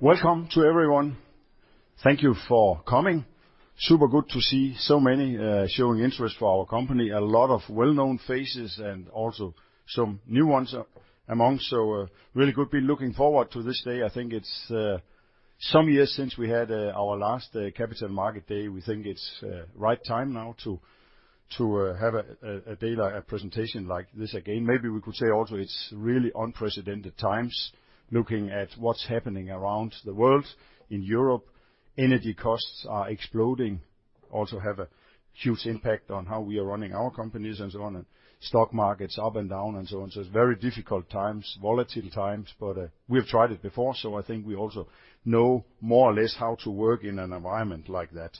Welcome to everyone. Thank you for coming. Super good to see so many showing interest for our company. A lot of well-known faces and also some new ones among, so really good. Been looking forward to this day. I think it's some years since we had our last Capital Market Day. We think it's right time now to have a day like a presentation like this again. Maybe we could say also it's really unprecedented times, looking at what's happening around the world. In Europe, energy costs are exploding, also have a huge impact on how we are running our companies and so on, and stock market's up and down, and so on. It's very difficult times, volatile times, but we have tried it before, so I think we also know more or less how to work in an environment like that.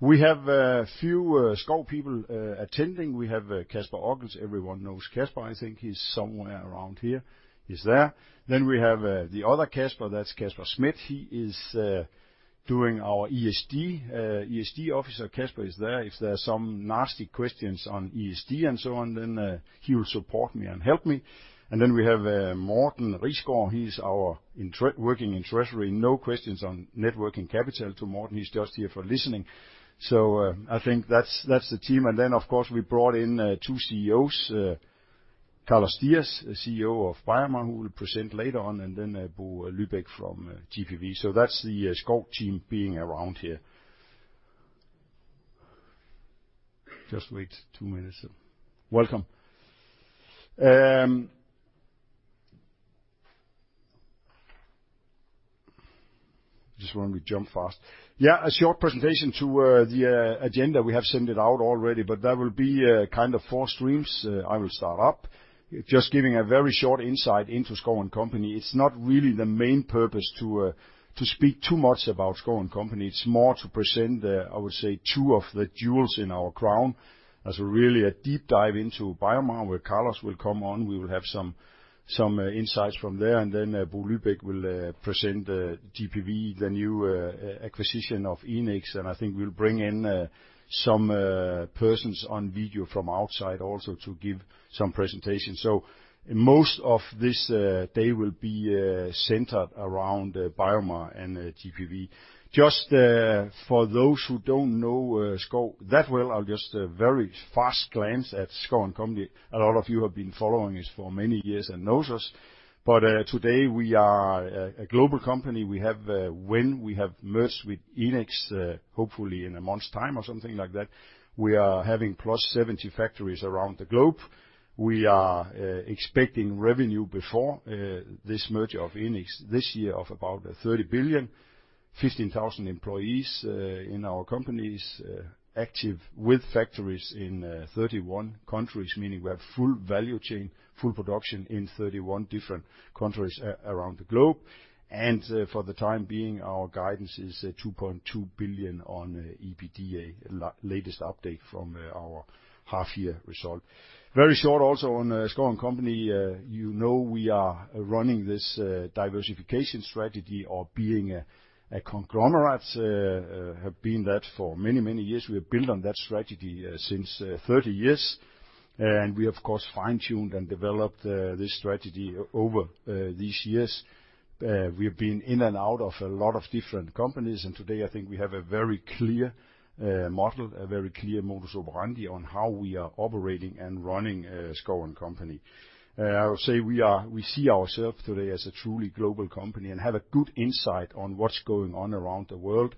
We have a few Schouw people attending. We have Kasper Okkels. Everyone knows Kasper. I think he's somewhere around here. He's there. Then we have the other Kasper, that's Kasper Schmidt. He is doing our ESG Officer. Kasper is there. If there's some nasty questions on ESG and so on, then he will support me and help me. Then we have Morten Risgaard. He's our working in treasury. No questions on net working capital to Morten. He's just here for listening. I think that's the team. Of course, we brought in two CEOs, Carlos Diaz, CEO of BioMar, who will present later on, and then Bo Lybæk from GPV. That's the Schouw team being around here. Just wait two minutes. Welcome. Just want to jump fast. Yeah, a short presentation to the agenda. We have sent it out already, but there will be kind of four streams. I will start up. Just giving a very short insight into Schouw & Co. It's not really the main purpose to speak too much about Schouw & Co. It's more to present, I would say, two of the jewels in our crown, as really a deep dive into BioMar, where Carlos will come on. We will have some insights from there. Bo Lybæk will present GPV, the new acquisition of Enics, and I think we'll bring in some persons on video from outside also to give some presentations. Most of this day will be centered around BioMar and GPV. Just for those who don't know Schouw & Co. that well, I'll just very fast glance at Schouw & Co. A lot of you have been following us for many years and knows us, but today we are a global company. We have, when we have merged with Enics, hopefully in a month's time or something like that, we are having 70 factories around the globe. We are expecting revenue before this merger of Enics this year of about 30 billion, 15,000 employees in our companies active with factories in 31 countries, meaning we have full value chain, full production in 31 different countries around the globe. For the time being, our guidance is 2.2 billion on EBITDA, latest update from our half-year result. Very short also on Schouw & Co. You know we are running this diversification strategy or being a conglomerate, have been that for many, many years. We have built on that strategy since 30 years. We, of course, fine-tuned and developed this strategy over these years. We have been in and out of a lot of different companies, and today I think we have a very clear model, a very clear modus operandi on how we are operating and running Schouw & Co. I would say we are, we see ourself today as a truly global company and have a good insight on what's going on around the world.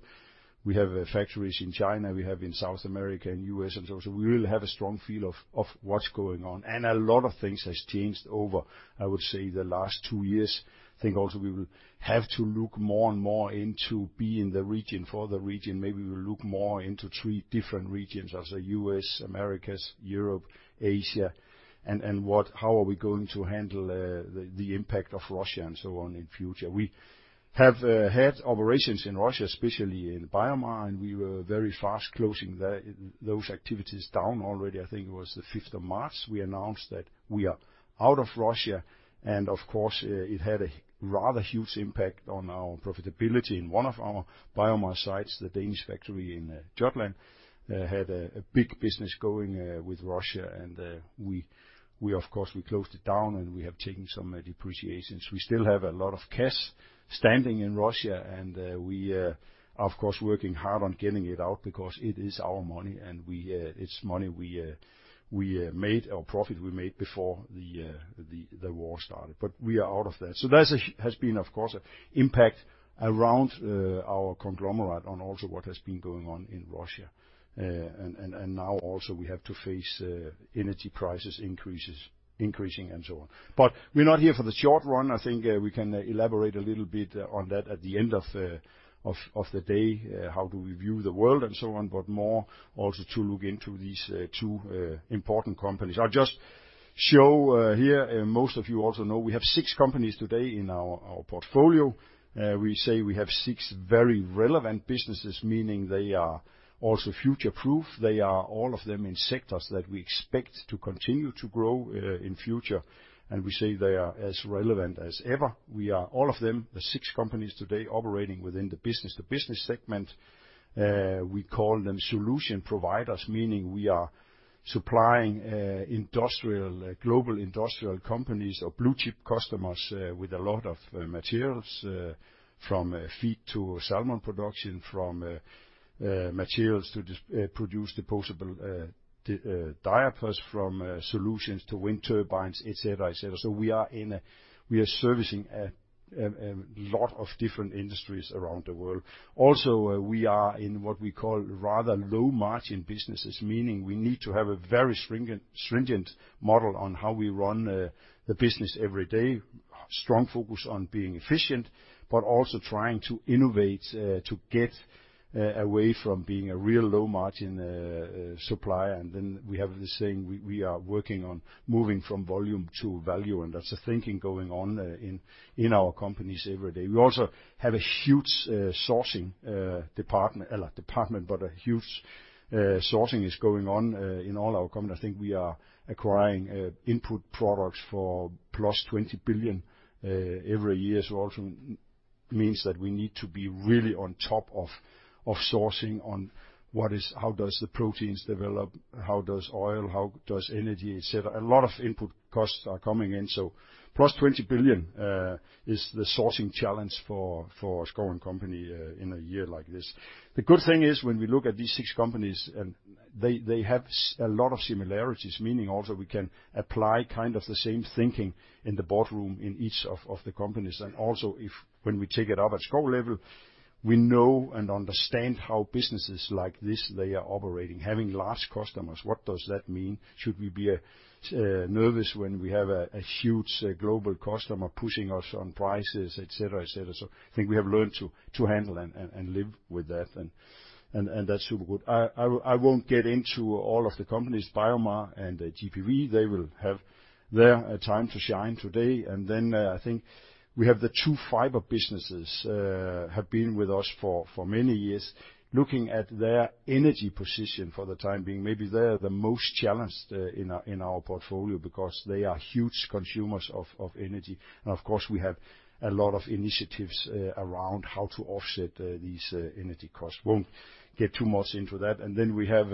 We have factories in China, we have in South America, in U.S. and so on, so we really have a strong feel of what's going on. A lot of things has changed over, I would say, the last two years. Think also we will have to look more and more into be in the region for the region. Maybe we'll look more into three different regions of the U.S., Americas, Europe, Asia, and how are we going to handle the impact of Russia and so on in future. We have had operations in Russia, especially in BioMar, and we were very fast closing those activities down already. I think it was the fifth of March, we announced that we are out of Russia. Of course, it had a rather huge impact on our profitability in one of our BioMar sites. The Danish factory in Jutland had a big business going with Russia, and we of course closed it down, and we have taken some depreciations. We still have a lot of cash standing in Russia and we of course working hard on getting it out because it is our money and it's money we made or profit we made before the war started. We are out of that. That's has been, of course, an impact around our conglomerate on also what has been going on in Russia. Now also we have to face energy prices increases, increasing and so on. We're not here for the short run. I think we can elaborate a little bit on that at the end of the day how do we view the world and so on, but more also to look into these 2 important companies. I'll just show here, most of you also know we have six companies today in our portfolio. We say we have six very relevant businesses, meaning they are also future-proof. They are all of them in sectors that we expect to continue to grow in future, and we say they are as relevant as ever. We are all of them, the six companies today operating within the business-to-business segment. We call them solution providers, meaning we are supplying industrial global industrial companies or blue chip customers with a lot of materials from feed to salmon production, from materials to produce disposable diapers, from solutions to wind turbines, et cetera, et cetera. We are servicing a lot of different industries around the world. Also, we are in what we call rather low margin businesses, meaning we need to have a very stringent model on how we run the business every day. Strong focus on being efficient, but also trying to innovate to get away from being a real low margin supplier. We have the saying we are working on moving from volume to value, and that's the thinking going on in our companies every day. We also have a huge sourcing department, but huge sourcing is going on in all our companies. I think we are acquiring input products for plus 20 billion every year. Also means that we need to be really on top of sourcing on what is, how does the proteins develop, how does oil, how does energy, et cetera. A lot of input costs are coming in. Plus 20 billion is the sourcing challenge for Schouw & Co. in a year like this. The good thing is when we look at these six companies and they have a lot of similarities, meaning also we can apply kind of the same thinking in the boardroom in each of the companies. Also, when we take it up at Schouw level, we know and understand how businesses like this, they are operating, having large customers, what does that mean? Should we be nervous when we have a huge global customer pushing us on prices, et cetera, et cetera. I think we have learned to handle and that's super good. I won't get into all of the companies, BioMar and GPV. They will have their time to shine today. Then, I think we have the two fiber businesses. They have been with us for many years. Looking at their energy position for the time being, maybe they're the most challenged in our portfolio because they are huge consumers of energy. Of course, we have a lot of initiatives around how to offset these energy costs. Won't get too much into that. Then we have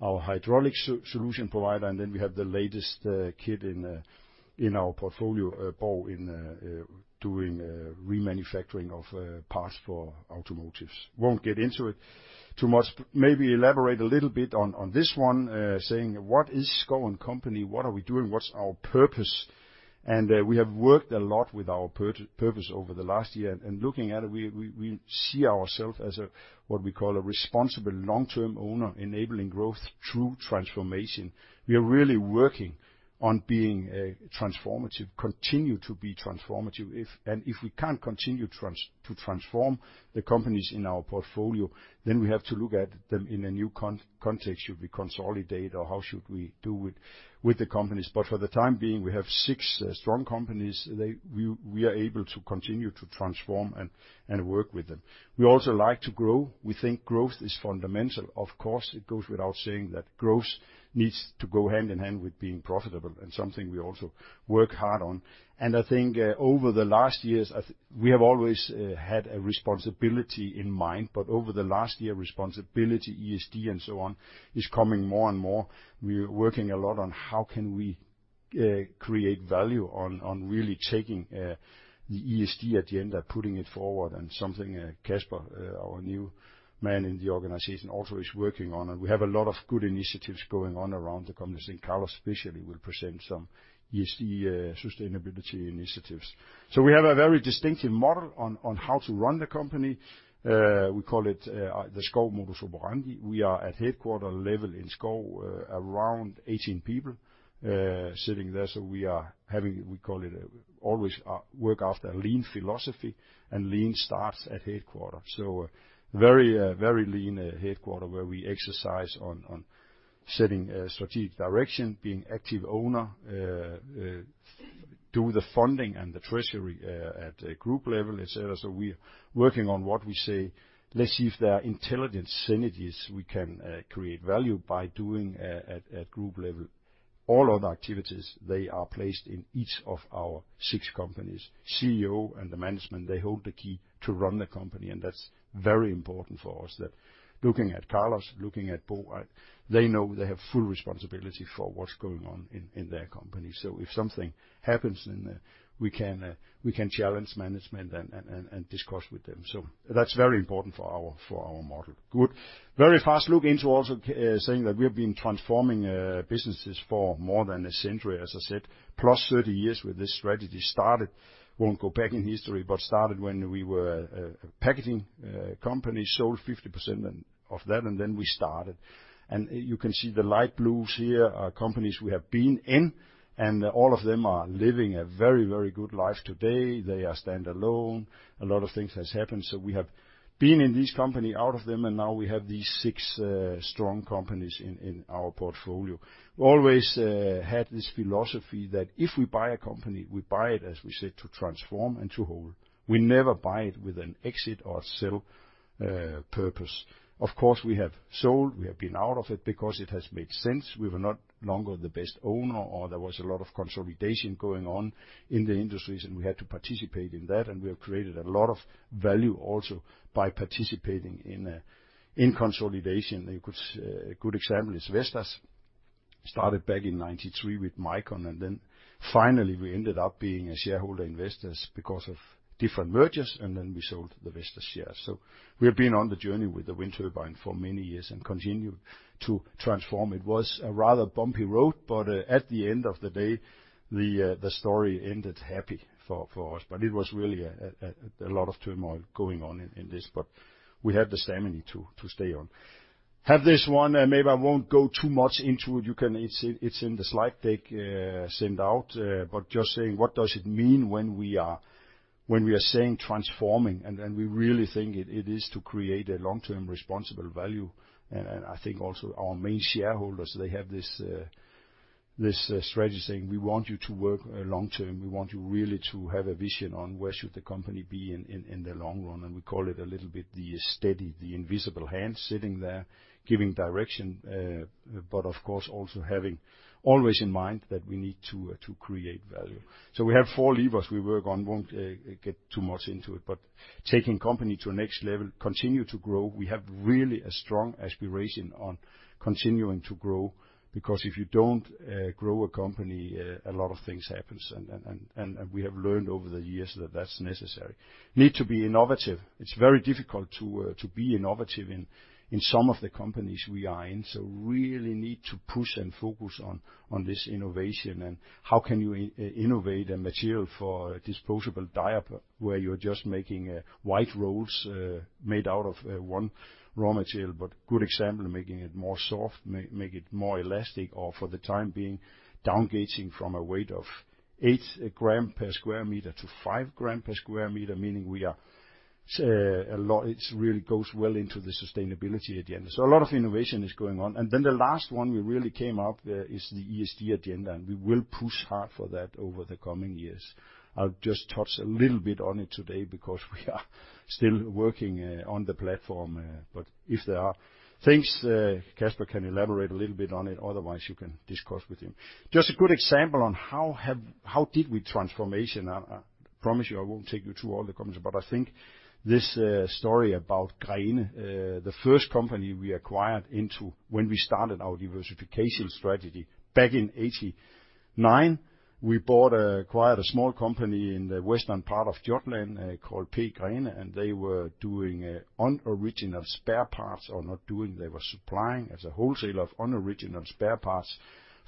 our hydraulic solution provider, and then we have the latest kid in our portfolio, Borg, doing remanufacturing of parts for automotives. Won't get into it too much. Maybe elaborate a little bit on this one, saying what is Schouw & Co.? What are we doing? What's our purpose? We have worked a lot with our purpose over the last year. Looking at it, we see ourself as what we call a responsible long-term owner, enabling growth through transformation. We are really working on being a transformative, continue to be transformative. If we can't continue to transform the companies in our portfolio, then we have to look at them in a new context. Should we consolidate or how should we do it with the companies? For the time being, we have six strong companies. We are able to continue to transform and work with them. We also like to grow. We think growth is fundamental. Of course, it goes without saying that growth needs to go hand in hand with being profitable and something we also work hard on. I think over the last years we have always had a responsibility in mind, but over the last year, responsibility, ESG and so on is coming more and more. We are working a lot on how can we create value on really taking the ESG agenda, putting it forward and something, Kasper, our new man in the organization also is working on. We have a lot of good initiatives going on around the company. I think Carlos especially will present some ESG sustainability initiatives. We have a very distinctive model on how to run the company. We call it the Schouw Modus Operandi. We are at headquarters level in Schouw, around 18 people, sitting there. We are having, we call it always work after a lean philosophy, and lean starts at headquarters. Very lean headquarters where we exercise on setting a strategic direction, being active owner, do the funding and the treasury, at a group level, et cetera. We're working on what we say, let's see if there are intelligent synergies we can create value by doing at group level. All other activities, they are placed in each of our six companies. CEO and the management, they hold the key to run the company, and that's very important for us that looking at Carlos, looking at Bo, they know they have full responsibility for what's going on in their company. If something happens then, we can challenge management and discuss with them. That's very important for our model. Good. Very fast look into also saying that we have been transforming businesses for more than a century, as I said, +30 years with this strategy started. Won't go back in history, but started when we were a packaging company, sold 50% then of that, and then we started. You can see the light blues here are companies we have been in, and all of them are living a very, very good life today. They are standalone. A lot of things has happened. We have been in this company, out of them, and now we have these 6 strong companies in our portfolio. Always had this philosophy that if we buy a company, we buy it, as we said, to transform and to hold. We never buy it with an exit or sell purpose. Of course, we have sold, we have been out of it because it has made sense. We were no longer the best owner or there was a lot of consolidation going on in the industries and we had to participate in that, and we have created a lot of value also by participating in consolidation. A good example is Vestas. Started back in 1993 with Micon, and then finally we ended up being a shareholder in Vestas because of different mergers, and then we sold the Vestas shares. We have been on the journey with the wind turbine for many years and continue to transform. It was a rather bumpy road at the end of the day the story ended happy for us. It was really a lot of turmoil going on in this. We have the stamina to stay on. Have this one, and maybe I won't go too much into it. You can. It's in the slide deck sent out. Just saying, what does it mean when we are saying transforming? We really think it is to create a long-term responsible value. I think also our main shareholders, they have this strategy saying, "We want you to work long-term. We want you really to have a vision on where should the company be in the long run." We call it a little bit the steady, the invisible hand sitting there giving direction. Of course, also having always in mind that we need to create value. We have four levers we work on. Won't get too much into it, but taking company to a next level, continue to grow. We have really a strong aspiration on continuing to grow, because if you don't grow a company, a lot of things happens, and we have learned over the years that that's necessary. Need to be innovative. It's very difficult to be innovative in some of the companies we are in, so really need to push and focus on this innovation. How can you innovate a material for disposable diaper where you're just making white rolls made out of one raw material, but good example of making it more soft, make it more elastic, or for the time being downgauging from a weight of 8 grams per square meter to 5 grams per square meter, meaning we are a lot. It really goes well into the sustainability agenda. A lot of innovation is going on. Then the last one we really came up is the ESG agenda, and we will push hard for that over the coming years. I'll just touch a little bit on it today because we are still working on the platform. But if there are things, Kasper can elaborate a little bit on it, otherwise you can discuss with him. Just a good example of how we transformed. I promise you I won't take you through all the companies, but I think this story about Grene, the first company we acquired when we started our diversification strategy back in 1989. We bought acquired a small company in the western part of Jutland, called P. Grene, and they were supplying as a wholesaler of non-original spare parts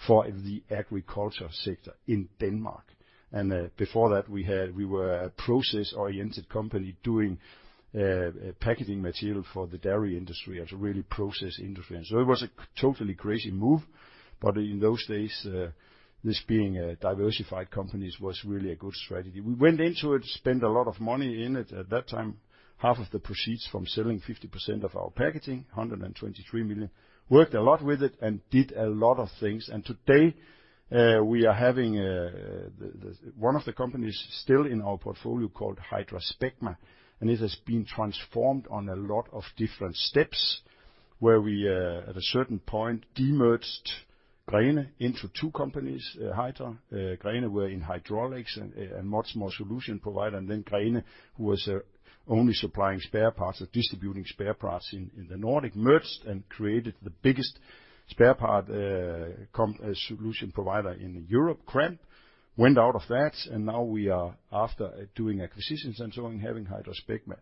for the agriculture sector in Denmark. Before that, we were a process-oriented company doing packaging material for the dairy industry as a real process industry. It was a totally crazy move. In those days, this being diversified companies was really a good strategy. We went into it, spent a lot of money in it. At that time, half of the proceeds from selling 50% of our packaging, 123 million. Worked a lot with it and did a lot of things. Today, we are having one of the companies still in our portfolio called HydraSpecma, and it has been transformed through a lot of different steps, where we at a certain point de-merged Grene into two companies. Hydra Grene were in hydraulics and much more solution provider, and then Grene, who was only supplying spare parts or distributing spare parts in the Nordic, merged and created the biggest spare parts company solution provider in Europe, Kramp. Went out of that, and now we are, after doing acquisitions and so on, having HydraSpecma.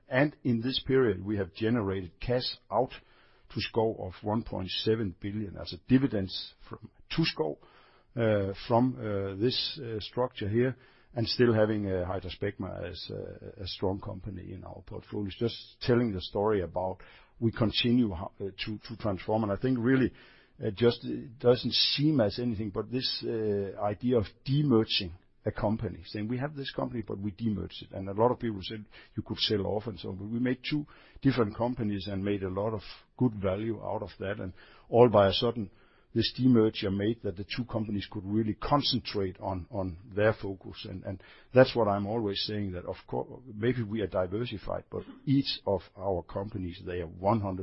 In this period, we have generated cash of 1.7 billion in dividends from this structure here, and still having HydraSpecma as a strong company in our portfolio. Just telling the story about how we continue to transform. I think really just doesn't seem like anything but this idea of de-merging a company, saying, "We have this company, but we de-merge it." A lot of people said, "You could sell off and so on." We made two different companies and made a lot of good value out of that. All of a sudden, this de-merger made it so that the two companies could really concentrate on their focus. That's what I'm always saying that maybe we are diversified, but each of our companies, they are 100%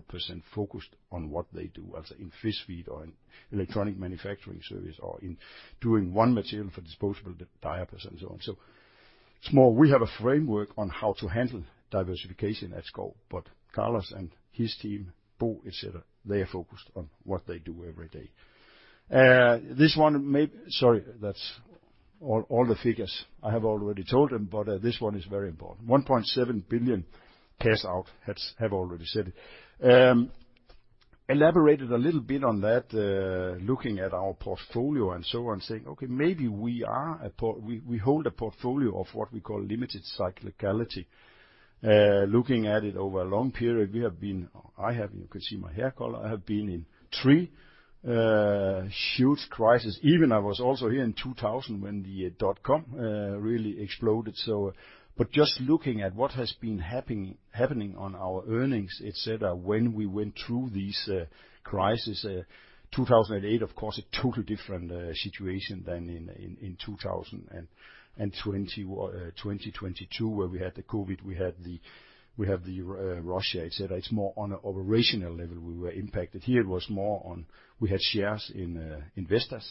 focused on what they do, as in fish feed or in electronics manufacturing services or in doing one material for disposable diapers and so on. It's more we have a framework on how to handle diversification at Schouw, but Carlos and his team, Bo, et cetera, they are focused on what they do every day. That's all the figures. I have already told them, but this one is very important. 1.7 billion cash out, as I have already said. Elaborated a little bit on that, looking at our portfolio and so on, saying, "Okay, maybe we hold a portfolio of what we call limited cyclicality." Looking at it over a long period, we have been. I have, you can see my hair color, I have been in three huge crises. I was also here in 2000 when the dot-com really exploded. Just looking at what has been happening on our earnings, et cetera, when we went through these crises. 2008, of course, a totally different situation than in 2020, 2022, where we had the COVID, we had the Russia, et cetera. It's more on an operational level we were impacted. Here it was more on we had shares in Vestas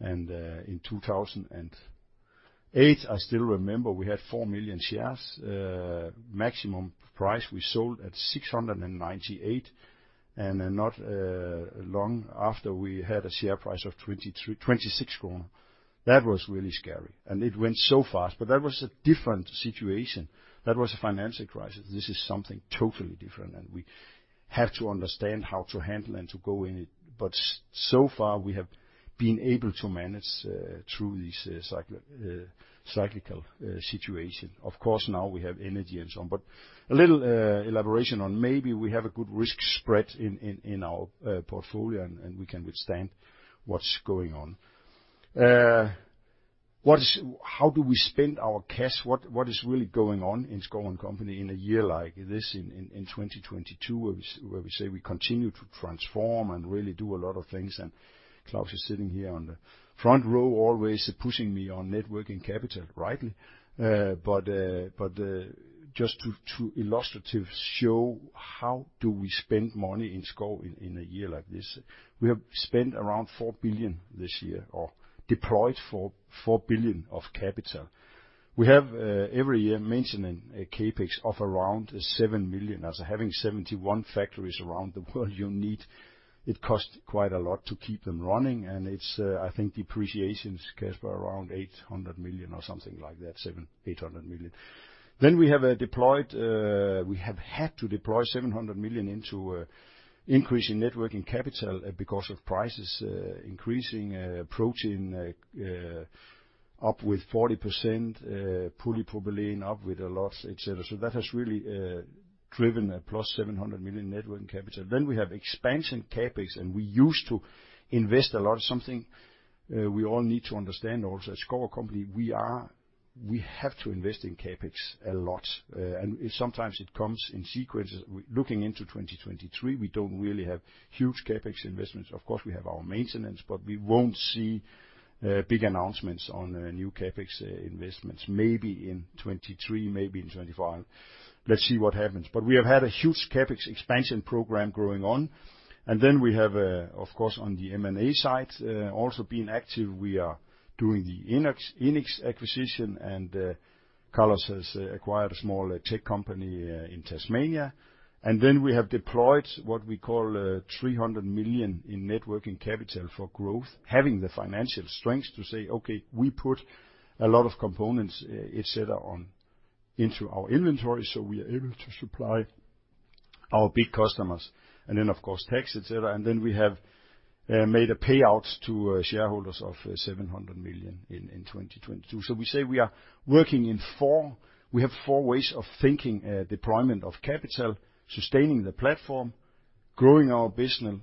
and in 2008, I still remember we had 4 million shares, maximum price we sold at 698, and then not long after we had a share price of 23-26 kroner. That was really scary, and it went so fast. That was a different situation. That was a financial crisis. This is something totally different, and we have to understand how to handle and to go in it. So far, we have been able to manage through this cyclical situation. Of course, now we have energy and so on. A little elaboration on maybe we have a good risk spread in our portfolio and we can withstand what's going on. What is... How do we spend our cash? What is really going on in Schouw & Co. in a year like this in 2022 where we say we continue to transform and really do a lot of things? Claus Almer is sitting here on the front row always pushing me on net working capital, rightly. Just to illustrate how we spend money in Schouw & Co. in a year like this. We have spent around 4 billion this year or deployed 4 billion of capital. We have every year mentioning a CapEx of around 7 million. As having 71 factories around the world, you need it costs quite a lot to keep them running, and it's I think depreciation, Kasper, around 800 million or something like that, 700-800 million. We have had to deploy 700 million into increasing net working capital because of prices increasing, protein up with 40%, polypropylene up with a lot, et cetera. That has really driven a +700 million net working capital. We have expansion CapEx, and we used to invest a lot. Something we all need to understand also at Schouw & Co., we have to invest in CapEx a lot. Sometimes it comes in sequences. Looking into 2023, we don't really have huge CapEx investments. Of course, we have our maintenance, but we won't see big announcements on new CapEx investments. Maybe in 2023, maybe in 2025. Let's see what happens. We have had a huge CapEx expansion program going on. We have, of course, on the M&A side, also been active. We are doing the Innox acquisition, and Carlos has acquired a small tech company in Tasmania. We have deployed what we call 300 million in net working capital for growth, having the financial strength to say, okay, we put a lot of components, et cetera, on into our inventory, so we are able to supply our big customers. Of course, tax, et cetera. We have made a payout to shareholders of 700 million in 2022. We say we are working in four. We have four ways of thinking, deployment of capital, sustaining the platform, growing our business.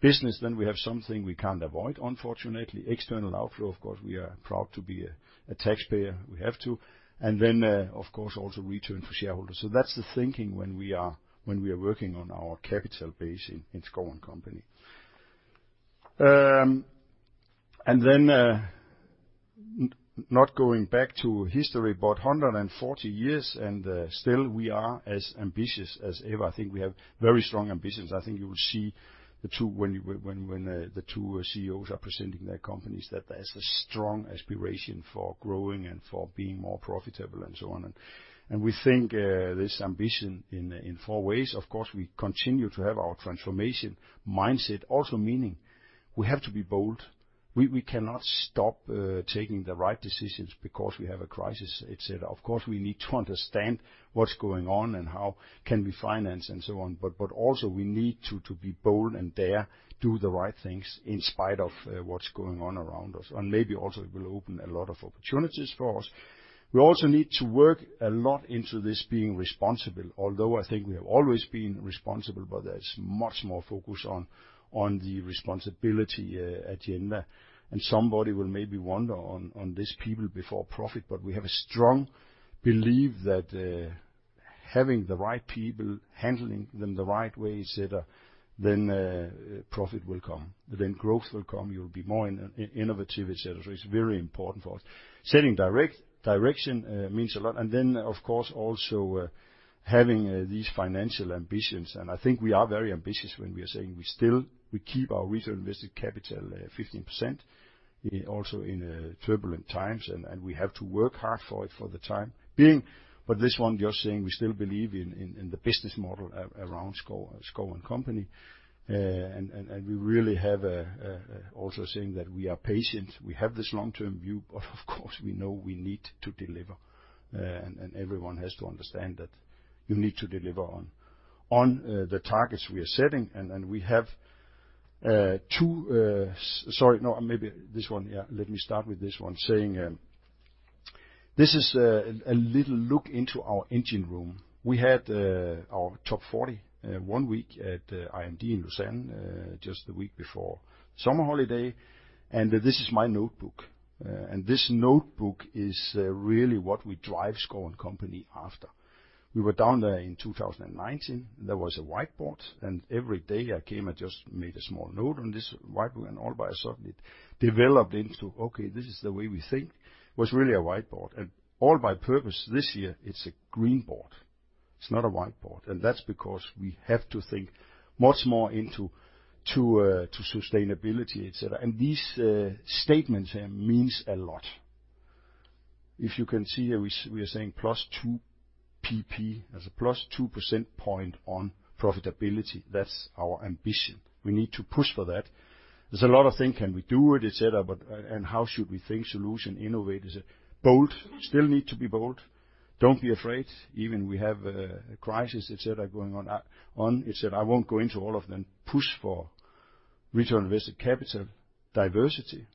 We have something we can't avoid, unfortunately, external outflow. Of course, we are proud to be a taxpayer. We have to. Of course, also return for shareholders. That's the thinking when we are working on our capital base in Schouw & Co. Not going back to history, but 140 years, and still we are as ambitious as ever. I think we have very strong ambitions. I think you will see the two when you the two CEOs are presenting their companies, that there's a strong aspiration for growing and for being more profitable and so on. We think this ambition in four ways. Of course, we continue to have our transformation mindset also meaning we have to be bold. We cannot stop taking the right decisions because we have a crisis, et cetera. Of course, we need to understand what's going on and how can we finance and so on. Also we need to be bold and dare do the right things in spite of what's going on around us. Maybe also it will open a lot of opportunities for us. We also need to work a lot into this being responsible, although I think we have always been responsible, but there's much more focus on the responsibility agenda. Somebody will maybe wonder on this people before profit, but we have a strong belief that having the right people, handling them the right way, et cetera, then profit will come, then growth will come. You'll be more innovative, et cetera. It's very important for us. Setting direction means a lot. Then, of course, also having these financial ambitions. I think we are very ambitious when we are saying we still, we keep our return on invested capital at 15%, also in turbulent times. We have to work hard for it for the time being. This one just saying we still believe in the business model around Schouw & Co. We really have a also saying that we are patient. We have this long-term view, but of course, we know we need to deliver. Everyone has to understand that you need to deliver on the targets we are setting. Let me start with this one saying this is a little look into our engine room. We had our top 40 one week at IMD in Lausanne just the week before summer holiday. This is my notebook. This notebook is really what we drive Schouw & Co. after. We were down there in 2019. There was a whiteboard, and every day I came, I just made a small note on this whiteboard, and all of a sudden it developed into okay, this is the way we think. It was really a whiteboard. This year, it's a green board on purpose. It's not a whiteboard, and that's because we have to think much more into to sustainability, et cetera. These statements here means a lot. If you can see here, we are saying +2 PP. That's a +2 percentage point on profitability. That's our ambition. We need to push for that. There's a lot of things, can we do it, et cetera, but and how should we think solution, innovate. Bold. Still need to be bold. Don't be afraid, even we have a crisis, et cetera, going on. Et cetera, I won't go into all of them. Push for return on invested capital. Diversity.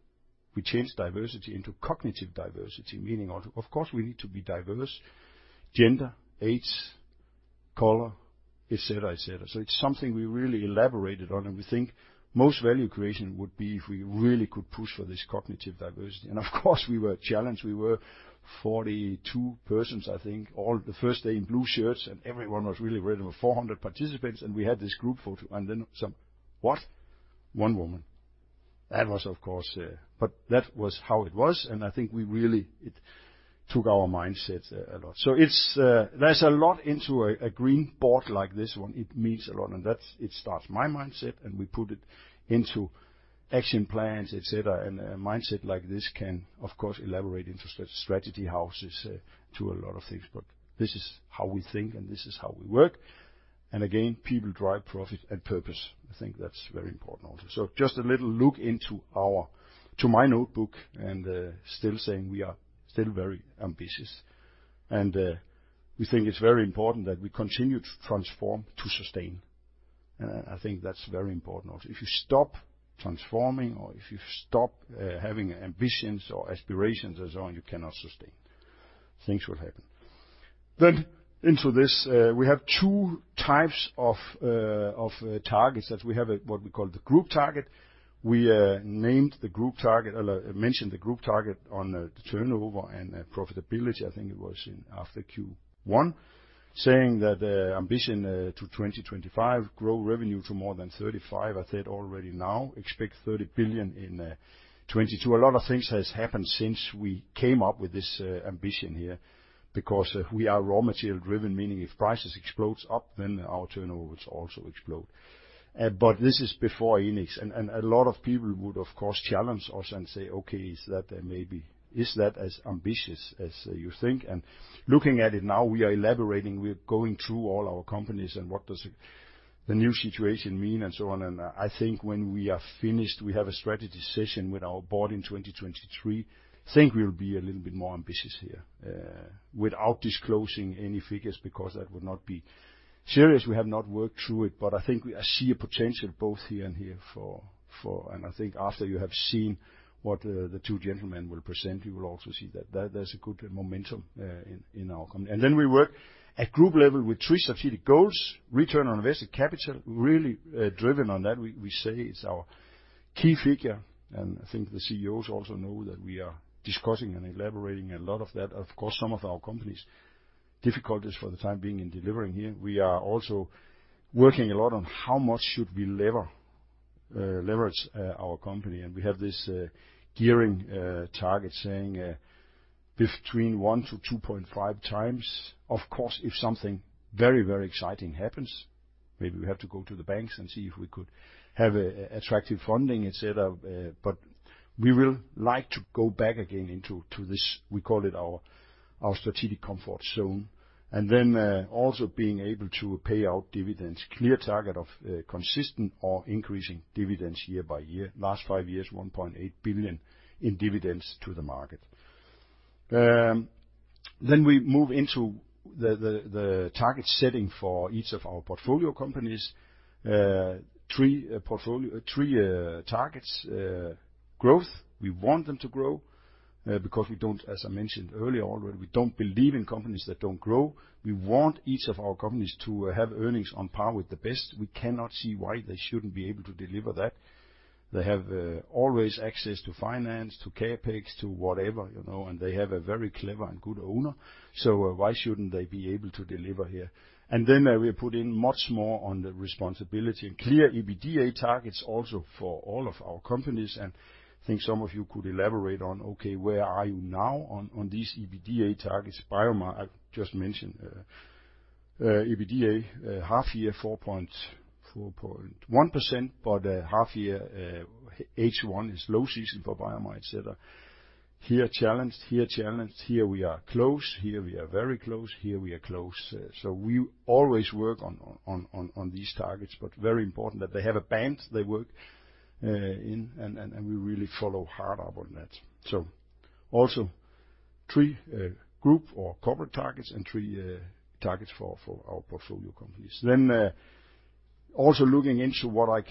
We changed diversity into cognitive diversity, meaning, of course, we need to be diverse, gender, age, color, et cetera, et cetera. It's something we really elaborated on, and we think most value creation would be if we really could push for this cognitive diversity. Of course, we were challenged. We were 42 persons, I think, all the first day in blue shirts, and everyone was really ready. There were 400 participants, and we had this group photo, and then some, "What? One woman. That was, of course. That was how it was, and I think we really, it took our mindsets a lot. It's, there's a lot in a green board like this one. It means a lot. That starts my mindset, and we put it into action plans, et cetera. A mindset like this can, of course, elaborate into strategy, how it is to a lot of things. This is how we think, and this is how we work. Again, people drive profit and purpose. I think that's very important also. Just a little look into our to my notebook, and still saying we are very ambitious. We think it's very important that we continue to transform to sustain. I think that's very important also. If you stop transforming or if you stop having ambitions or aspirations and so on, you cannot sustain. Things will happen. Into this, we have two types of targets. We have a what we call the group target. We named the group target, mentioned the group target on the turnover and profitability. I think it was after Q1, saying that ambition to 2025, grow revenue to more than 35 billion. I said already now, expect 30 billion in 2022. A lot of things has happened since we came up with this ambition here, because we are raw material driven, meaning if prices explodes up, then our turnovers also explode. This is before Enics, and a lot of people would, of course, challenge us and say, "Okay, is that maybe as ambitious as you think?" Looking at it now, we are elaborating, we're going through all our companies and what does the new situation mean and so on. I think when we are finished, we have a strategy session with our board in 2023. I think we'll be a little bit more ambitious here without disclosing any figures because that would not be serious. We have not worked through it, but I think I see a potential both here and here for. I think after you have seen what the two gentlemen will present, you will also see that there's a good momentum in our company. We work at group level with 3 strategic goals, return on invested capital, really driven on that. We say it's our key figure, and I think the CEOs also know that we are discussing and elaborating a lot of that. Of course, some of our companies, difficulties for the time being in delivering here. We are also working a lot on how much should we leverage our company. We have this gearing target saying between 1-2.5 times. Of course, if something very exciting happens, maybe we have to go to the banks and see if we could have a attractive funding instead of. We would like to go back again into this, we call it our strategic comfort zone. Also being able to pay out dividends, clear target of consistent or increasing dividends year by year. Last five years, 1.8 billion in dividends to the market. We move into the target setting for each of our portfolio companies. Three targets. Growth. We want them to grow because we don't, as I mentioned earlier already, we don't believe in companies that don't grow. We want each of our companies to have earnings on par with the best. We cannot see why they shouldn't be able to deliver that. They have always access to finance, to CapEx, to whatever, you know, and they have a very clever and good owner. Why shouldn't they be able to deliver here? We put in much more on the responsibility and clear EBITDA targets also for all of our companies. I think some of you could elaborate on, okay, where are you now on these EBITDA targets? BioMar, I've just mentioned, EBITDA, half year, 4.1%, but, half year, H1 is low season for BioMar, etc. Here challenged, here we are close, here we are very close, here we are close. We always work on these targets, but very important that they have a band they work in and we really follow hard up on that. Also three group or corporate targets and three targets for our portfolio companies. Also looking into what I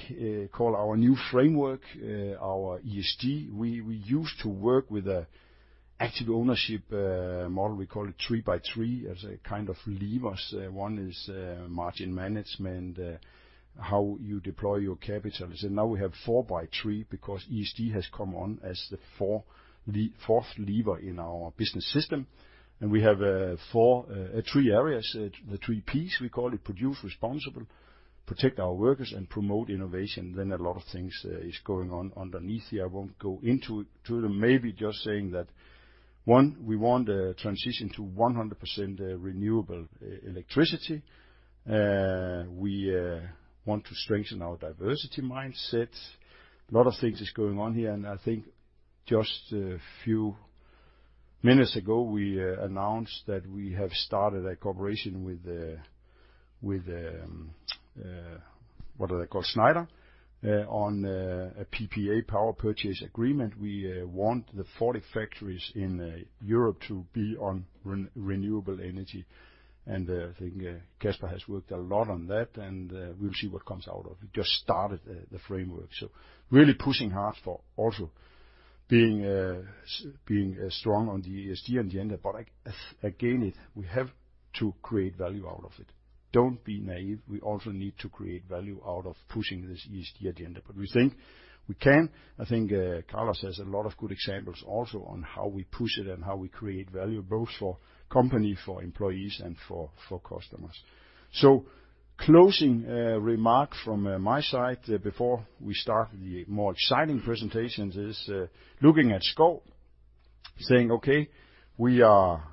call our new framework, our ESG. We used to work with an active ownership model. We call it three by three as a kind of levers. One is margin management, how you deploy your capital. Now we have four by three because ESG has come on as the fourth lever in our business system, and we have four three areas. The three Ps, we call it, produce responsibly, protect our workers, and promote innovation. A lot of things is going on underneath here. I won't go into them. Maybe just saying that, one, we want a transition to 100% renewable electricity. We want to strengthen our diversity mindset. A lot of things is going on here, and I think just a few minutes ago, we announced that we have started a cooperation with Schneider on a PPA power purchase agreement. We want the 40 factories in Europe to be on renewable energy. I think Kasper has worked a lot on that, and we'll see what comes out of it. We just started the framework. Really pushing hard for also being strong on the ESG agenda. Again, it we have to create value out of it. Don't be naive. We also need to create value out of pushing this ESG agenda. We think we can. I think Carlos has a lot of good examples also on how we push it and how we create value both for company, for employees, and for customers. Closing remark from my side before we start the more exciting presentations is looking at Schouw, saying, okay, we drive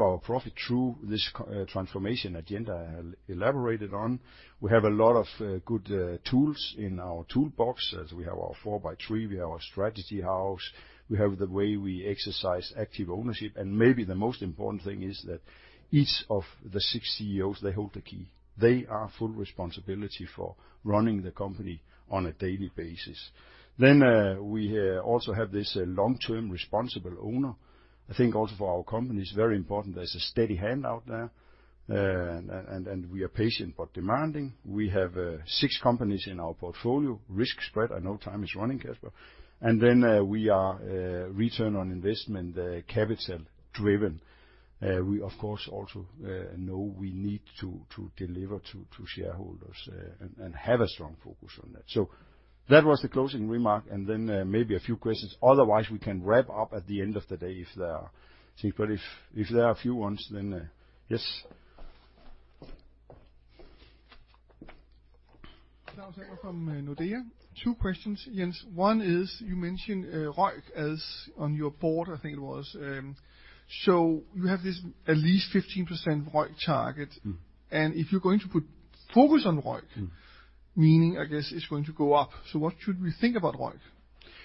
our profit through this transformation agenda elaborated on. We have a lot of good tools in our toolbox, as we have our four by three, we have our strategy house, we have the way we exercise active ownership, and maybe the most important thing is that each of the six CEOs, they hold the key. They are full responsibility for running the company on a daily basis. We also have this long-term responsible owner. I think also for our company, it's very important there's a steady hand out there. We are patient but demanding. We have six companies in our portfolio. Risk spread. I know time is running, Kasper. Then we are return on investment capital driven. We of course also know we need to deliver to shareholders and have a strong focus on that. That was the closing remark, and then maybe a few questions. Otherwise, we can wrap up at the end of the day if there are things. If there are a few ones, then yes. Claus Almer from Nordea. Two questions, Jens. One is, you mentioned ROIC as on your board, I think it was. You have this at least 15% ROIC target. Mm-hmm. If you're going to put focus on ROIC. Mm-hmm. I guess it's going to go up. What should we think about ROIC?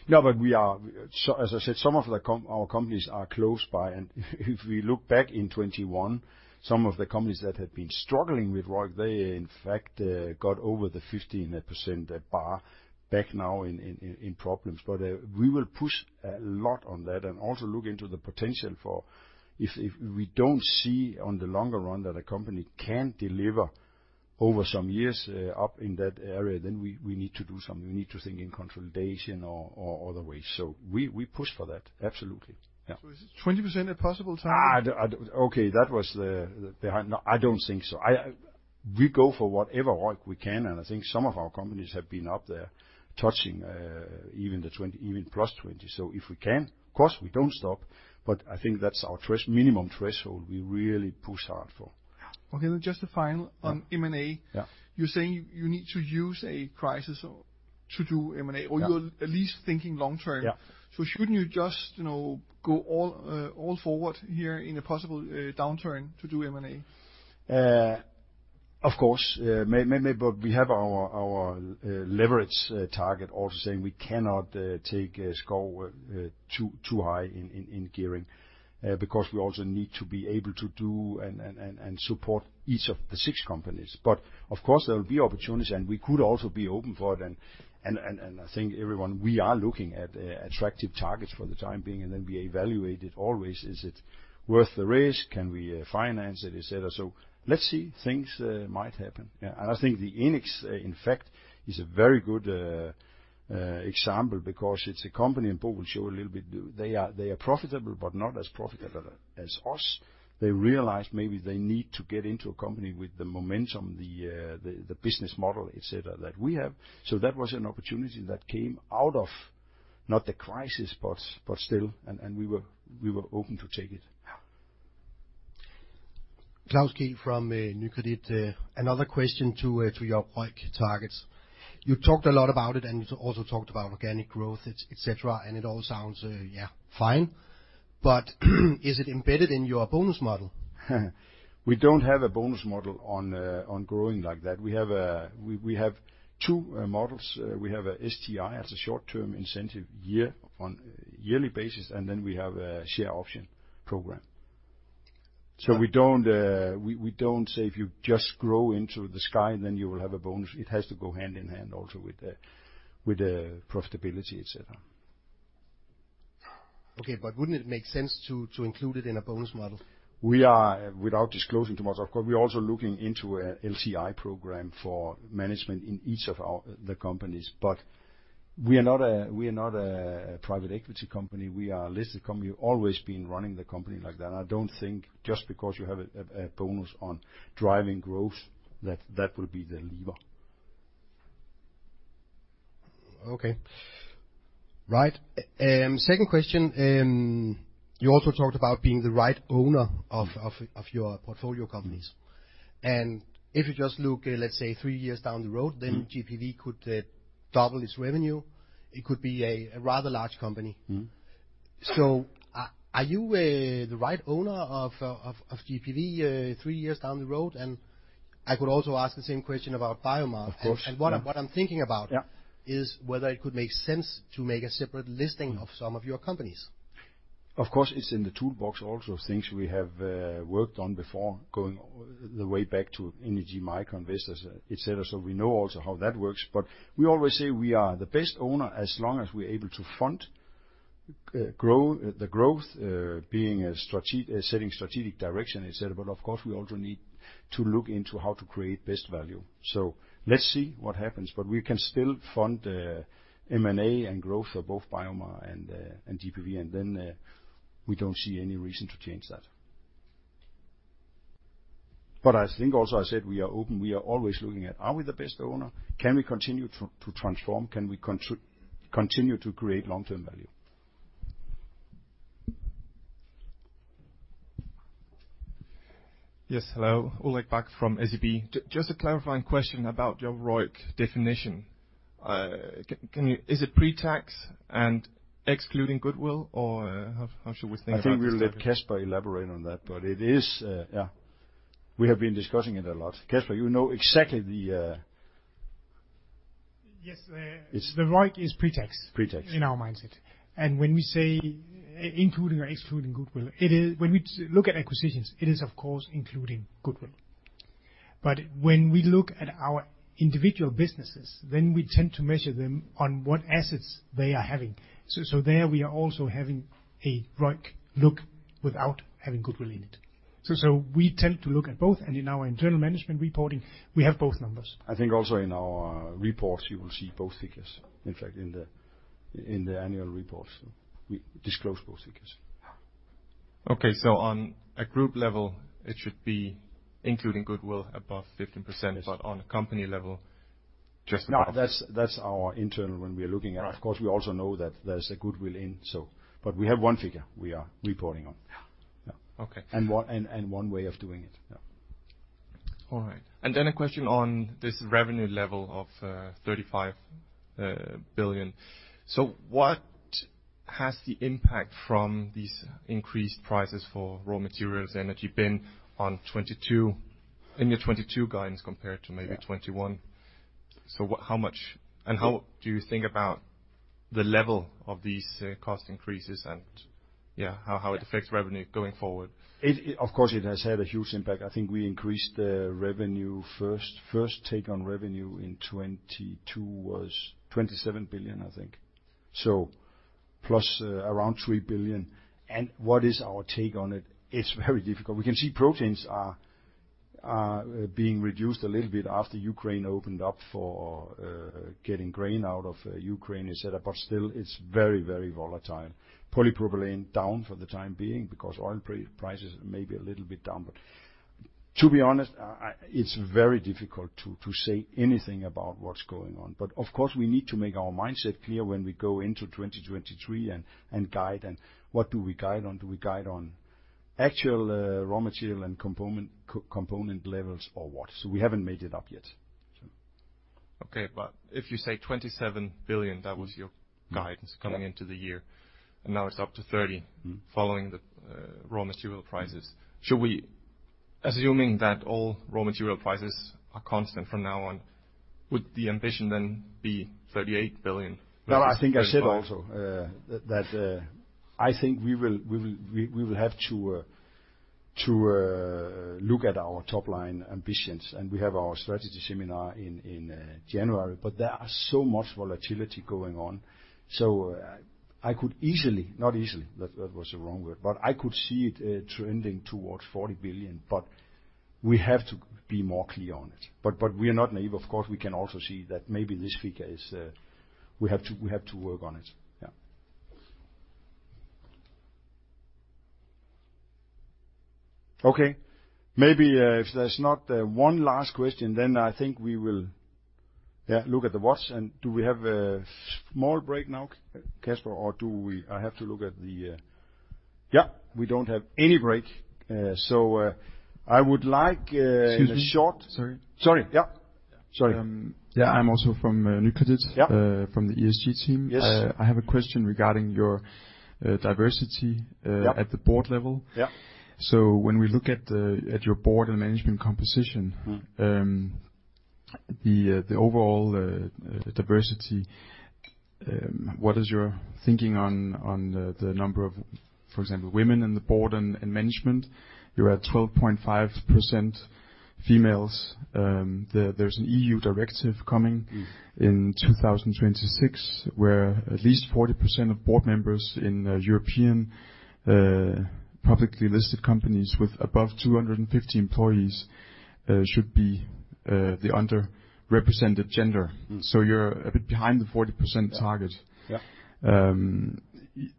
No, but we are so as I said, some of our companies are close by, and if we look back in 2021, some of the companies that had been struggling with ROIC, they in fact got over the 15% bar but now in problems. We will push a lot on that and also look into the potential for if we don't see on the longer run that a company can deliver over some years up in that area, then we need to do something. We need to think in consolidation or other ways. We push for that. Absolutely. Yeah. Is 20% a possible target? No, I don't think so. We go for whatever ROIC we can, and I think some of our companies have been up there touching even the 20%, even +20%. If we can, of course, we don't stop, but I think that's our minimum threshold we really push hard for. Okay. Just a final on M&A. Yeah. You're saying you need to use a crisis to do M&A. Yeah. You're at least thinking long term. Yeah. Shouldn't you just, you know, go all forward here in a possible downturn to do M&A? Of course. Maybe. But we have our leverage target also saying we cannot take Schouw too high in gearing because we also need to be able to do and support each of the six companies. But of course there will be opportunities, and we could also be open for it and I think everyone, we are looking at attractive targets for the time being, and then we evaluate it always. Is it worth the risk? Can we finance it? Et cetera. Let's see. Things might happen. Yeah. I think the Enics in fact is a very good example because it's a company, and Bo will show a little bit. They are profitable, but not as profitable as us. They realized maybe they need to get into a company with the momentum, the business model, et cetera, that we have. That was an opportunity that came out of, not the crisis, but still, and we were open to take it. Yeah. Claus Kej from Nykredit. Another question to your ROIC targets. You talked a lot about it, and you also talked about organic growth, et cetera, and it all sounds, yeah, fine. But is it embedded in your bonus model? We don't have a bonus model on growing like that. We have two models. We have a STI as a short-term incentive year on yearly basis, and then we have a share option program. Yeah. We don't say, "If you just grow into the sky, then you will have a bonus." It has to go hand in hand also with the profitability, et cetera. Okay, wouldn't it make sense to include it in a bonus model? We are, without disclosing too much, of course, we're also looking into a LTI program for management in each of our companies. We are not a private equity company. We are a listed company. We've always been running the company like that. I don't think just because you have a bonus on driving growth that will be the lever. Okay. Right. Second question. You also talked about being the right owner of your portfolio companies. Mm-hmm. If you just look, let's say, three years down the road. Mm-hmm. GPV could double its revenue. It could be a rather large company. Mm-hmm. Are you the right owner of GPV three years down the road? And do you- I could also ask the same question about BioMar. Of course. What I'm thinking about. Yeah. Is whether it could make sense to make a separate listing of some of your companies. Of course, it's in the toolbox also, things we have worked on before, going way back to Energy, Maersk Investors, et cetera. We know also how that works. We always say we are the best owner as long as we're able to fund the growth, setting strategic direction, et cetera. Of course, we also need to look into how to create best value. Let's see what happens. We can still fund M&A and growth for both BioMar and GPV, and then we don't see any reason to change that. I think also, I said we are open. We are always looking at are we the best owner? Can we continue to transform? Can we continue to create long-term value? Yes. Hello. Ulrik Bak from SEB. Just a clarifying question about your ROIC definition. Can you... Is it pre-tax and excluding goodwill, or, how should we think about this? I think we'll let Kasper elaborate on that. It is. Yeah. We have been discussing it a lot. Kasper, you know exactly the Yes. The ROIC is pre-tax. Pre-tax In our mindset. When we say including or excluding goodwill, it is, when we look at acquisitions, it is of course including goodwill. When we look at our individual businesses, then we tend to measure them on what assets they are having. There we are also having a ROIC look without having goodwill in it. We tend to look at both, and in our internal management reporting, we have both numbers. I think also in our reports you will see both figures. In fact, in the annual reports, we disclose both figures. Okay. On a group level, it should be including goodwill above 15%. Yes. On a company level. No, that's our internal when we are looking at. Right. Of course, we also know that there's a goodwill in. We have one figure we are reporting on. Yeah. Okay. One way of doing it. All right. A question on this revenue level of 35 billion. What is the impact from these increased prices for raw materials and that you've been on 2022, in your 2022 guidance compared to maybe 2021? Yeah. What, how much? And how do you think about the level of these cost increases and, yeah, how it affects revenue going forward? Of course it has had a huge impact. I think we increased the revenue first. First take on revenue in 2022 was 27 billion, I think, so plus around 3 billion. What is our take on it? It's very difficult. We can see proteins are being reduced a little bit after Ukraine opened up for getting grain out of Ukraine, etc. But still it's very volatile. Polypropylene down for the time being because oil prices may be a little bit down. But to be honest, it's very difficult to say anything about what's going on. But of course, we need to make our mindset clear when we go into 2023 and guide and what do we guide on? Do we guide on actual raw material and component levels or what? We haven't made it up yet. Okay. If you say 27 billion, that was your guidance. Yeah. coming into the year, and now it's up to 30. Mm-hmm. following the raw material prices. Mm-hmm. Should we, assuming that all raw material prices are constant from now on, would the ambition then be 38 billion? No, I think I said also that I think we will have to look at our top-line ambitions, and we have our strategy seminar in January. There are so much volatility going on, so I could easily. Not easily, that was the wrong word. I could see it trending towards 40 billion. We have to be more clear on it. We are not naive. Of course, we can also see that maybe this figure is we have to work on it. Yeah. Okay. Maybe if there's not one last question, then I think we will look at the watch. Do we have a small break now, Kasper? Or do we. I have to look at the. Yeah. We don't have any break. I would like. Excuse me. A short ?Sorry. Sorry. Yeah. Sorry. Yeah, I'm also from Nykredit. Yeah. From the ESG team. Yes. I have a question regarding your diversity. Yeah. At the board level. Yeah. When we look at your board and management composition. Mm-hmm. The overall diversity, what is your thinking on the number of, for example, women in the board and management? You're at 12.5% females. There's an EU directive coming- Mm-hmm. In 2026, where at least 40% of board members in European publicly listed companies with above 250 employees should be the underrepresented gender. Mm-hmm. You're a bit behind the 40% target. Yeah. Yeah.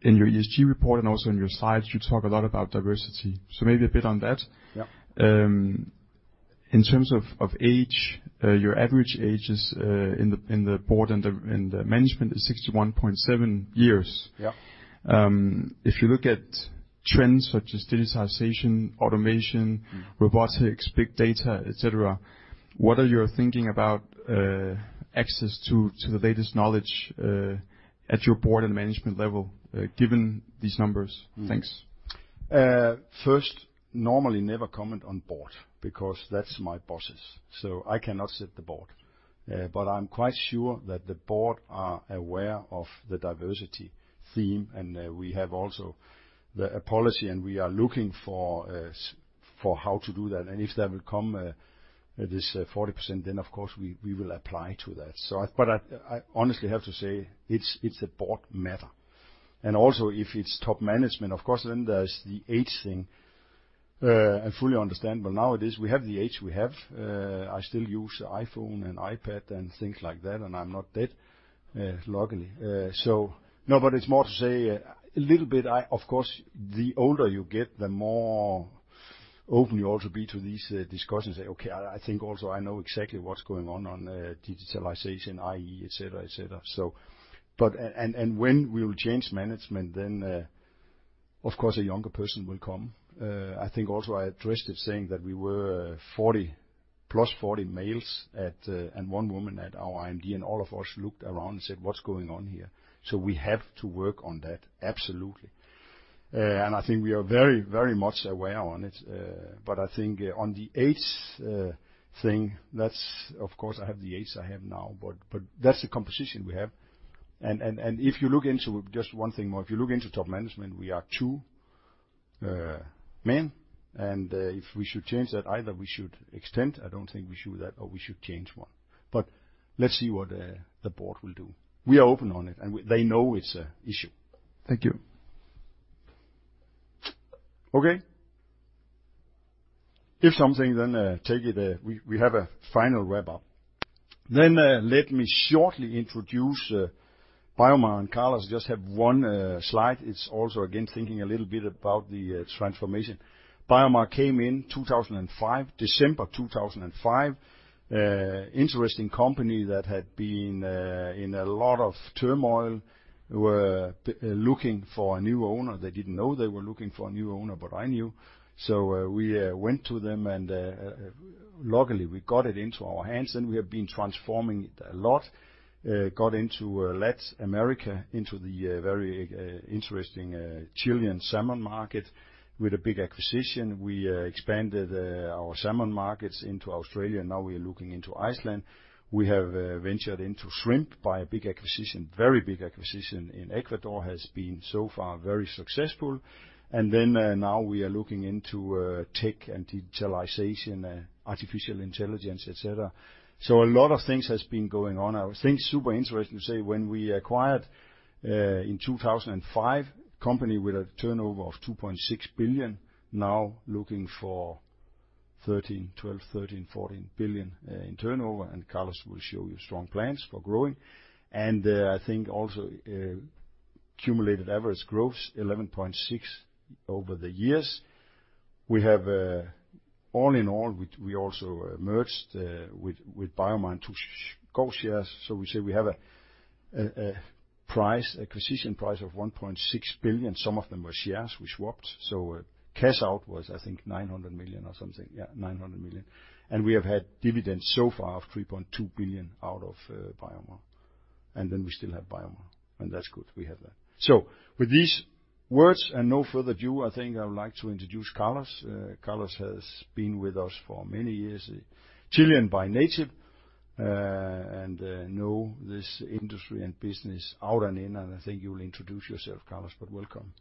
In your ESG report and also on your site, you talk a lot about diversity. Maybe a bit on that. Yeah. In terms of age, your average age is in the board and the management is 61.7 years. Yeah. If you look at trends such as digitization, automation. Mm-hmm. Robotics, big data, et cetera, what are your thinking about access to the latest knowledge at your board and management level, given these numbers? Mm-hmm. Thanks. First, normally never comment on board because that's my bosses, so I cannot set the board. I'm quite sure that the board are aware of the diversity theme, and we have also a policy, and we are looking for how to do that. If that will come, this 40%, then of course, we will apply to that. I honestly have to say it's a board matter. Also, if it's top management, of course, then there's the age thing, I fully understand. Nowadays we have the age we have. I still use iPhone and iPad and things like that, and I'm not dead, luckily. No, it's more to say a little bit, of course, the older you get, the more open you also become to these discussions. Say, okay, I think also I know exactly what's going on digitalization, i.e., et cetera. When we change management, then, of course, a younger person will come. I think also I addressed it saying that we were 40 plus 40 males and one woman at our IMD, and all of us looked around and said, "What's going on here?" We have to work on that, absolutely. I think we are very much aware of it. I think on the age thing, that's, of course, I have the age I have now, but that's the composition we have. If you look into just one thing more, if you look into top management, we are two men. If we should change that, either we should extend, I don't think we should do that, or we should change one. Let's see what the board will do. We are open on it, they know it's an issue. Thank you. Okay. If something, then, take it, we have a final wrap-up. Let me shortly introduce BioMar, and Carlos Diaz just have one, slide. It's also again thinking a little bit about the, transformation. BioMar came in 2005, December 2005. Interesting company that had been, in a lot of turmoil, were looking for a new owner. They didn't know they were looking for a new owner, but I knew. We went to them and, luckily, we got it into our hands, and we have been transforming it a lot. Got into, LATAM, America, into the, very, interesting, Chilean salmon market with a big acquisition. We expanded our salmon markets into Australia, and now we are looking into Iceland. We have ventured into shrimp by a big acquisition, very big acquisition in Ecuador, has been so far very successful. Then, now we are looking into tech and digitalization, artificial intelligence, et cetera. A lot of things has been going on. I would think super interesting to say when we acquired in 2005 company with a turnover of 2.6 billion, now looking for 12-14 billion in turnover, and Carlos will show you strong plans for growing. I think also accumulated average growth 11.6% over the years. We have all in all we also merged with BioMar into Schouw & Co. We say we have a acquisition price of 1.6 billion. Some of them were shares we swapped. Cash out was, I think, 900 million or something. Yeah, 900 million. We have had dividends so far of 3.2 billion out of BioMar. Then we still have BioMar, and that's good we have that. With these words and no further ado, I think I would like to introduce Carlos. Carlos has been with us for many years, Chilean by nature, and know this industry and business out and in. I think you will introduce yourself, Carlos, but welcome.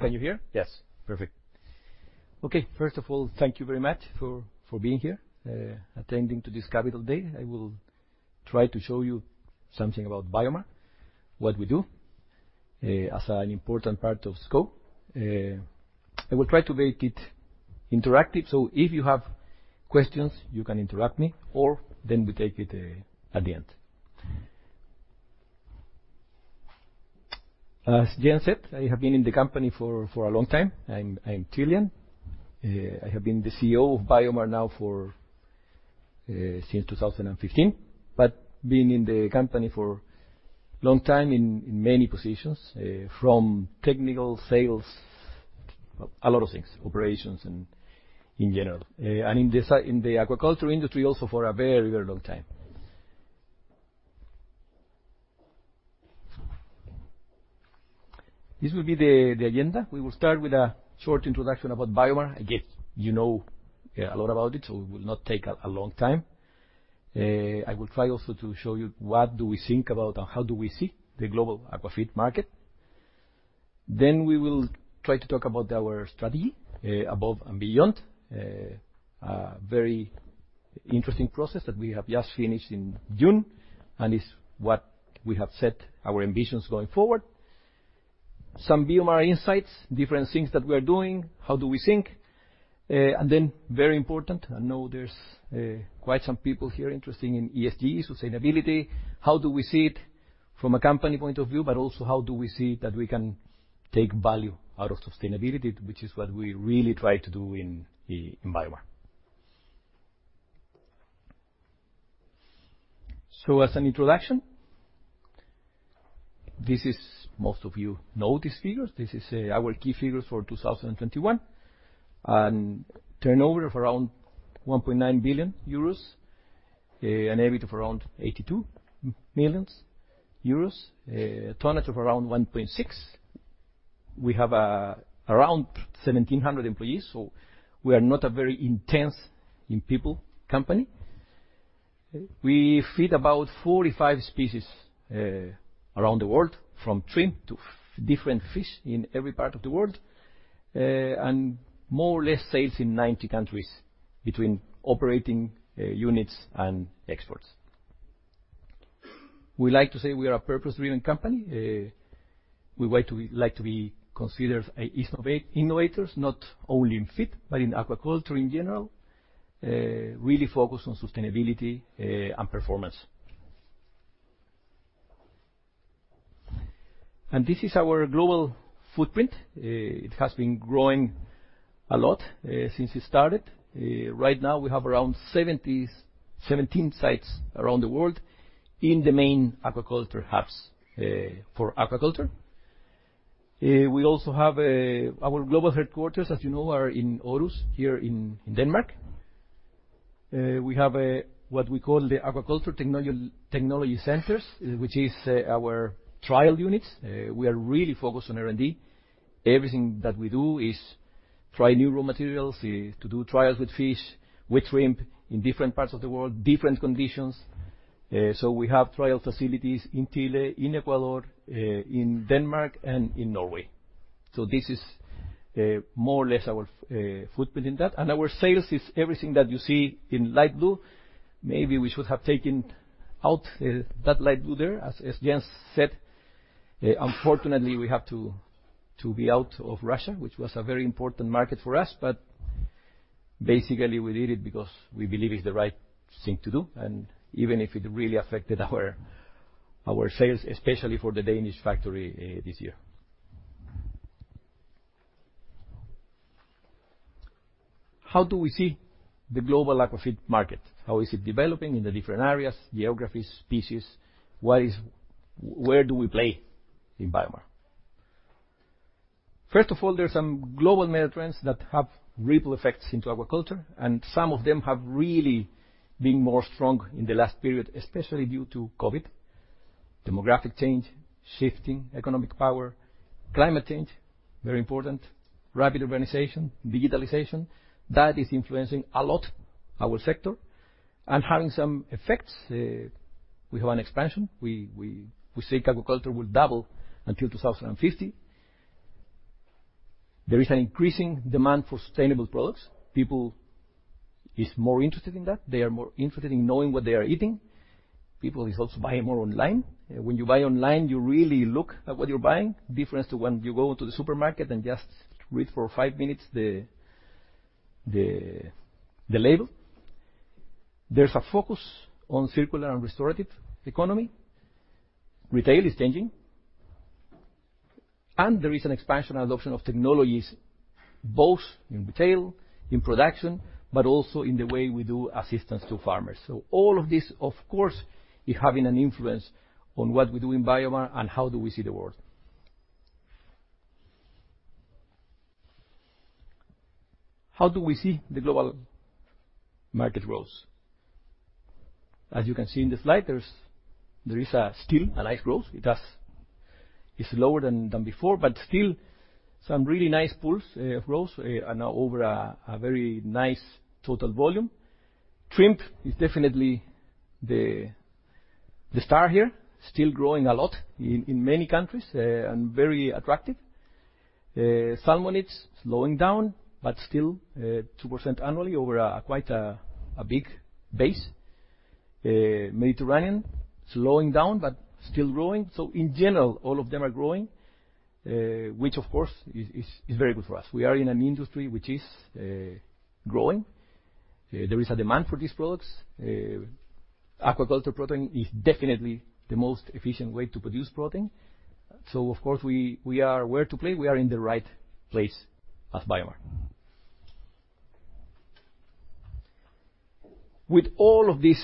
Can you hear? Yes. Perfect. Okay. First of all, thank you very much for being here, attending to this Capital Day. I will try to show you something about BioMar, what we do, as an important part of Schouw & Co. I will try to make it interactive, so if you have questions, you can interrupt me, or then we take it at the end. As Jan said, I have been in the company for a long time. I'm Chilean. I have been the CEO of BioMar now for since 2015. But been in the company for long time in many positions, from technical, sales, a lot of things, operations and in general. In the aquaculture industry also for a very, very long time. This will be the agenda. We will start with a short introduction about BioMar. I guess you know a lot about it, so it will not take a long time. I will try also to show you what do we think about and how do we see the global aquafeed market. Then we will try to talk about our strategy, Above and Beyond, a very interesting process that we have just finished in June, and it's what we have set our ambitions going forward. Some BioMar insights, different things that we are doing, how do we think. Then very important, I know there's quite some people here interested in ESG, sustainability. How do we see it from a company point of view, but also how do we see that we can take value out of sustainability, which is what we really try to do in BioMar. As an introduction, this is. Most of you know these figures. This is our key figures for 2021. Turnover of around 1.9 billion euros, an EBIT of around 82 million euros, tonnage of around 1.6. We have around 1,700 employees, so we are not a very intensive people company. We feed about 45 species around the world, from shrimp to different fish in every part of the world. More or less sales in 90 countries between operating units and exports. We like to say we are a purpose-driven company. We like to be considered as innovators, not only in feed, but in aquaculture in general. Really focused on sustainability and performance. This is our global footprint. It has been growing a lot since it started. Right now we have around 17 sites around the world in the main aquaculture hubs for aquaculture. We also have our global headquarters, as you know, are in Odense here in Denmark. We have a, what we call the Aquaculture Technology Centers, which is our trial units. We are really focused on R&D. Everything that we do is try new raw materials, is to do trials with fish, with shrimp in different parts of the world, different conditions. We have trial facilities in Chile, in Ecuador, in Denmark, and in Norway. This is more or less our footprint in that. Our sales is everything that you see in light blue. Maybe we should have taken out that light blue there. As Jens said, unfortunately we have to be out of Russia, which was a very important market for us. Basically we did it because we believe it's the right thing to do. Even if it really affected our sales, especially for the Danish factory, this year. How do we see the global aquafeed market? How is it developing in the different areas, geographies, species? Where do we play in BioMar? First of all, there are some global mega trends that have ripple effects into aquaculture, and some of them have really been more strong in the last period, especially due to COVID. Demographic change, shifting economic power, climate change, very important, rapid urbanization, digitalization, that is influencing a lot our sector and having some effects. We have an expansion. We say aquaculture will double until 2050. There is an increasing demand for sustainable products. People is more interested in that. They are more interested in knowing what they are eating. People is also buying more online. When you buy online, you really look at what you're buying. Difference to when you go to the supermarket and just read for 5 minutes the label. There's a focus on circular and restorative economy. Retail is changing. There is an expansion and adoption of technologies, both in retail, in production, but also in the way we do assistance to farmers. All of this, of course, is having an influence on what we do in BioMar and how do we see the world. How do we see the global market growth? As you can see in the slide, there is still a nice growth. It's lower than before, but still some really nice pools of growth and over a very nice total volume. Shrimp is definitely the star here. Still growing a lot in many countries and very attractive. Salmon, it's slowing down, but still 2% annually over a quite big base. Mediterranean, slowing down, but still growing. In general, all of them are growing, which of course is very good for us. We are in an industry which is growing. There is a demand for these products. Aquaculture protein is definitely the most efficient way to produce protein. Of course we are where to play. We are in the right place as BioMar. With all of this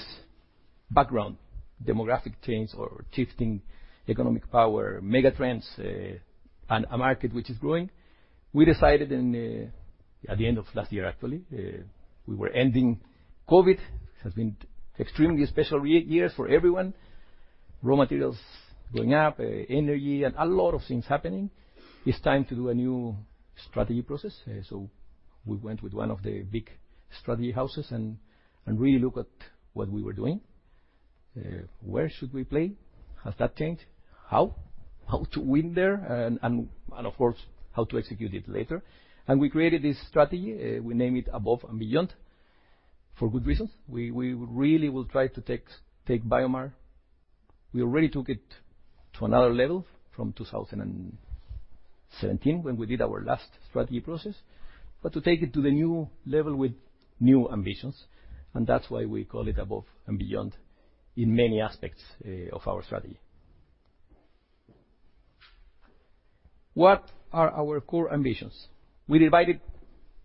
background, demographic change or shifting economic power, mega trends, and a market which is growing, we decided in at the end of last year actually, we were ending COVID, which has been extremely special years for everyone, raw materials going up, energy and a lot of things happening. It's time to do a new strategy process. We went with one of the big strategy houses and really look at what we were doing. Where should we play? Has that changed? How? How to win there? Of course, how to execute it later. We created this strategy. We named it Above and Beyond for good reasons. We really will try to take BioMar. We already took it to another level from 2017 when we did our last strategy process. To take it to the new level with new ambitions, and that's why we call it Above and Beyond in many aspects of our strategy. What are our core ambitions? We divided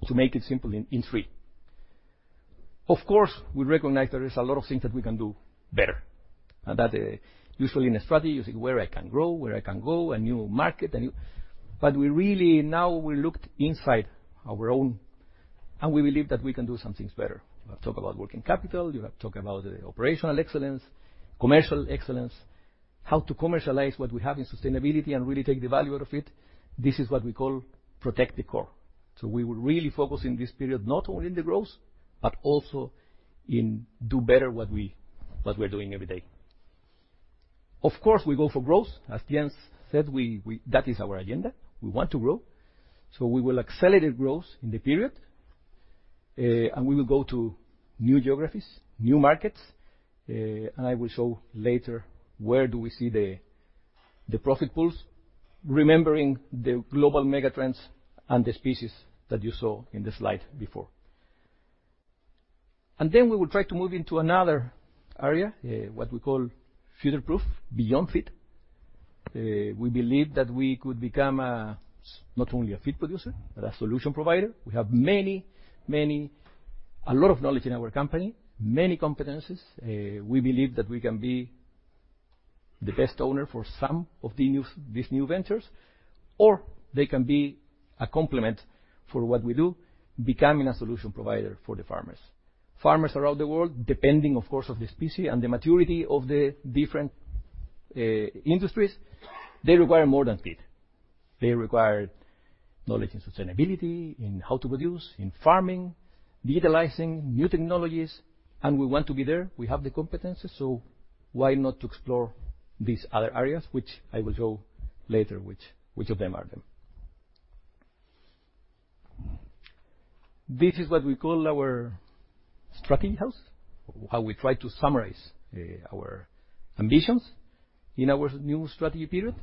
to make it simple in three. Of course, we recognize there is a lot of things that we can do better, and that usually in a strategy, you say, "Where I can grow, where I can go, a new market, a new." We really now we looked inside our own, and we believe that we can do some things better. You have talked about working capital, you have talked about the operational excellence, commercial excellence, how to commercialize what we have in sustainability and really take the value out of it. This is what we call protect the core. We will really focus in this period not only in the growth, but also in do better what we're doing every day. Of course, we go for growth. As Jens said, we that is our agenda. We want to grow. We will accelerate growth in the period, and we will go to new geographies, new markets, and I will show later where do we see the profit pools, remembering the global megatrends and the species that you saw in the slide before. Then we will try to move into another area, what we call future-proof, beyond feed. We believe that we could become, not only a feed producer, but a solution provider. We have many a lot of knowledge in our company, many competencies. We believe that we can be the best owner for some of these new ventures, or they can be a complement for what we do, becoming a solution provider for the farmers. Farmers around the world, depending, of course, on the species and the maturity of the different industries, they require more than feed. They require knowledge and sustainability in how to produce, in farming, digitalizing, new technologies, and we want to be there. We have the competencies, so why not to explore these other areas, which I will show later, which of them are them. This is what we call our strategy house, how we try to summarize our ambitions in our new strategy period,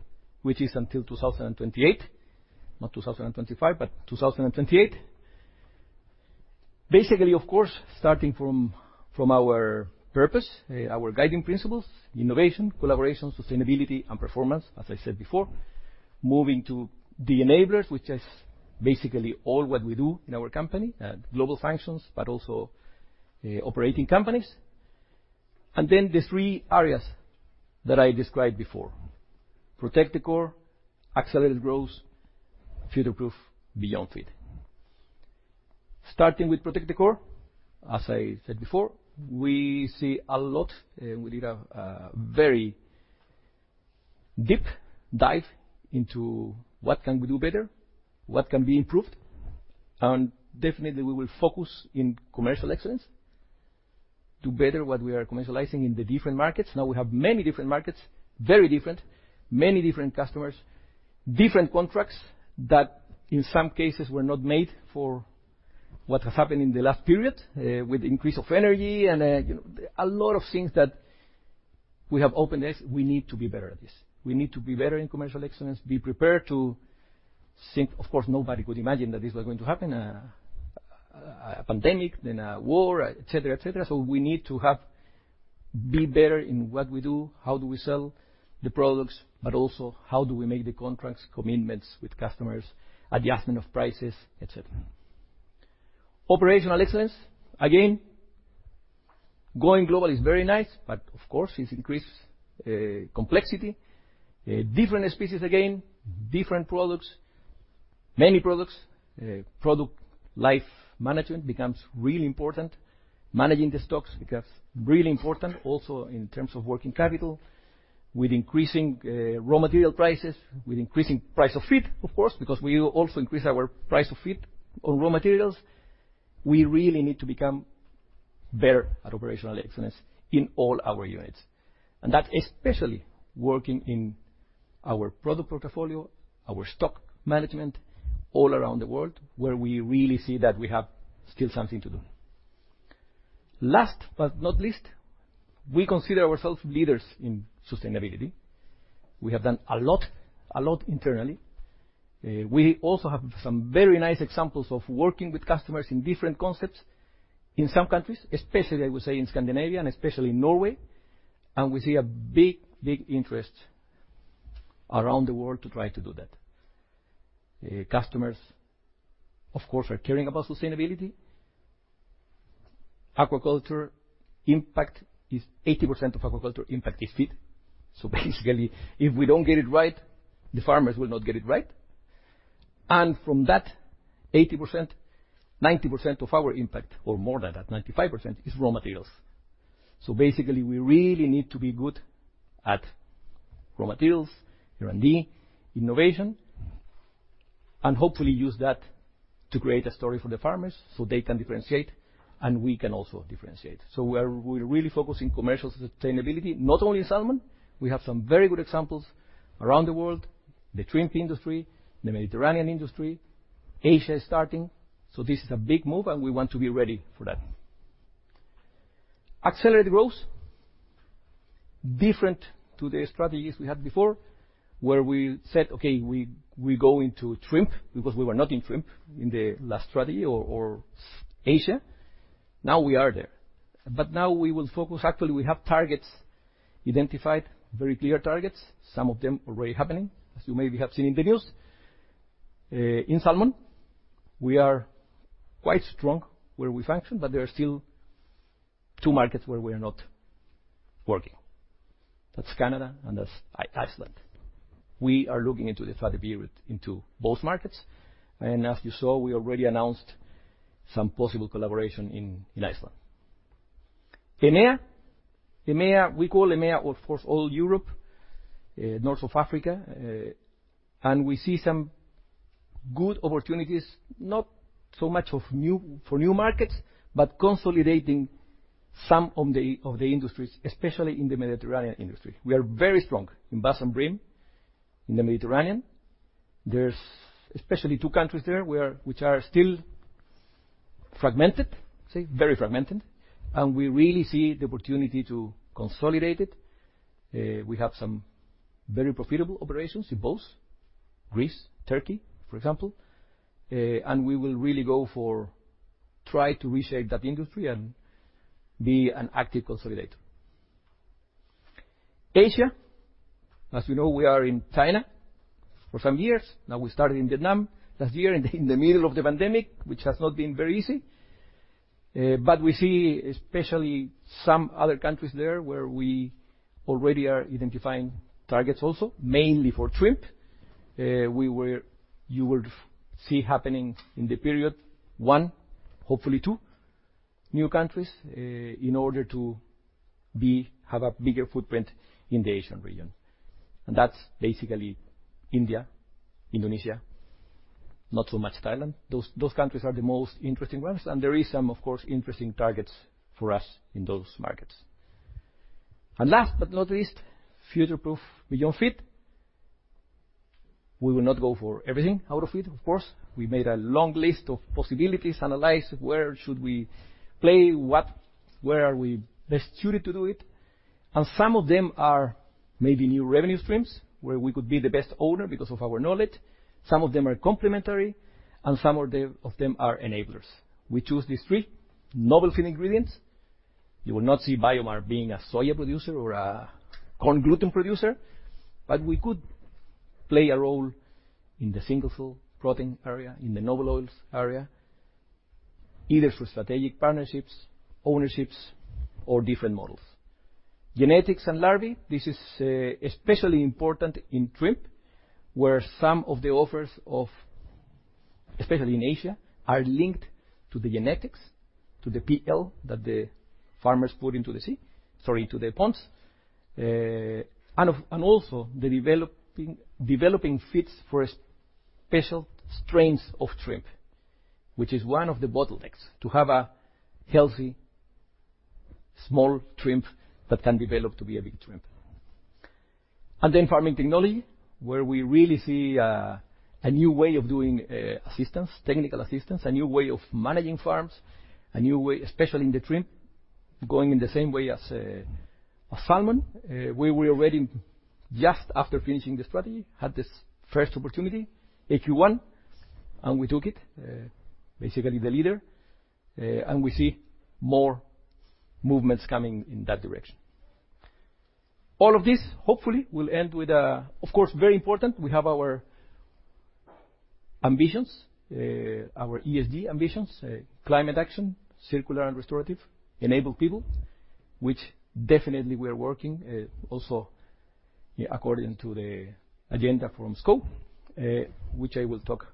which is until 2028. Not 2025, but 2028. Basically, of course, starting from our purpose, our guiding principles, innovation, collaboration, sustainability, and performance, as I said before, moving to the enablers, which is basically all what we do in our company, global functions, but also operating companies. Then the three areas that I described before, protect the core, accelerated growth, future-proof beyond feed. Starting with protect the core, as I said before, we see a lot, we did a very deep dive into what can we do better, what can be improved, and definitely we will focus in commercial excellence to better what we are commercializing in the different markets. Now we have many different markets, very different, many different customers, different contracts that in some cases were not made for what has happened in the last period, with increase of energy and, you know, a lot of things that we have openness. We need to be better at this. We need to be better in commercial excellence, be prepared to think. Of course, nobody could imagine that this was going to happen, a pandemic, then a war, et cetera, et cetera. We need to have be better in what we do, how do we sell the products, but also how do we make the contracts, commitments with customers, adjustment of prices, et cetera. Operational excellence. Again, going global is very nice, but of course, it increase, complexity. Different species again, different products, many products. Product life management becomes really important. Managing the stocks becomes really important also in terms of working capital. With increasing raw material prices, with increasing price of feed, of course, because we also increase our price of feed on raw materials, we really need to become better at operational excellence in all our units. That especially working in our product portfolio, our stock management all around the world, where we really see that we have still something to do. Last but not least, we consider ourselves leaders in sustainability. We have done a lot, a lot internally. We also have some very nice examples of working with customers in different concepts in some countries, especially, I would say, in Scandinavia and especially in Norway, and we see a big, big interest around the world to try to do that. Customers, of course, are caring about sustainability. Aquaculture impact is. 80% of aquaculture impact is feed. Basically, if we don't get it right, the farmers will not get it right. From that 80%, 90% of our impact, or more than that, 95%, is raw materials. Basically, we really need to be good at raw materials, R&D, innovation, and hopefully use that to create a story for the farmers so they can differentiate, and we can also differentiate. We're really focused in commercial sustainability, not only in salmon. We have some very good examples around the world, the shrimp industry, the Mediterranean industry. Asia is starting. This is a big move, and we want to be ready for that. Accelerated growth, different to the strategies we had before, where we said, "Okay, we go into shrimp," because we were not in shrimp in the last strategy or Asia. Now we are there. Now we will focus, actually, we have targets identified very clear targets, some of them already happening, as you maybe have seen in the news. In salmon, we are quite strong where we function, but there are still two markets where we are not working. That's Canada and that's Iceland. We are looking into the future in both markets, and as you saw, we already announced some possible collaboration in Iceland. EMEA, we call EMEA, of course, all Europe, north of Africa. We see some good opportunities, not so much for new markets, but consolidating some of the industries, especially in the Mediterranean industry. We are very strong in bass and bream in the Mediterranean. There's especially two countries there where which are still fragmented, say very fragmented, and we really see the opportunity to consolidate it. We have some very profitable operations in both Greece, Turkey, for example. We will really try to reshape that industry and be an active consolidator. Asia. As we know, we are in China for some years now. We started in Vietnam last year, in the middle of the pandemic, which has not been very easy. We see especially some other countries there where we already are identifying targets also, mainly for shrimp. You will see happening in the period one, hopefully two, new countries, in order to have a bigger footprint in the Asian region. That's basically India, Indonesia, not so much Thailand. Those countries are the most interesting ones. There is some, of course, interesting targets for us in those markets. Last but not least, future-proof beyond feed. We will not go for everything out of feed, of course. We made a long list of possibilities, analyze where should we play, where are we best suited to do it. Some of them are maybe new revenue streams where we could be the best owner because of our knowledge. Some of them are complementary, and some of them are enablers. We choose these three. Novel feed ingredients. You will not see BioMar being a soy producer or a corn gluten producer, but we could play a role in the single cell protein area, in the novel oils area, either through strategic partnerships, ownerships, or different models. Genetics and larvae. This is especially important in shrimp, where some of the offerings, especially in Asia, are linked to the genetics, to the PL that the farmers put into the ponds. Also the developing feeds for special strains of shrimp, which is one of the bottlenecks, to have a healthy, small shrimp that can be developed to be a big shrimp. Then farming technology, where we really see a new way of doing technical assistance, a new way of managing farms, a new way, especially in the shrimp, going in the same way as salmon. We were already, just after finishing the strategy, had this first opportunity, AQ1, and we took it, basically the leader. We see more movements coming in that direction. All of this hopefully will end with, of course, very important, we have our ambitions, our ESG ambitions, climate action, circular and restorative, enable people, which definitely we are working, also according to the agenda from scope, which I will talk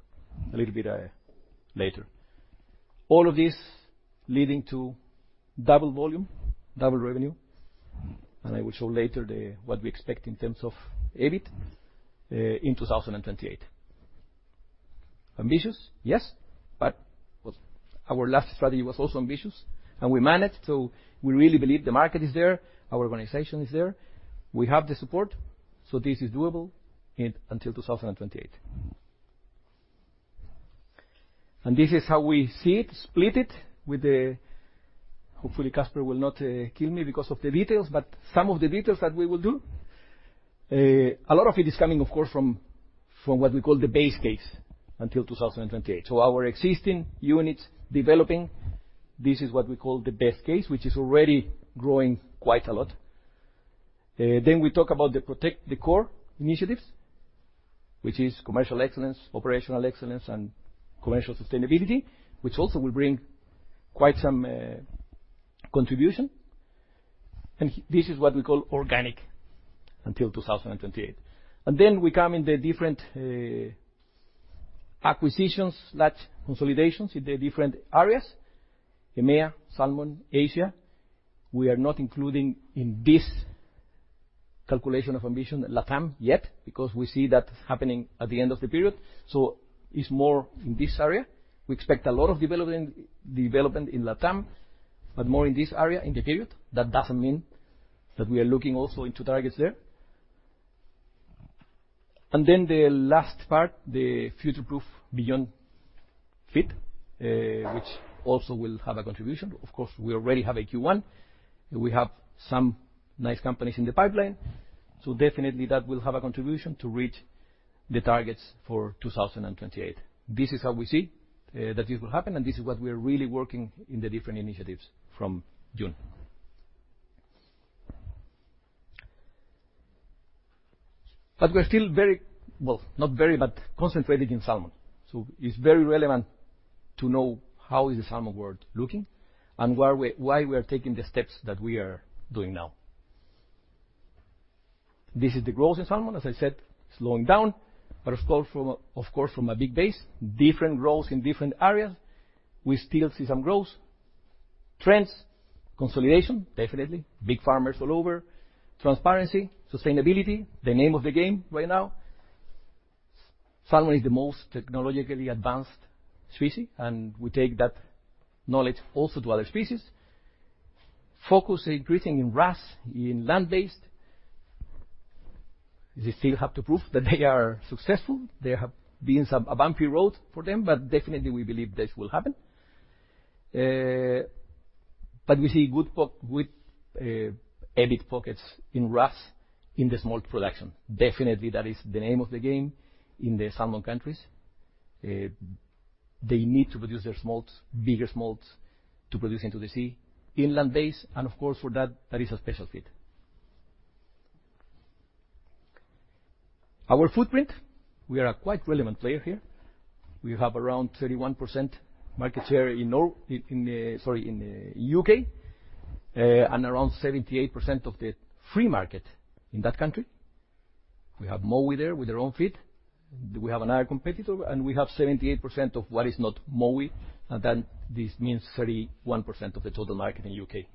a little bit, later. All of this leading to double volume, double revenue, and I will show later what we expect in terms of EBIT, in 2028. Ambitious, yes, but our last strategy was also ambitious, and we managed. We really believe the market is there, our organization is there. We have the support. This is doable until 2028. This is how we see it, split it with the. Hopefully, Kasper will not kill me because of the details, but some of the details that we will do. A lot of it is coming, of course, from what we call the base case until 2028. Our existing units developing, this is what we call the best case, which is already growing quite a lot. We talk about the protect the core initiatives, which is commercial excellence, operational excellence, and commercial sustainability, which also will bring quite some contribution. This is what we call organic until 2028. We come in the different acquisitions that consolidations in the different areas, EMEA, Salmon, Asia. We are not including in this calculation of ambition LATAM yet because we see that happening at the end of the period. It's more in this area. We expect a lot of development in LATAM, but more in this area in the period. That doesn't mean that we are looking also into targets there. Then the last part, the future-proof beyond feed, which also will have a contribution. Of course, we already have AQ1. We have some nice companies in the pipeline. Definitely that will have a contribution to reach the targets for 2028. This is how we see that it will happen, and this is what we are really working in the different initiatives from June. We're still very. Well, not very, but concentrated in salmon. It's very relevant to know how is the salmon world looking and why we are taking the steps that we are doing now. This is the growth in salmon, as I said, slowing down. Of course, from a big base, different growth in different areas. We still see some growth. Trends, consolidation, definitely. Big farmers all over. Transparency, sustainability, the name of the game right now. Salmon is the most technologically advanced species, and we take that knowledge also to other species. Focus increasing in RAS, in land-based. They still have to prove that they are successful. There have been a bumpy road for them, but definitely, we believe this will happen. We see good EBIT pockets in RAS in the smolt production. Definitely, that is the name of the game in the salmon countries. They need to produce their smolts, bigger smolts to produce into the sea, inland-based, and of course, for that is a special feed. Our footprint, we are a quite relevant player here. We have around 31% market share in UK. Around 78% of the free market in that country. We have Mowi there with their own feed. We have another competitor, and we have 78% of what is not Mowi, and then this means 31% of the total market in UK.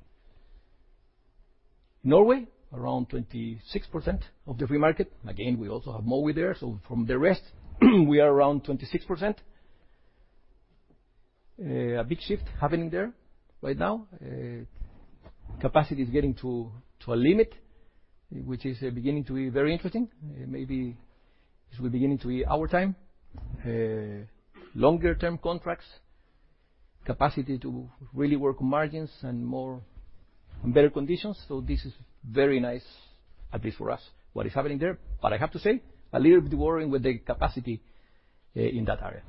Norway, around 26% of the free market. Again, we also have Mowi there, so from the rest, we are around 26%. A big shift happening there right now. Capacity is getting to a limit, which is beginning to be very interesting. Maybe it will be beginning to be our time. Longer-term contracts, capacity to really work margins and more and better conditions. This is very nice, at least for us, what is happening there. But I have to say, a little bit worrying with the capacity in that area.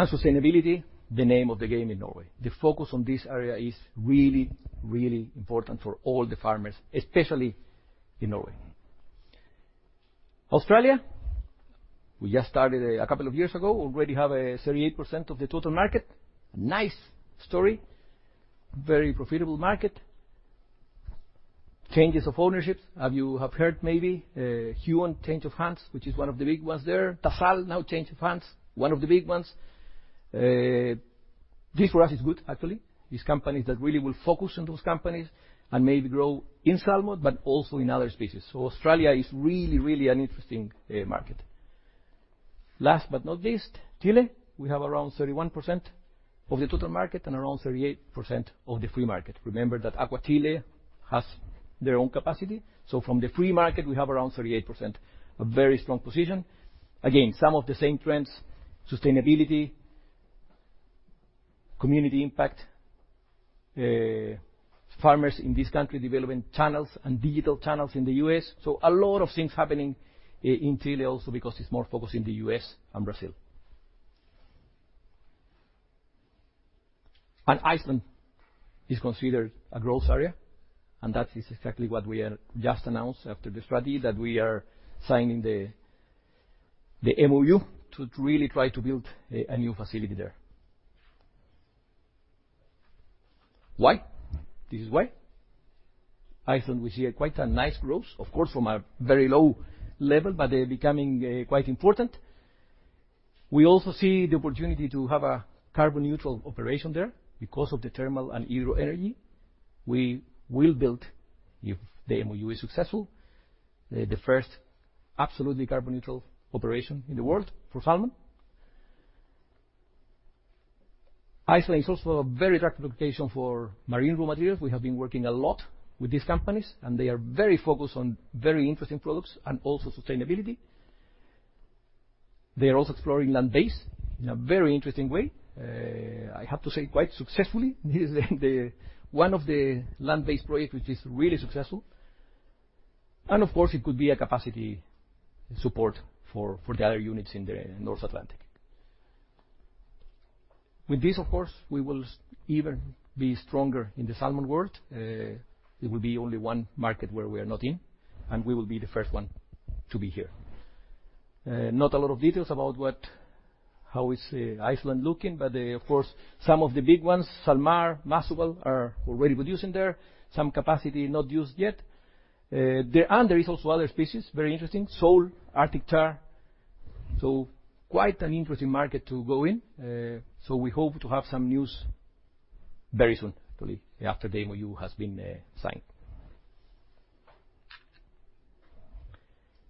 Sustainability, the name of the game in Norway. The focus on this area is really, really important for all the farmers, especially in Norway. Australia, we just started a couple of years ago. Already have 38% of the total market. Nice story. Very profitable market. Changes of ownership. Have you heard maybe Huon change of hands, which is one of the big ones there. Tassal now change of hands, one of the big ones. This for us is good, actually. These companies that really will focus on those companies and maybe grow in salmon, but also in other species. Australia is really, really an interesting market. Last but not least, Chile. We have around 31% of the total market and around 38% of the free market. Remember that AquaChile has their own capacity. From the free market, we have around 38%. A very strong position. Again, some of the same trends, sustainability, community impact, farmers in this country developing channels and digital channels in the US. A lot of things happening in Chile also because it's more focused in the US and Brazil. Iceland is considered a growth area, and that is exactly what we just announced after the strategy, that we are signing the MoU to really try to build a new facility there. Why? This is why. Iceland, we see quite a nice growth, of course, from a very low level, but they're becoming quite important. We also see the opportunity to have a carbon neutral operation there because of the thermal and geothermal energy. We will build, if the MoU is successful, the first absolutely carbon neutral operation in the world for salmon. Iceland is also a very attractive location for marine raw materials. We have been working a lot with these companies, and they are very focused on very interesting products and also sustainability. They are also exploring land-based in a very interesting way. I have to say quite successfully. This is one of the land-based project which is really successful. Of course, it could be a capacity support for the other units in the North Atlantic. With this, of course, we will even be stronger in the salmon world. It will be only one market where we are not in, and we will be the first one to be here. Not a lot of details about what, how is Iceland looking, but, of course, some of the big ones, SalMar, Måsøval, are already producing there. Some capacity not used yet. There is also other species, very interesting, sole, Arctic char. Quite an interesting market to go in. We hope to have some news very soon, after the MoU has been signed.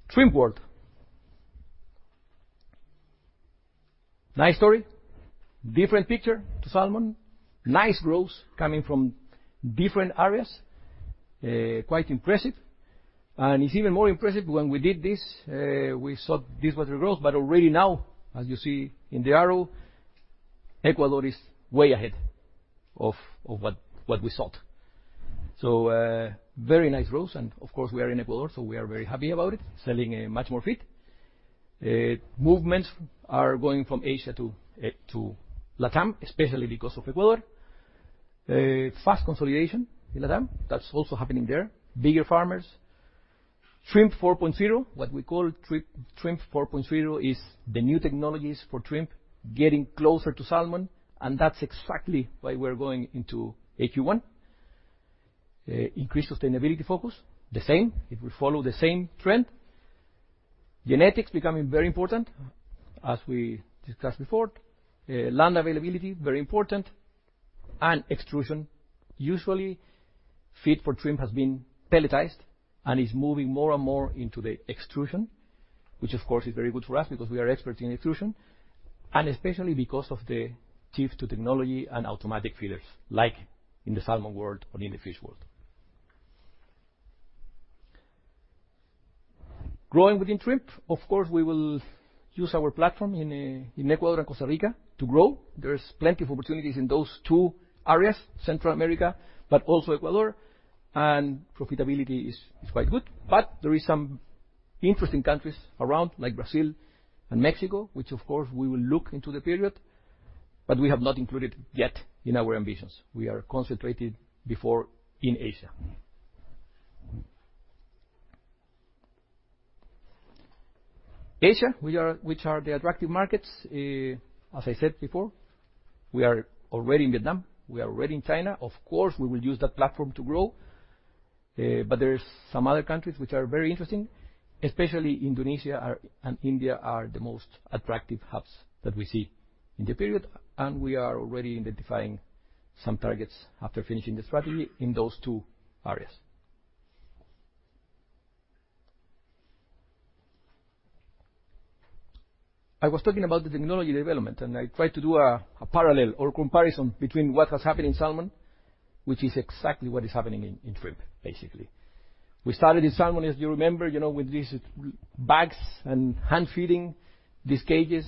Shrimp world. Nice story. Different picture to salmon. Nice growth coming from different areas. Quite impressive. It's even more impressive when we did this, we saw this was the growth, but already now, as you see in the arrow, Ecuador is way ahead of what we thought. Very nice growth, and of course, we are in Ecuador, so we are very happy about it. Selling much more feed. Movements are going from Asia to LATAM, especially because of Ecuador. Fast consolidation in LATAM, that's also happening there. Bigger farmers. Shrimp 4.0, what we call Shrimp 4.0, is the new technologies for shrimp, getting closer to salmon, and that's exactly why we're going into AQ1. Increased sustainability focus. The same. It will follow the same trend. Genetics becoming very important, as we discussed before. Land availability, very important. Extrusion. Usually, feed for shrimp has been pelletized and is moving more and more into the extrusion, which of course is very good for us because we are experts in extrusion, and especially because of the shift to technology and automatic feeders, like in the salmon world or in the fish world. Growing within shrimp, of course, we will use our platform in Ecuador and Costa Rica to grow. There's plenty of opportunities in those two areas, Central America, but also Ecuador, and profitability is quite good. There is some interesting countries around like Brazil and Mexico, which of course we will look into the period, but we have not included yet in our ambitions. We are concentrated before in Asia. Which are the attractive markets. As I said before, we are already in Vietnam, we are already in China. Of course, we will use that platform to grow, but there's some other countries which are very interesting, especially Indonesia are, and India are the most attractive hubs that we see in the period, and we are already identifying some targets after finishing the strategy in those two areas. I was talking about the technology development, and I tried to do a parallel or comparison between what has happened in salmon, which is exactly what is happening in shrimp, basically. We started in salmon, as you remember, you know, with these bags and hand feeding these cages,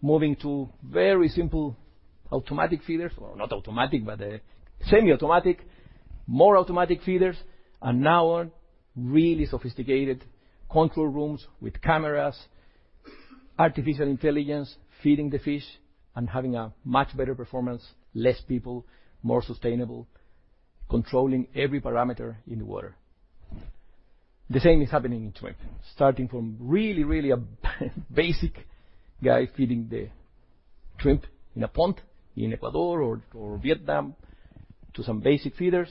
moving to very simple automatic feeders. Well, not automatic, but semi-automatic, more automatic feeders. Now on really sophisticated control rooms with cameras, artificial intelligence, feeding the fish and having a much better performance, less people, more sustainable, controlling every parameter in the water. The same is happening in shrimp. Starting from really a basic guy feeding the shrimp in a pond in Ecuador or Vietnam to some basic feeders.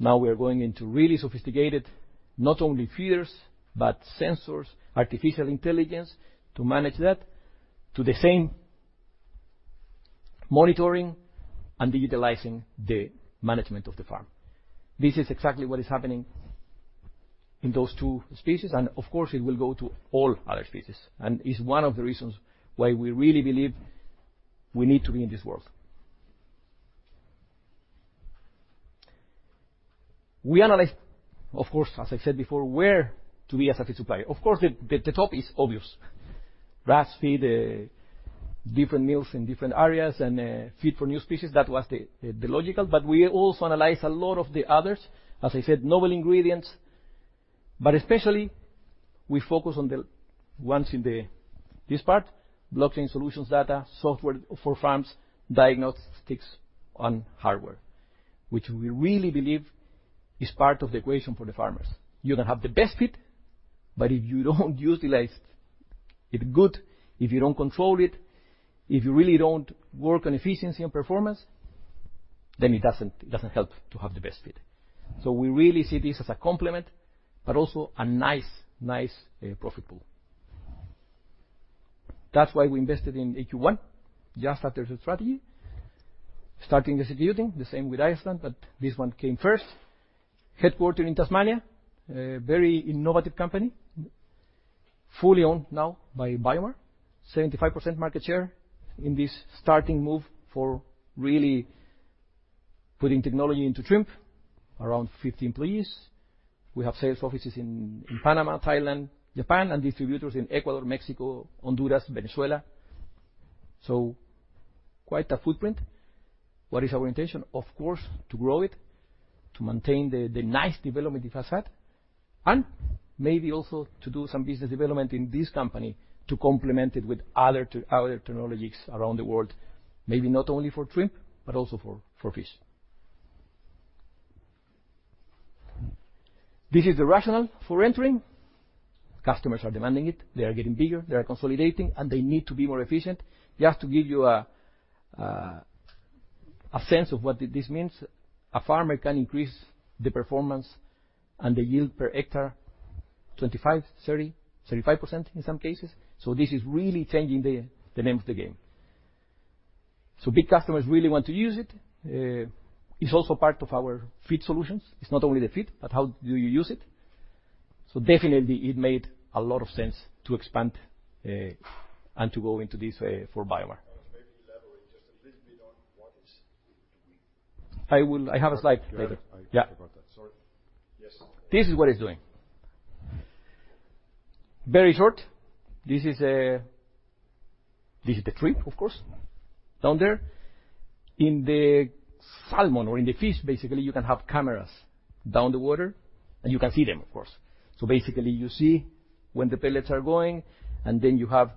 We are going into really sophisticated, not only feeders, but sensors, artificial intelligence to manage that, to the same monitoring and digitizing the management of the farm. This is exactly what is happening in those two species, and of course, it will go to all other species. It's one of the reasons why we really believe we need to be in this world. We analyzed, of course, as I said before, where to be as a feed supplier. Of course, the top is obvious. Grass feed, different meals in different areas and, feed for new species, that was the logical. We also analyzed a lot of the others, as I said, novel ingredients. Especially we focus on the ones in the. This part, blockchain solutions, data, software for farms, diagnostics and hardware, which we really believe is part of the equation for the farmers. You can have the best feed, but if you don't utilize it good, if you don't control it, if you really don't work on efficiency and performance, then it doesn't help to have the best feed. We really see this as a complement, but also a nice profit pool. That's why we invested in AQ1, just after the strategy. Starting distributing, the same with Iceland, but this one came first. Headquartered in Tasmania, a very innovative company, fully owned now by BioMar. 75% market share in this starting move for really putting technology into shrimp. Around 50 employees. We have sales offices in Panama, Thailand, Japan, and distributors in Ecuador, Mexico, Honduras, Venezuela. Quite a footprint. What is our intention? Of course, to grow it, to maintain the nice development it has had, and maybe also to do some business development in this company to complement it with other technologies around the world. Maybe not only for shrimp, but also for fish. This is the rationale for entering. Customers are demanding it. They are getting bigger, they are consolidating, and they need to be more efficient. Just to give you a sense of what this means, a farmer can increase the performance and the yield per hectare, 25, 30, 35% in some cases. This is really changing the name of the game. Big customers really want to use it. It's also part of our feed solutions. It's not only the feed, but how do you use it. Definitely it made a lot of sense to expand, and to go into this, for BioMar. Carlos, maybe elaborate just a little bit on what is AQ1. I will. I have a slide later. I forgot about that, sorry. Yes. This is what it's doing. Very short. This is the shrimp, of course, down there. In the salmon or in the fish, basically, you can have cameras down the water, and you can see them, of course. Basically, you see when the pellets are going, and then you have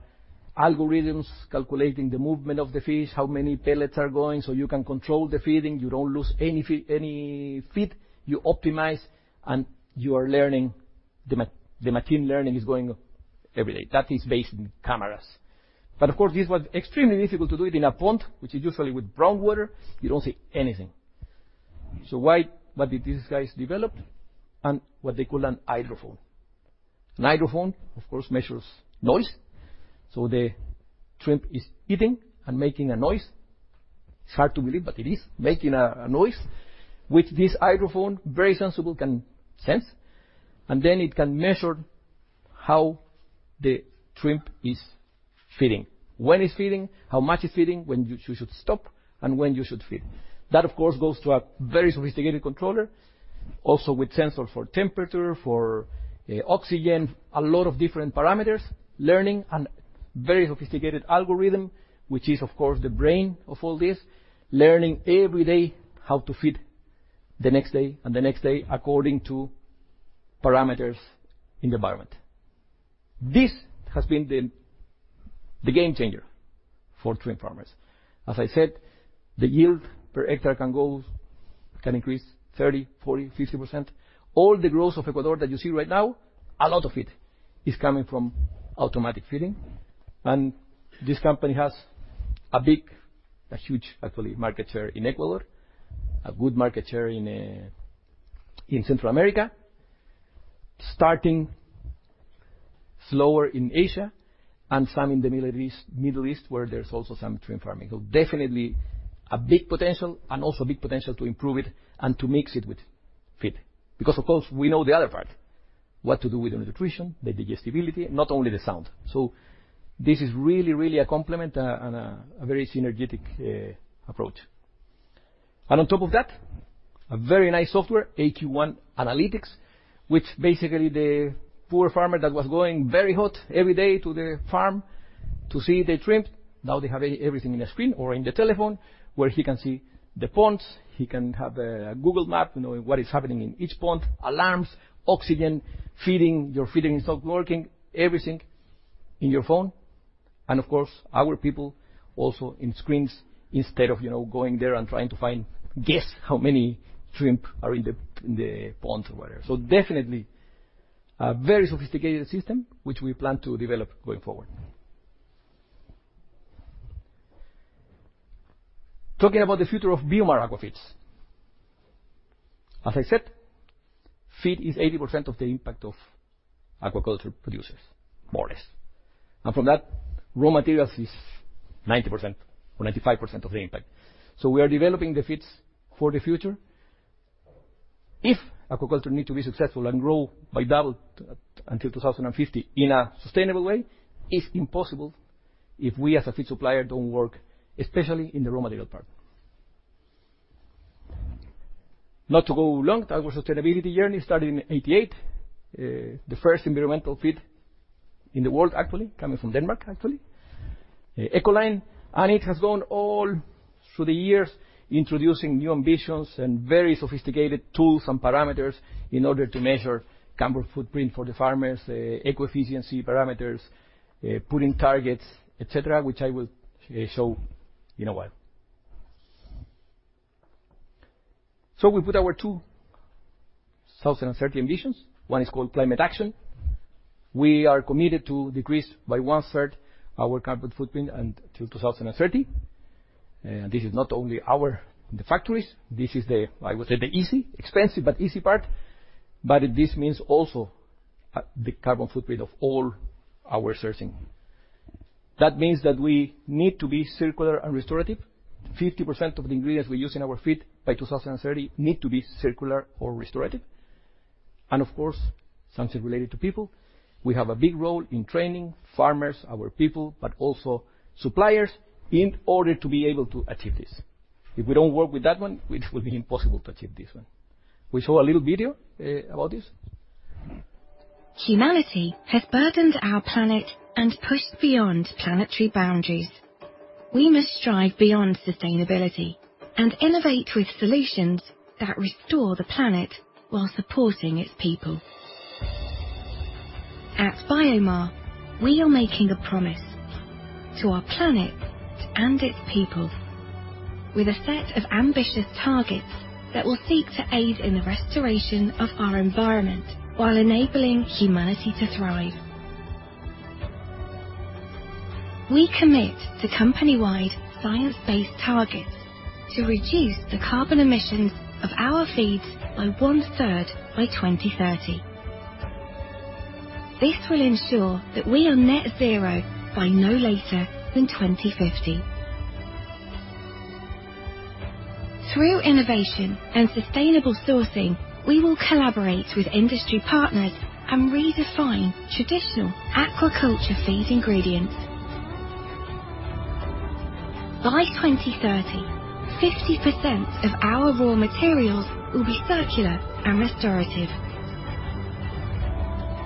algorithms calculating the movement of the fish, how many pellets are going, so you can control the feeding. You don't lose any feed. You optimize, and you are learning. The machine learning is going every day. That is based on cameras. Of course, this was extremely difficult to do it in a pond, which is usually with brown water, you don't see anything. What did these guys develop? What they call a hydrophone. A hydrophone, of course, measures noise. The shrimp is eating and making a noise. It's hard to believe, but it is making a noise, which this hydrophone, very sensitive, can sense, and then it can measure how the shrimp is feeding. When it's feeding, how much it's feeding, when you should stop, and when you should feed. That, of course, goes to a very sophisticated controller, also with sensor for temperature, for oxygen, a lot of different parameters, learning and very sophisticated algorithm, which is, of course, the brain of all this, learning every day how to feed the next day and the next day according to parameters in the environment. This has been the game changer for shrimp farmers. As I said, the yield per hectare can increase 30, 40, 50%. All the growth of Ecuador that you see right now, a lot of it is coming from automatic feeding. This company has a big, a huge actually market share in Ecuador, a good market share in Central America, starting slower in Asia and some in the Middle East, where there's also some shrimp farming. Definitely a big potential and also big potential to improve it and to mix it with feed. Because of course, we know the other part, what to do with the nutrition, the digestibility, not only the sound. This is really, really a complement and a very synergetic approach. On top of that, a very nice software, AQ1 Analytics, which basically the poor farmer that was going very hot every day to the farm to see the shrimp, now they have everything in a screen or in the telephone where he can see the ponds, he can have a Google map knowing what is happening in each pond, alarms, oxygen, feeding, your feeding is not working, everything in your phone. Of course, our people also in screens instead of, you know, going there and trying to find, guess how many shrimp are in the ponds or whatever. Definitely a very sophisticated system which we plan to develop going forward. Talking about the future of BioMar aquafeeds. As I said, feed is 80% of the impact of aquaculture producers, more or less. From that, raw materials is 90% or 95% of the impact. We are developing the feeds for the future. If aquaculture need to be successful and grow by double until 2050 in a sustainable way, it's impossible if we as a feed supplier don't work, especially in the raw material part. Not to go long, that was sustainability journey started in 1988. The first environmental feed in the world actually coming from Denmark, actually. Ecolife, and it has gone all through the years introducing new ambitions and very sophisticated tools and parameters in order to measure carbon footprint for the farmers, eco-efficiency parameters, putting targets, et cetera, which I will show you now. We put our 2030 ambitions. One is called climate action. We are committed to decrease by one-third our carbon footprint until 2030. This is not only the factories, this is the, I would say, the easy, expensive but easy part. This means also the carbon footprint of all our sourcing. That means that we need to be circular and restorative. 50% of the ingredients we use in our feed by 2030 need to be circular or restorative. Of course, something related to people. We have a big role in training farmers, our people, but also suppliers in order to be able to achieve this. If we don't work with that one, it will be impossible to achieve this one. We show a little video about this. Humanity has burdened our planet and pushed beyond planetary boundaries. We must strive beyond sustainability and innovate with solutions that restore the planet while supporting its people. At BioMar, we are making a promise to our planet and its people with a set of ambitious targets that will seek to aid in the restoration of our environment while enabling humanity to thrive. We commit to company-wide science-based targets to reduce the carbon emissions of our feeds by one-third by 2030. This will ensure that we are net zero by no later than 2050. Through innovation and sustainable sourcing, we will collaborate with industry partners and redefine traditional aquaculture feed ingredients. By 2030, 50% of our raw materials will be circular and restorative.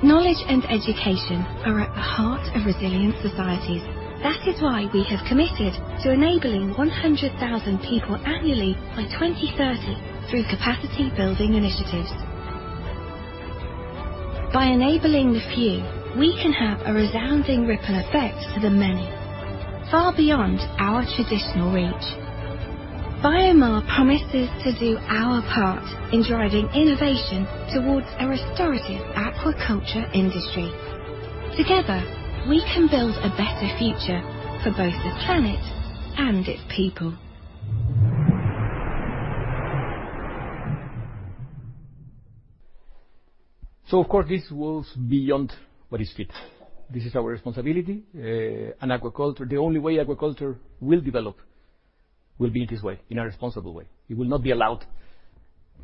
Knowledge and education are at the heart of resilient societies. That is why we have committed to enabling 100,000 people annually by 2030 through capacity building initiatives. By enabling the few, we can have a resounding ripple effect for the many, far beyond our traditional reach. BioMar promises to do our part in driving innovation towards a restorative aquaculture industry. Together, we can build a better future for both the planet and its people. Of course, this goes beyond what is fit. This is our responsibility. The only way agriculture will develop will be this way, in a responsible way. It will not be allowed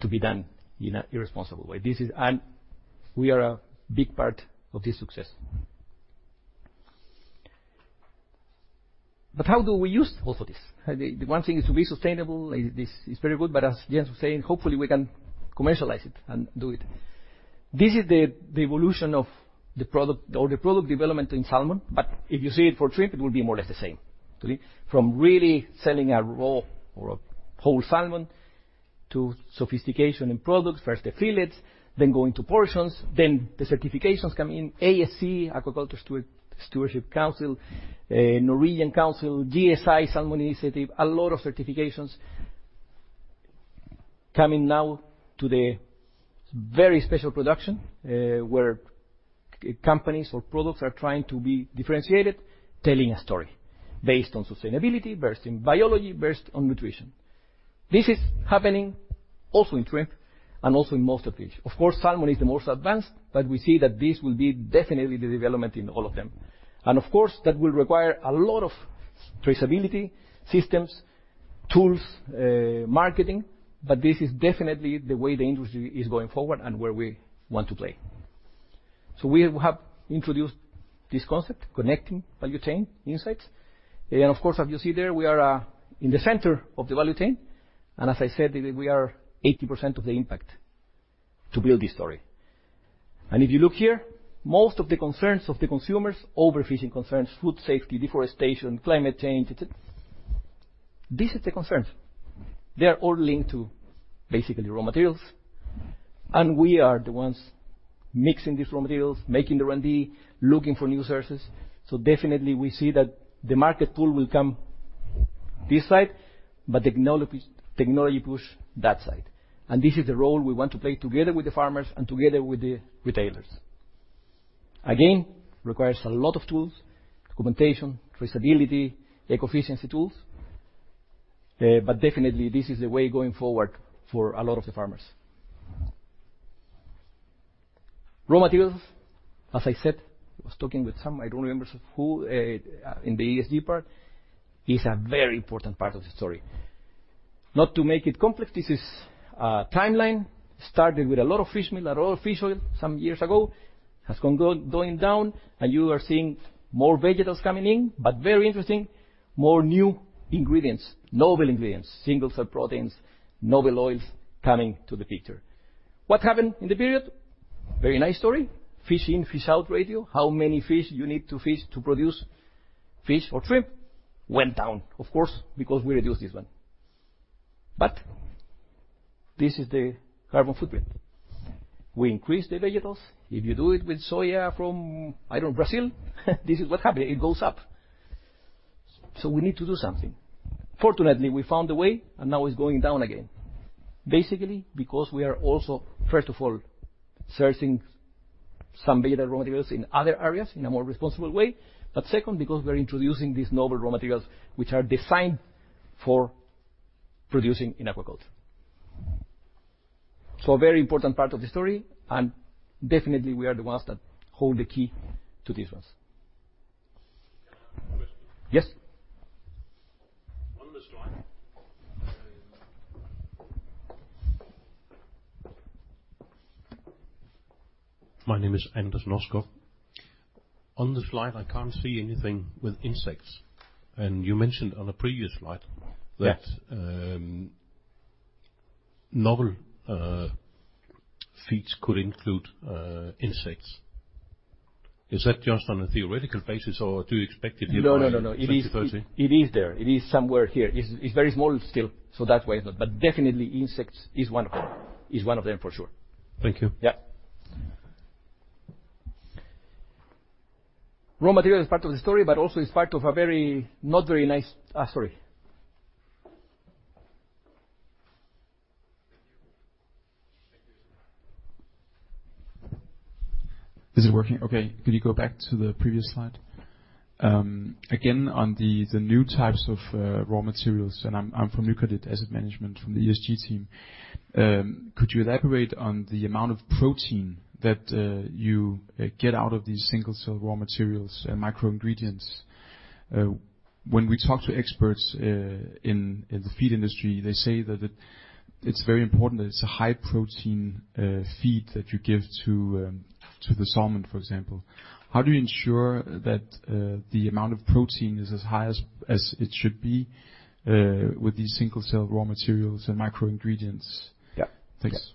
to be done in an irresponsible way. We are a big part of this success. How do we use all of this? The one thing is to be sustainable. This is very good, but as Jens was saying, hopefully we can commercialize it and do it. This is the evolution of the product or the product development in salmon. If you see it for shrimp, it will be more or less the same actually. From really selling a raw or a whole salmon to sophistication in products. First the fillets, then going to portions, then the certifications come in. ASC, Aquaculture Stewardship Council, Norwegian Council, GSI, Global Salmon Initiative, a lot of certifications coming now to the very special production, where companies or products are trying to be differentiated, telling a story based on sustainability, based in biology, based on nutrition. This is happening also in shrimp and also in most of fish. Of course, salmon is the most advanced, but we see that this will be definitely the development in all of them. Of course, that will require a lot of traceability systems, tools, marketing, but this is definitely the way the industry is going forward and where we want to play. We have introduced this concept, connecting value chain insights. Of course, as you see there, we are in the center of the value chain. As I said, we are 80% of the impact to build this story. If you look here, most of the concerns of the consumers, overfishing concerns, food safety, deforestation, climate change, et cetera. These are the concerns. They are all linked to basically raw materials. We are the ones mixing these raw materials, making the R&D, looking for new sources. Definitely we see that the market pull will come this side, but technology push that side. This is the role we want to play together with the farmers and together with the retailers. Again, requires a lot of tools, documentation, traceability, eco-efficiency tools. But definitely this is the way going forward for a lot of the farmers. Raw materials, as I said, I was talking with some, I don't remember who, in the ESG part, is a very important part of the story. Not to make it complex, this is a timeline. Started with a lot of fish meal and a lot of fish oil some years ago. Has gone going down, and you are seeing more vegetables coming in. Very interesting, more new ingredients, novel ingredients, single-cell proteins, novel oils coming to the picture. What happened in the period? Very nice story. Fish in, fish out ratio. How many fish you need to fish to produce fish or shrimp went down, of course, because we reduced this one. This is the carbon footprint. We increase the vegetables. If you do it with soy from, I don't know, Brazil, this is what happens. It goes up. We need to do something. Fortunately, we found a way, and now it's going down again. Basically, because we are also, first of all, searching some better raw materials in other areas in a more responsible way. Second, because we are introducing these novel raw materials which are designed for producing in aquaculture. A very important part of the story, and definitely we are the ones that hold the key to these ones. Question. Yes. On the slide, my name is Anders Nyskov. On the slide, I can't see anything with insects. You mentioned on a previous slide. Yeah. that novel feeds could include insects. Is that just on a theoretical basis or do you expect it here by 2030? No. It is there. It is somewhere here. It's very small still, so that's why it's not. But definitely insects is one of them for sure. Thank you. Yeah. Raw material is part of the story, but also it's part of a very not very nice story Is it working? Okay. Can you go back to the previous slide? Again, on the new types of raw materials, and I'm from Nykredit Asset Management from the ESG team. Could you elaborate on the amount of protein that you get out of these single cell raw materials and micro ingredients? When we talk to experts in the feed industry, they say that it's very important that it's a high protein feed that you give to the salmon, for example. How do you ensure that the amount of protein is as high as it should be with these single cell raw materials and micro ingredients? Yeah. Thanks.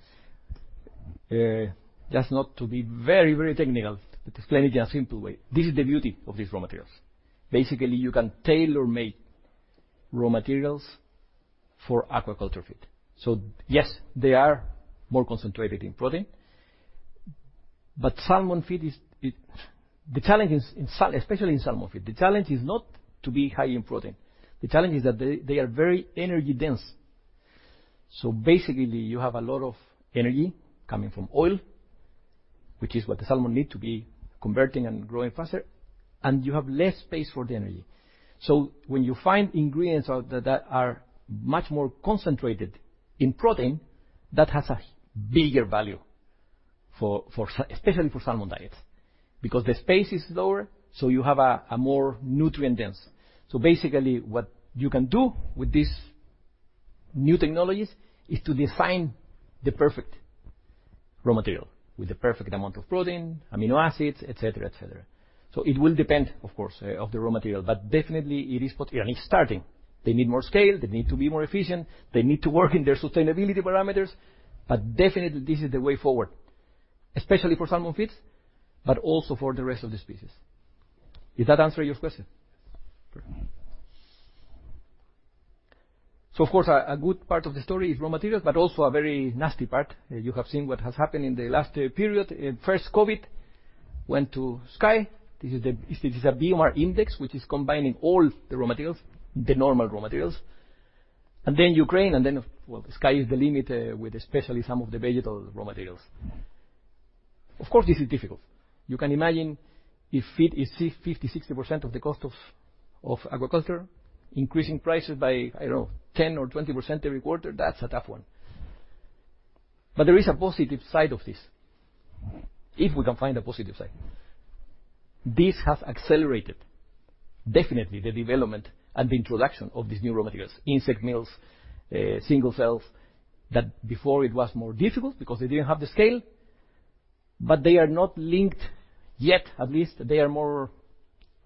Just not to be very, very technical, but explain it in a simple way. This is the beauty of these raw materials. Basically, you can tailor-make raw materials for aquaculture feed. Yes, they are more concentrated in protein, but salmon feed is. The challenge is, especially in salmon feed, the challenge is not to be high in protein. The challenge is that they are very energy-dense. Basically, you have a lot of energy coming from oil, which is what the salmon need to be converting and growing faster, and you have less space for the energy. When you find ingredients that are much more concentrated in protein, that has a bigger value for especially for salmon diets. Because the space is lower, you have a more nutrient dense. Basically what you can do with these new technologies is to design the perfect raw material with the perfect amount of protein, amino acids, et cetera, et cetera. It will depend, of course, of the raw material, but definitely it is. I mean, it's starting. They need more scale. They need to be more efficient. They need to work in their sustainability parameters, but definitely this is the way forward, especially for salmon feeds, but also for the rest of the species. Does that answer your question? Yes. Perfect. Of course, a good part of the story is raw materials, but also a very nasty part. You have seen what has happened in the last period. First COVID went to sky. This is a BioMar index, which is combining all the raw materials, the normal raw materials. Then Ukraine, and then, well, the sky is the limit with especially some of the vegetal raw materials. Of course, this is difficult. You can imagine if feed is 50, 60% of the cost of aquaculture, increasing prices by, I don't know, 10 or 20% every quarter, that's a tough one. There is a positive side of this, if we can find a positive side. This has accelerated definitely the development and the introduction of these new raw materials, insect meals, single cells, that before it was more difficult because they didn't have the scale, but they are not linked yet. At least they are more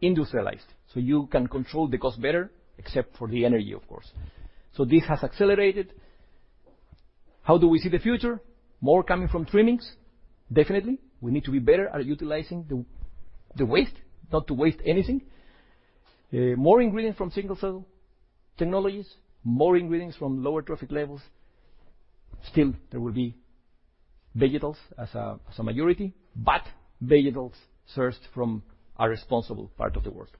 industrialized, so you can control the cost better, except for the energy, of course. This has accelerated. How do we see the future? More coming from trimmings. Definitely. We need to be better at utilizing the waste, not to waste anything. More ingredients from single cell technologies, more ingredients from lower trophic levels. Still there will be vegetals as a majority, but vegetals sourced from a responsible part of the world.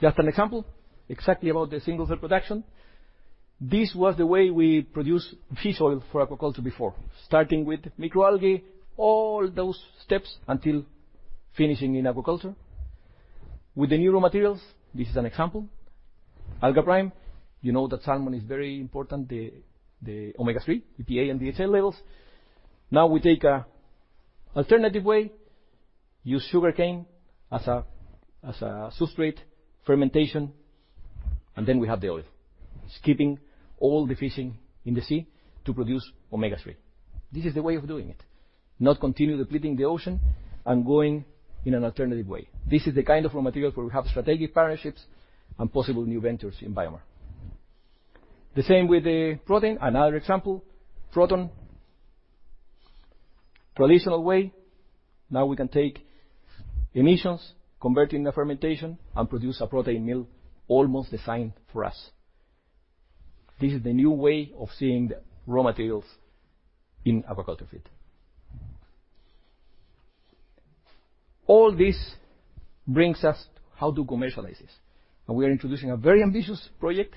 Just an example, exactly about the single cell production. This was the way we produced fish oil for aquaculture before. Starting with microalgae, all those steps until finishing in aquaculture. With the new raw materials, this is an example. AlgaPrime, you know that salmon is very important, the omega-3, EPA and DHA levels. Now we take a alternative way, use sugarcane as a substrate fermentation, and then we have the oil. Skipping all the fishing in the sea to produce omega-3. This is the way of doing it, not continue depleting the ocean and going in an alternative way. This is the kind of raw materials where we have strategic partnerships and possible new ventures in BioMar. The same with the protein. Another example, Proton. Traditional way, now we can take emissions, convert it into fermentation, and produce a protein meal almost designed for us. This is the new way of seeing the raw materials in aquaculture feed. All this brings us how to commercialize this. We are introducing a very ambitious project,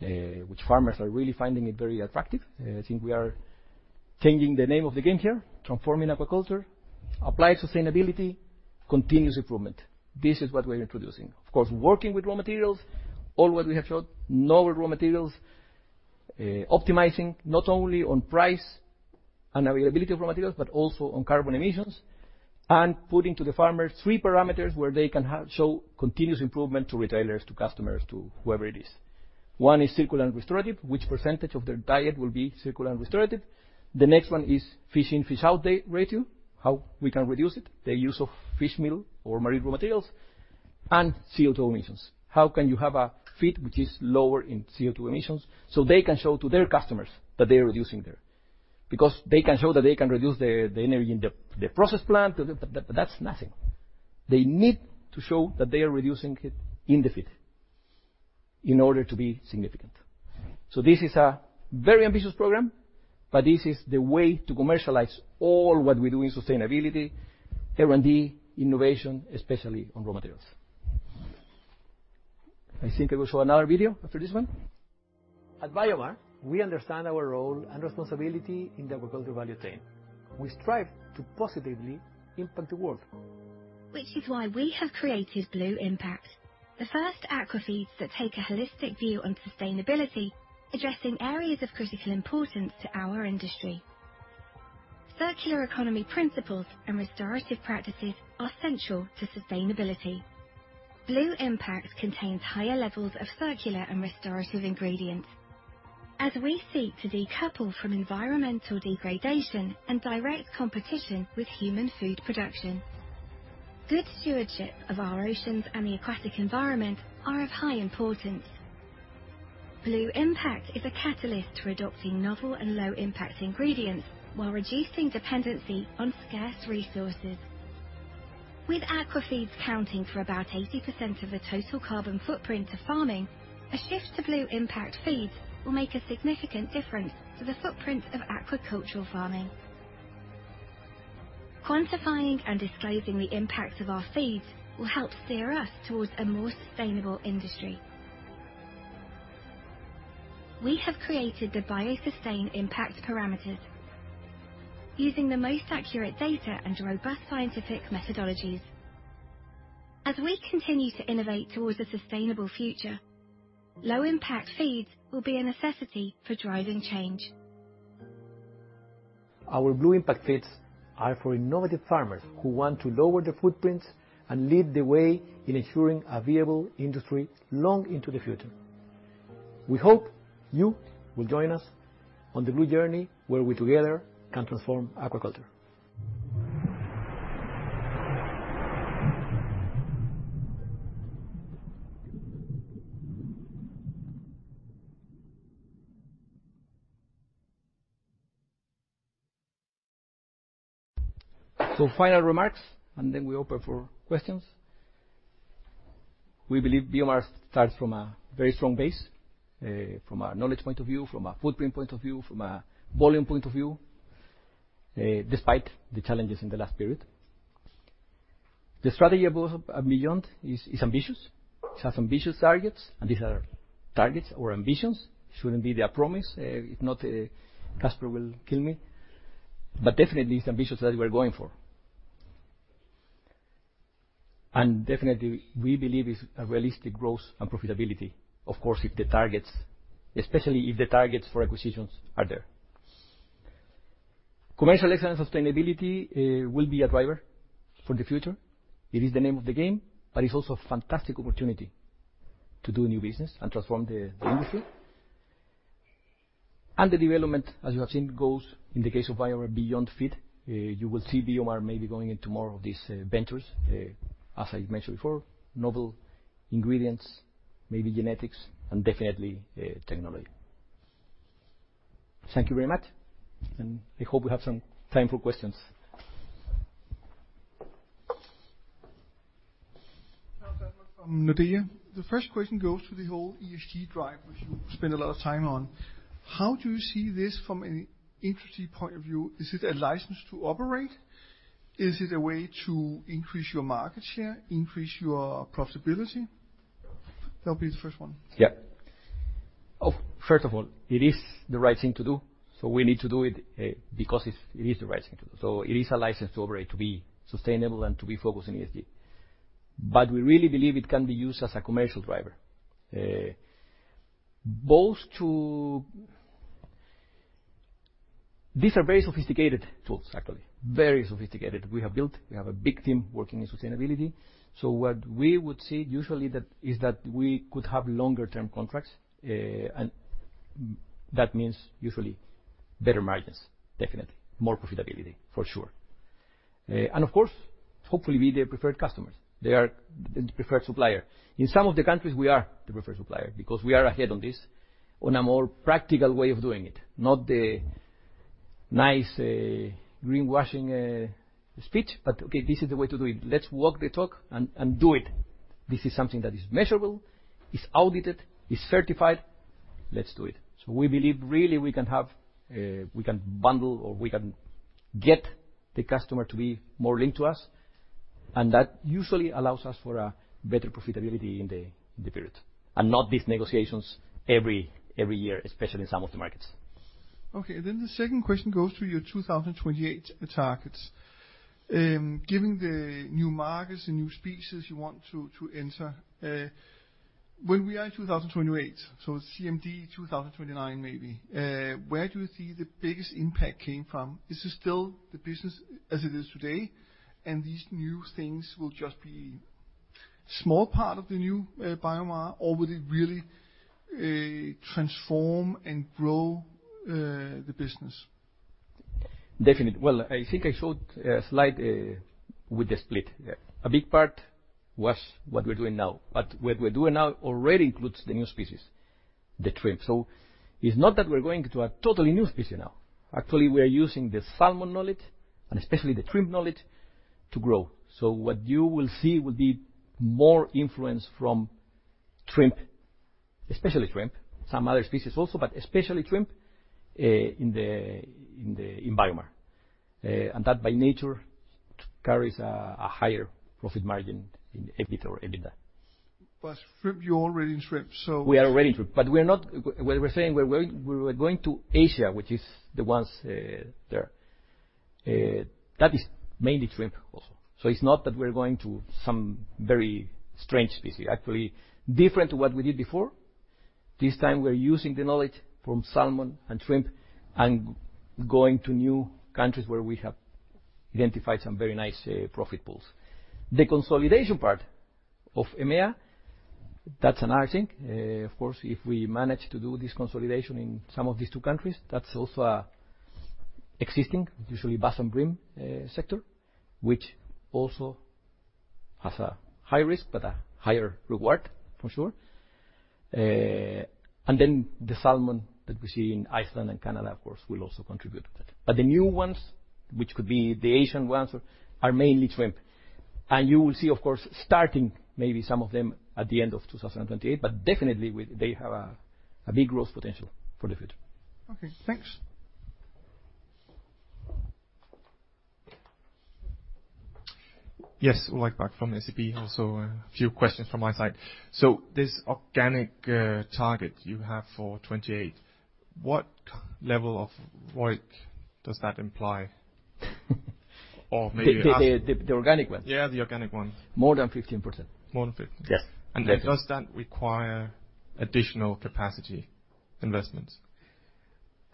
which farmers are really finding it very attractive. I think we are changing the name of the game here, transforming aquaculture. Applied sustainability, continuous improvement. This is what we're introducing. Of course, working with raw materials, all what we have showed, lower raw materials, optimizing not only on price and availability of raw materials, but also on carbon emissions and putting to the farmers three parameters where they can show continuous improvement to retailers, to customers, to whoever it is. One is circular and restorative, which percentage of their diet will be circular and restorative. The next one is fish in, fish out day ratio, how we can reduce it, the use of fish meal or marine raw materials, and CO2 emissions. How can you have a feed which is lower in CO2 emissions so they can show to their customers that they are reducing their. Because they can show that they can reduce the energy in the process plant. That's nothing. They need to show that they are reducing it in the feed in order to be significant. This is a very ambitious program, but this is the way to commercialize all what we do in sustainability, R&D, innovation, especially on raw materials. I think we will show another video after this one. At BioMar, we understand our role and responsibility in the agriculture value chain. We strive to positively impact the world. Which is why we have created Blue Impact, the first aqua feeds that take a holistic view on sustainability, addressing areas of critical importance to our industry. Circular economy principles and restorative practices are central to sustainability. Blue Impact contains higher levels of circular and restorative ingredients as we seek to decouple from environmental degradation and direct competition with human food production. Good stewardship of our oceans and the aquatic environment are of high importance. Blue Impact is a catalyst to adopting novel and low impact ingredients while reducing dependency on scarce resources. With aqua feeds accounting for about 80% of the total carbon footprint of farming, a shift to Blue Impact feeds will make a significant difference to the footprint of aquaculture farming. Quantifying and disclosing the impact of our feeds will help steer us towards a more sustainable industry. We have created the BioSustain Impact Parameters using the most accurate data and robust scientific methodologies. As we continue to innovate towards a sustainable future, low impact feeds will be a necessity for driving change. Our Blue Impact feeds are for innovative farmers who want to lower their footprints and lead the way in ensuring a viable industry long into the future. We hope you will join us on the blue journey, where we together can transform aquaculture. Final remarks, and then we open for questions. We believe BioMar starts from a very strong base, from a knowledge point of view, from a footprint point of view, from a volume point of view, despite the challenges in the last period. The strategy above a million is ambitious. It has ambitious targets, and these are targets or ambitions. Shouldn't be their promise. If not, Kasper will kill me. But definitely it's ambitious that we're going for. Definitely we believe it's a realistic growth and profitability. Of course, if the targets, especially if the targets for acquisitions are there. Commercial excellence, sustainability, will be a driver for the future. It is the name of the game, but it's also a fantastic opportunity to do new business and transform the industry. The development, as you have seen, goes in the case of BioMar Beyond Feed. You will see BioMar maybe going into more of these ventures, as I mentioned before, novel ingredients, maybe genetics, and definitely technology. Thank you very much, and I hope we have some time for questions. Now, Claus Almer from Nordea. The first question goes to the whole ESG drive, which you spend a lot of time on. How do you see this from an industry point of view? Is it a license to operate? Is it a way to increase your market share, increase your profitability? That'll be the first one. Yeah. Oh, first of all, it is the right thing to do. We need to do it because it's, it is the right thing to do. It is a license to operate, to be sustainable and to be focused on ESG. We really believe it can be used as a commercial driver. These are very sophisticated tools, actually. Very sophisticated. We have a big team working in sustainability. What we would see usually is that we could have longer term contracts. That means usually better margins, definitely. More profitability, for sure. Of course, hopefully be their preferred customers. Their preferred supplier. In some of the countries, we are the preferred supplier because we are ahead on this on a more practical way of doing it, not the nice, greenwashing, speech, but okay, this is the way to do it. Let's walk the talk and do it. This is something that is measurable, is audited, is certified. Let's do it. We believe really we can have, we can bundle or we can get the customer to be more linked to us, and that usually allows us for a better profitability in the period. Not these negotiations every year, especially in some of the markets. Okay. The second question goes to your 2028 targets. Given the new markets and new species you want to enter, when we are in 2028, so CMD 2029 maybe, where do you see the biggest impact came from? Is it still the business as it is today, and these new things will just be small part of the new BioMar? Or will it really transform and grow the business? Definitely. Well, I think I showed a slide with the split. A big part was what we're doing now, but what we're doing now already includes the new species, the shrimp. It's not that we're going to a totally new species now. Actually, we are using the salmon knowledge, and especially the shrimp knowledge, to grow. What you will see will be more influence from shrimp, especially shrimp, some other species also, but especially shrimp in BioMar. That by nature carries a higher profit margin in EBIT or EBITDA. Shrimp, you're already in shrimp, so. We are already in shrimp, but we're not. What we're saying, we're going to Asia, which is the ones there. That is mainly shrimp also. It's not that we're going to some very strange species. Actually, different to what we did before. This time we're using the knowledge from salmon and shrimp and going to new countries where we have identified some very nice profit pools. The consolidation part of EMEA, that's another thing. Of course, if we manage to do this consolidation in some of these two countries, that's also an existing, usually bass and bream sector, which also has a high risk, but a higher reward, for sure. And then the salmon that we see in Iceland and Canada, of course, will also contribute to that. The new ones, which could be the Asian ones, are mainly shrimp. You will see, of course, starting maybe some of them at the end of 2028, but definitely they have a big growth potential for the future. Okay, thanks. Yes. Ulrik Bak from SEB. Also a few questions from my side. This organic target you have for 28, what level of work does that imply? The organic one? Yeah, the organic one. More than 15%. More than 15? Yes. Does that require additional capacity investments?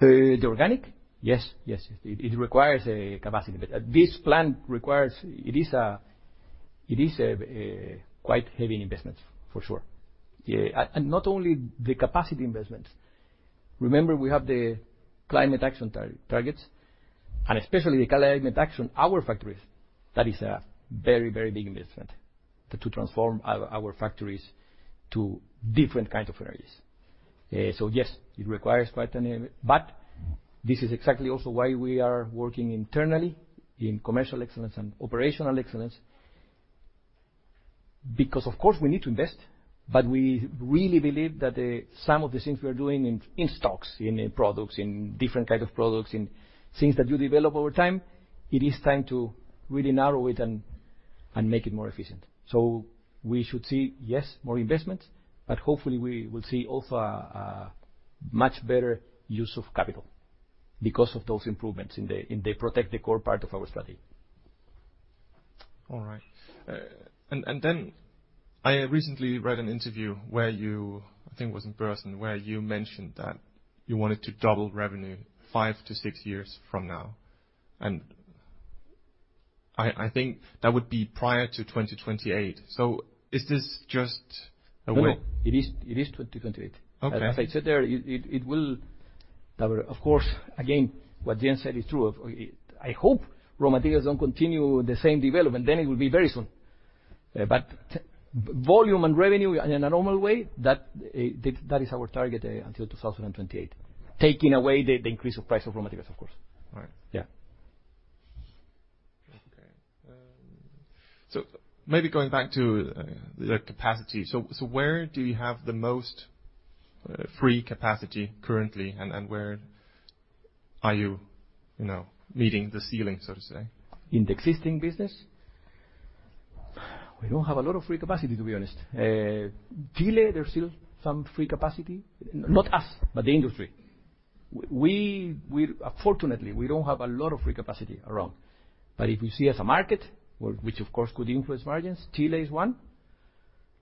The organic? Yes, yes. It requires a capacity. This plan requires. It is a quite heavy investment, for sure. Not only the capacity investments. Remember, we have the climate action targets, and especially the climate action our factories, that is a very, very big investment to transform our factories to different kind of energies. Yes, it requires quite an. This is exactly also why we are working internally in commercial excellence and operational excellence. Because of course we need to invest, but we really believe that, some of the things we are doing in stocks, in products, in different kind of products, in things that you develop over time, it is time to really narrow it and make it more efficient. We should see, yes, more investments, but hopefully we will see also a much better use of capital because of those improvements in the protect the core part of our strategy. All right. Then I recently read an interview where you, I think it was in person, where you mentioned that you wanted to double revenue 5-6 years from now, and I think that would be prior to 2028. Is this just a way? No, it is 2028. Okay. As I said there, it will, of course, again, what Jane said is true. I hope raw materials don't continue the same development, then it will be very soon. Volume and revenue in a normal way, that is our target until 2028. Taking away the increase of price of raw materials, of course. All right. Yeah. Maybe going back to the capacity. Where do you have the most free capacity currently and where are you meeting the ceiling, so to say? In the existing business? We don't have a lot of free capacity, to be honest. Chile, there's still some free capacity. Not us, but the industry. Fortunately, we don't have a lot of free capacity around. If you see as a market, which of course could influence margins, Chile is one.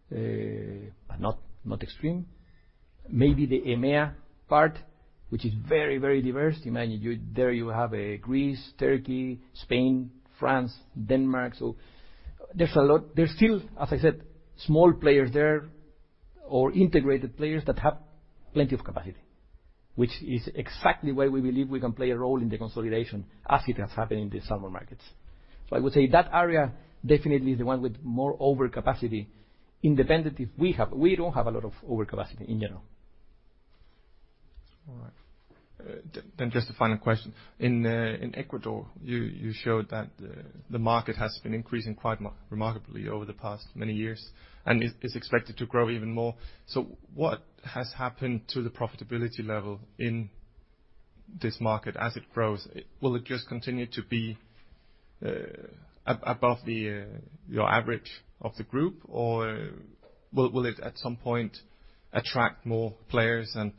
But not extreme. Maybe the EMEA part, which is very, very diverse. There you have Greece, Turkey, Spain, France, Denmark. There's a lot. There's still, as I said, small players there or integrated players that have plenty of capacity, which is exactly where we believe we can play a role in the consolidation as it has happened in the salmon markets. I would say that area definitely is the one with more overcapacity independent if we have. We don't have a lot of overcapacity in general. All right. Just a final question. In Ecuador, you showed that the market has been increasing quite remarkably over the past many years and is expected to grow even more. What has happened to the profitability level in this market as it grows? Will it just continue to be above your average of the group? Or will it at some point attract more players and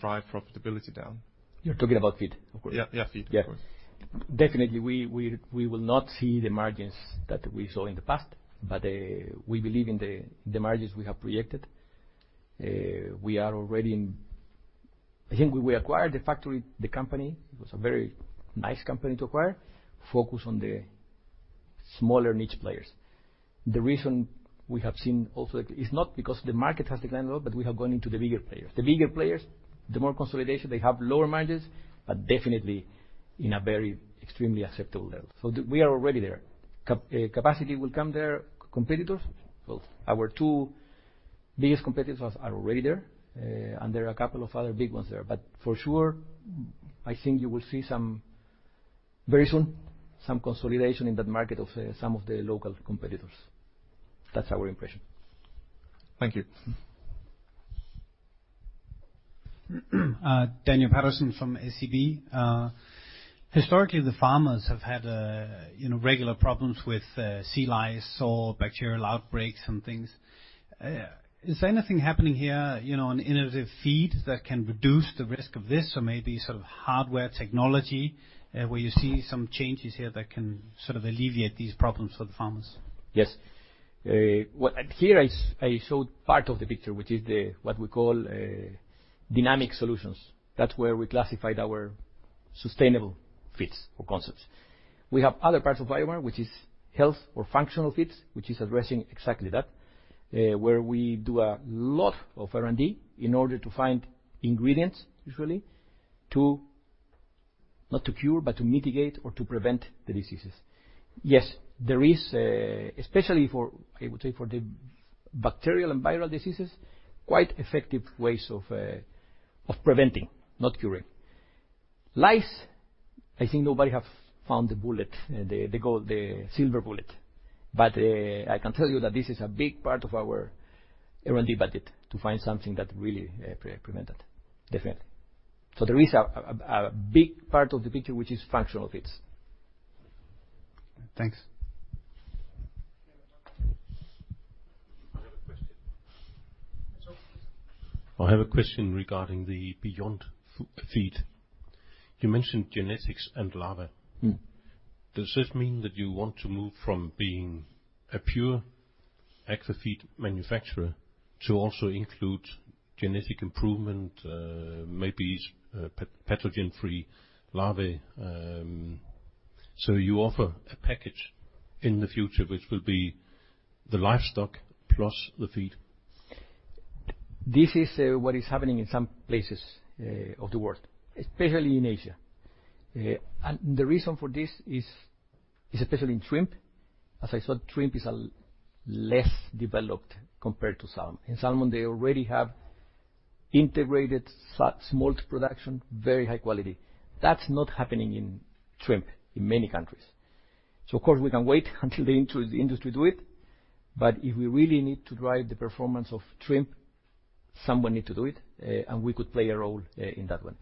drive profitability down? You're talking about feed? Of course. Yeah, yeah, feed. Yeah. Definitely, we will not see the margins that we saw in the past, but we believe in the margins we have projected. We are already in. I think we acquired the factory, the company. It was a very nice company to acquire, focused on the smaller niche players. The reason we have seen also. It is not because the market has declined at all, but we have gone into the bigger players. The bigger players, the more consolidation, they have lower margins, but definitely in a very extremely acceptable level. We are already there. Capacity will come there. Competitors, both our two biggest competitors are already there, and there are a couple of other big ones there. For sure, I think you will see some very soon, some consolidation in that market of some of the local competitors. That's our impression. Thank you. Daniel Petersen from SEB. Historically, the farmers have had, you know, regular problems with sea lice or bacterial outbreaks and things. Is anything happening here, you know, on innovative feed that can reduce the risk of this or maybe sort of hardware technology, where you see some changes here that can sort of alleviate these problems for the farmers? Yes. Here, I showed part of the picture, which is what we call dynamic solutions. That's where we classified our sustainable feed or concepts. We have other parts of BioMar, which is health or functional feeds, which is addressing exactly that, where we do a lot of R&D in order to find ingredients, usually not to cure, but to mitigate or to prevent the diseases. Yes, there is, especially for, I would say, for the bacterial and viral diseases, quite effective ways of preventing, not curing. Lice, I think nobody have found the silver bullet. I can tell you that this is a big part of our R&D budget, to find something that really prevent it. Definitely. There is a big part of the picture, which is functional feeds. Thanks. I have a question. Yes, sir. I have a question regarding the beyond feed. You mentioned genetics and larva. Mm-hmm. Does this mean that you want to move from being a pure aquafeed manufacturer to also include genetic improvement, maybe specific pathogen-free larvae, so you offer a package in the future which will be the livestock plus the feed? This is what is happening in some places of the world, especially in Asia. The reason for this is especially in shrimp. As I said, shrimp is a less developed compared to salmon. In salmon, they already have integrated smolt production, very high quality. That's not happening in shrimp in many countries. Of course, we can wait until the industry do it, but if we really need to drive the performance of shrimp, someone need to do it, and we could play a role in that one.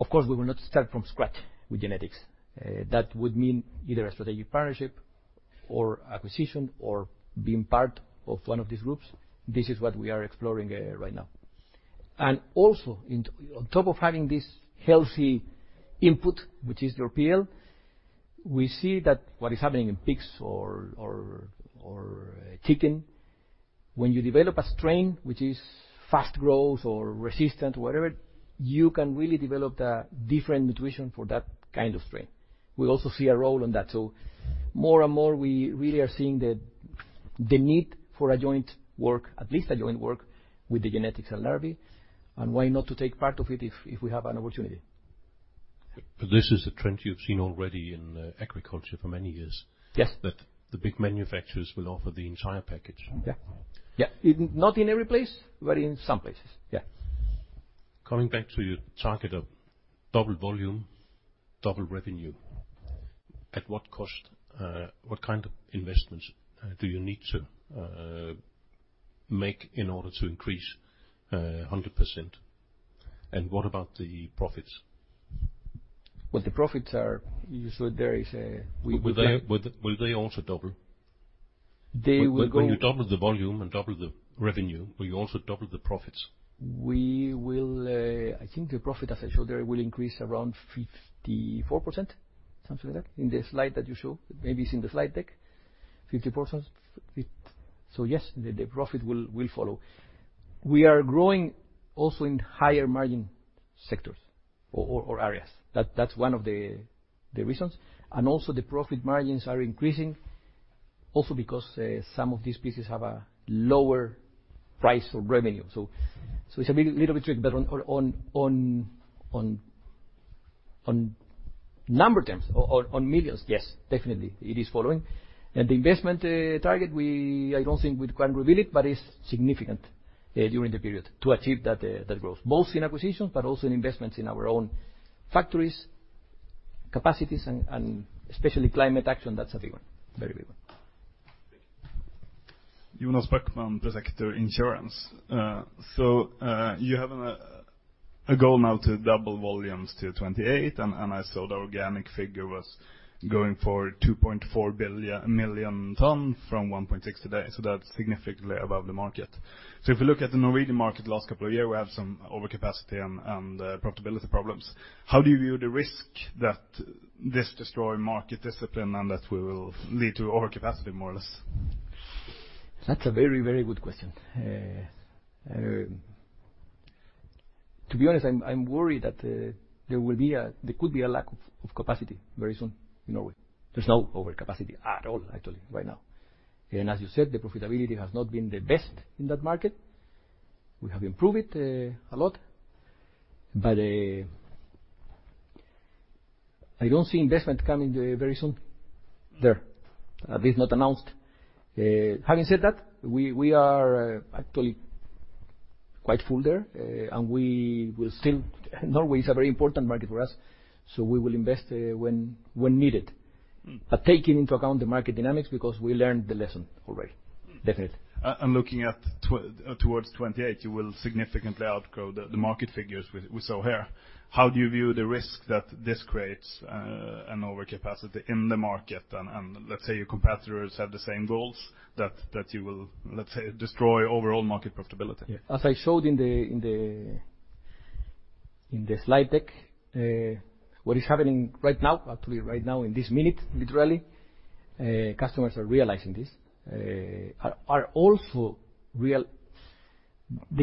Of course, we will not start from scratch with genetics. That would mean either a strategic partnership or acquisition or being part of one of these groups. This is what we are exploring right now. On top of having this healthy input, which is your P&L, we see that what is happening in pigs or chicken, when you develop a strain which is fast growth or resistant, whatever, you can really develop a different nutrition for that kind of strain. We also see a role in that. More and more, we really are seeing the need for a joint work, at least a joint work with the genetics and larvae. Why not to take part of it if we have an opportunity? This is a trend you've seen already in agriculture for many years. Yes. That the big manufacturers will offer the entire package. Yeah. Yeah. In, not in every place, but in some places. Yeah. Coming back to your target of double volume, double revenue, at what cost, what kind of investments do you need to make in order to increase 100%? What about the profits? Well, the profits are. You saw there is a. Will they also double? They will go. When you double the volume and double the revenue, will you also double the profits? We will. I think the profit, as I showed there, will increase around 54%, something like that, in the slide that you show. Maybe it's in the slide deck. 50%. Yes, the profit will follow. We are growing also in higher margin sectors or areas. That's one of the reasons. Also the profit margins are increasing also because some of these pieces have a lower price or revenue. It's a little bit tricky. On number terms or on millions, yes, definitely, it is following. The investment target, I don't think we can reveal it, but it's significant during the period to achieve that growth. Mostly in acquisitions, but also in investments in our own factories, capacities and especially climate action. That's a big one, very big one. Thank you. Jonas Bækmark, Analyst, DNB. You have a goal now to double volumes to 2028, and I saw the organic figure was going for 2.4 million tons from 1.6 today. That's significantly above the market. If you look at the Norwegian market the last couple of years, we have some overcapacity and profitability problems. How do you view the risk that this destroy market discipline and that will lead to overcapacity more or less? That's a very, very good question. To be honest, I'm worried that there could be a lack of capacity very soon in Norway. There's no overcapacity at all, actually, right now. As you said, the profitability has not been the best in that market. We have improved it a lot. I don't see investment coming very, very soon there. At least not announced. Having said that, we are actually quite full there, and Norway is a very important market for us, so we will invest when needed. Mm-hmm. Taking into account the market dynamics because we learned the lesson already. Definitely. Looking at towards 2028, you will significantly outgrow the market figures we saw here. How do you view the risk that this creates an overcapacity in the market? Let's say your competitors have the same goals that you will, let's say, destroy overall market profitability. As I showed in the slide deck, what is happening right now, actually right now in this minute, literally, customers are realizing this. The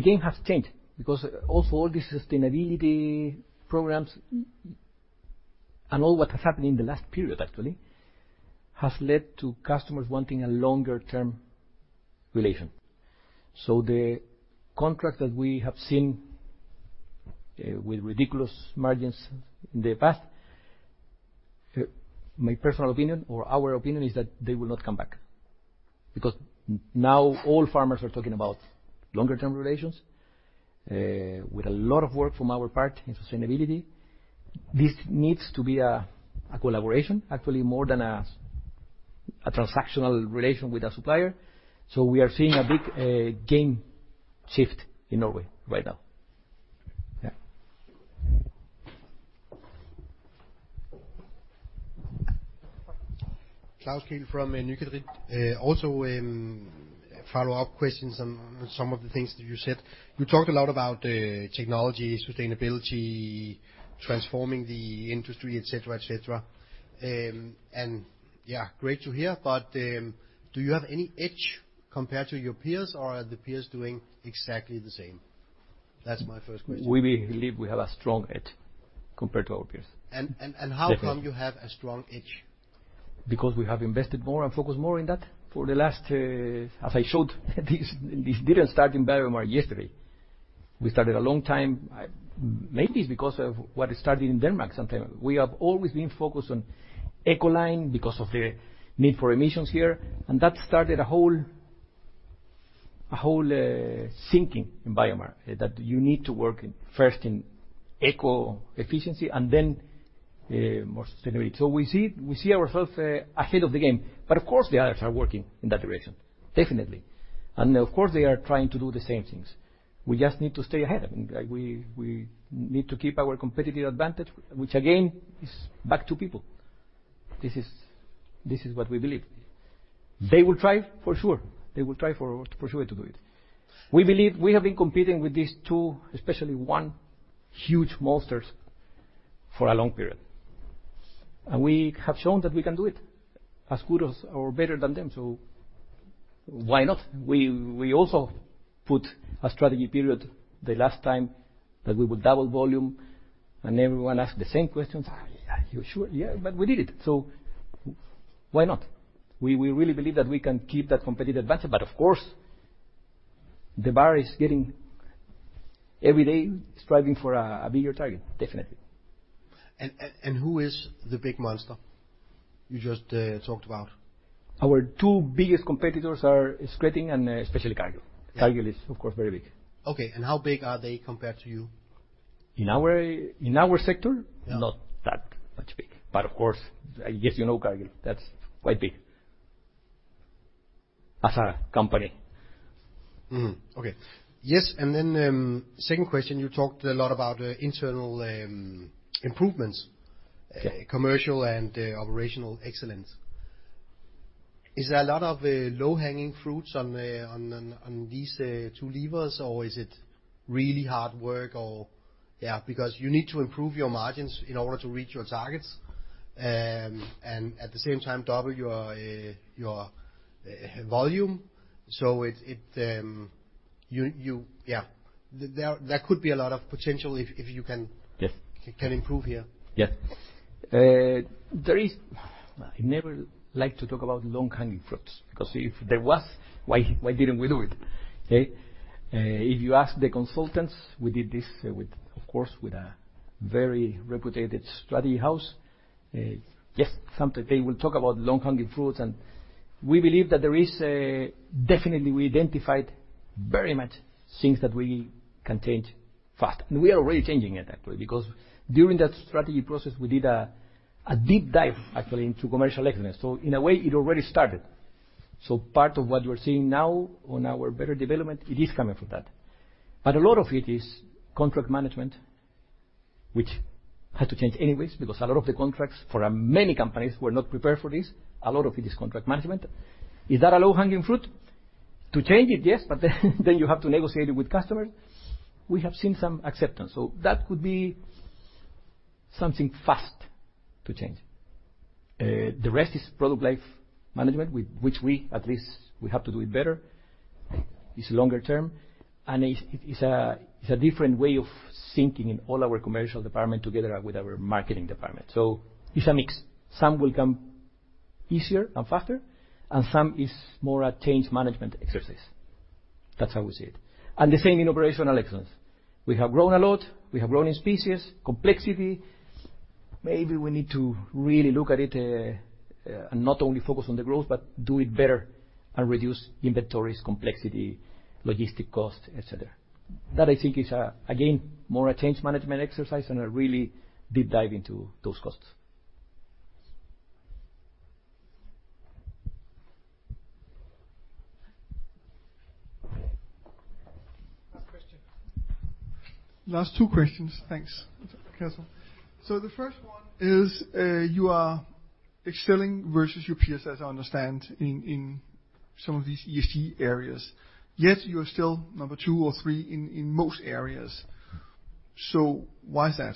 game has changed because also all the sustainability programs and all what has happened in the last period actually has led to customers wanting a longer-term relation. The contract that we have seen with ridiculous margins in the past, my personal opinion or our opinion is that they will not come back. Because now all farmers are talking about longer-term relations, with a lot of work from our part in sustainability. This needs to be a collaboration, actually more than a transactional relation with a supplier. We are seeing a big game shift in Norway right now. Claus Kej from Nykredit. Also, follow-up questions on some of the things that you said. You talked a lot about technology, sustainability, transforming the industry, et cetera. Yeah, great to hear, but do you have any edge compared to your peers, or are the peers doing exactly the same? That's my first question. We believe we have a strong edge compared to our peers. How come you have a strong edge? Because we have invested more and focused more in that for the last. As I showed, this didn't start in BioMar yesterday. We started a long time. Maybe it's because of what started in Denmark sometime. We have always been focused on Ecolife because of the need for emissions here, and that started a whole thinking in BioMar, that you need to work first in eco-efficiency and then more sustainability. We see ourselves ahead of the game. Of course, the others are working in that direction, definitely. Of course, they are trying to do the same things. We just need to stay ahead, and we need to keep our competitive advantage, which again is back to people. This is what we believe. They will try for sure. They will try for sure to do it. We believe we have been competing with these two, especially one, huge monsters for a long period. We have shown that we can do it as good as or better than them. Why not? We also put a strategy period the last time that we would double volume, and everyone asked the same questions. "Are you sure?" Yeah, but we did it. Why not? We really believe that we can keep that competitive advantage. Of course, the bar is getting every day striving for a bigger target, definitely. Who is the big monster you just talked about? Our two biggest competitors are Skretting and especially Cargill. Yeah. Cargill is, of course, very big. Okay. How big are they compared to you? In our sector? Yeah. Not that much big. Of course, I guess you know Cargill. That's quite big as a company. Mm-hmm. Okay. Yes, second question, you talked a lot about internal improvements. Yeah Commercial and operational excellence. Is there a lot of low-hanging fruits on these two levers, or is it really hard work? Yeah, because you need to improve your margins in order to reach your targets, and at the same time double your volume. Yeah. There could be a lot of potential if you can- Yes Can improve here. Yes. I never like to talk about low-hanging fruits, because if there was, why didn't we do it, okay? If you ask the consultants, we did this with, of course, with a very reputable strategy house. Yes, some. They will talk about low-hanging fruits. We believe that there is. Definitely, we identified very much things that we can change fast. We are already changing it, actually, because during that strategy process, we did a deep dive, actually, into commercial excellence. In a way, it already started. Part of what you're seeing now on our better development, it is coming from that. A lot of it is contract management, which had to change anyways, because a lot of the contracts for many companies were not prepared for this. A lot of it is contract management. Is that a low-hanging fruit? To change it, yes, but then you have to negotiate it with customer. We have seen some acceptance. That could be something fast to change. The rest is product life management, which we at least have to do it better. It's longer term. It is a different way of thinking in all our commercial department together with our marketing department. It's a mix. Some will come easier and faster, and some is more a change management exercise. That's how we see it. The same in operational excellence. We have grown a lot. We have grown in species, complexity. Maybe we need to really look at it, and not only focus on the growth, but do it better and reduce inventories, complexity, logistic costs, et cetera. That I think is, again, more a change management exercise and a really deep dive into those costs. Last question. Last two questions. Thanks, Carlos. The first one is, you are excelling versus your peers, as I understand, in some of these ESG areas, yet you're still number two or three in most areas. Why is that?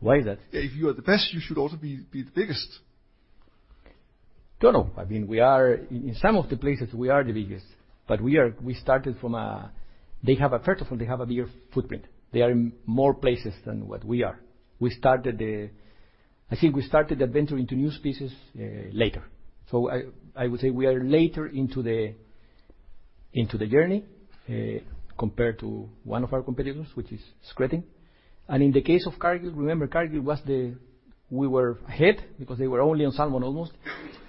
Why is that? If you are the best, you should also be the biggest. No, no. I mean, in some of the places, we are the biggest, but they have first of all a bigger footprint. They are in more places than what we are. I think we started the venture into new spaces later. I would say we are later into the journey compared to one of our competitors, which is Skretting. In the case of Cargill, we were ahead because they were only on salmon almost,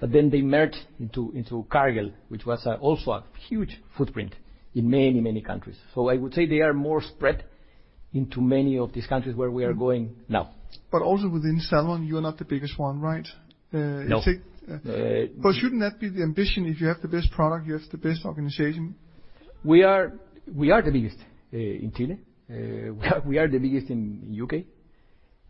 but then they merged into Cargill, which was also a huge footprint in many countries. I would say they are more spread into many of these countries where we are going now. also within salmon, you are not the biggest one, right? No. Is it? Uh- Shouldn't that be the ambition if you have the best product, you have the best organization? We are the biggest in Chile. We are the biggest in the UK.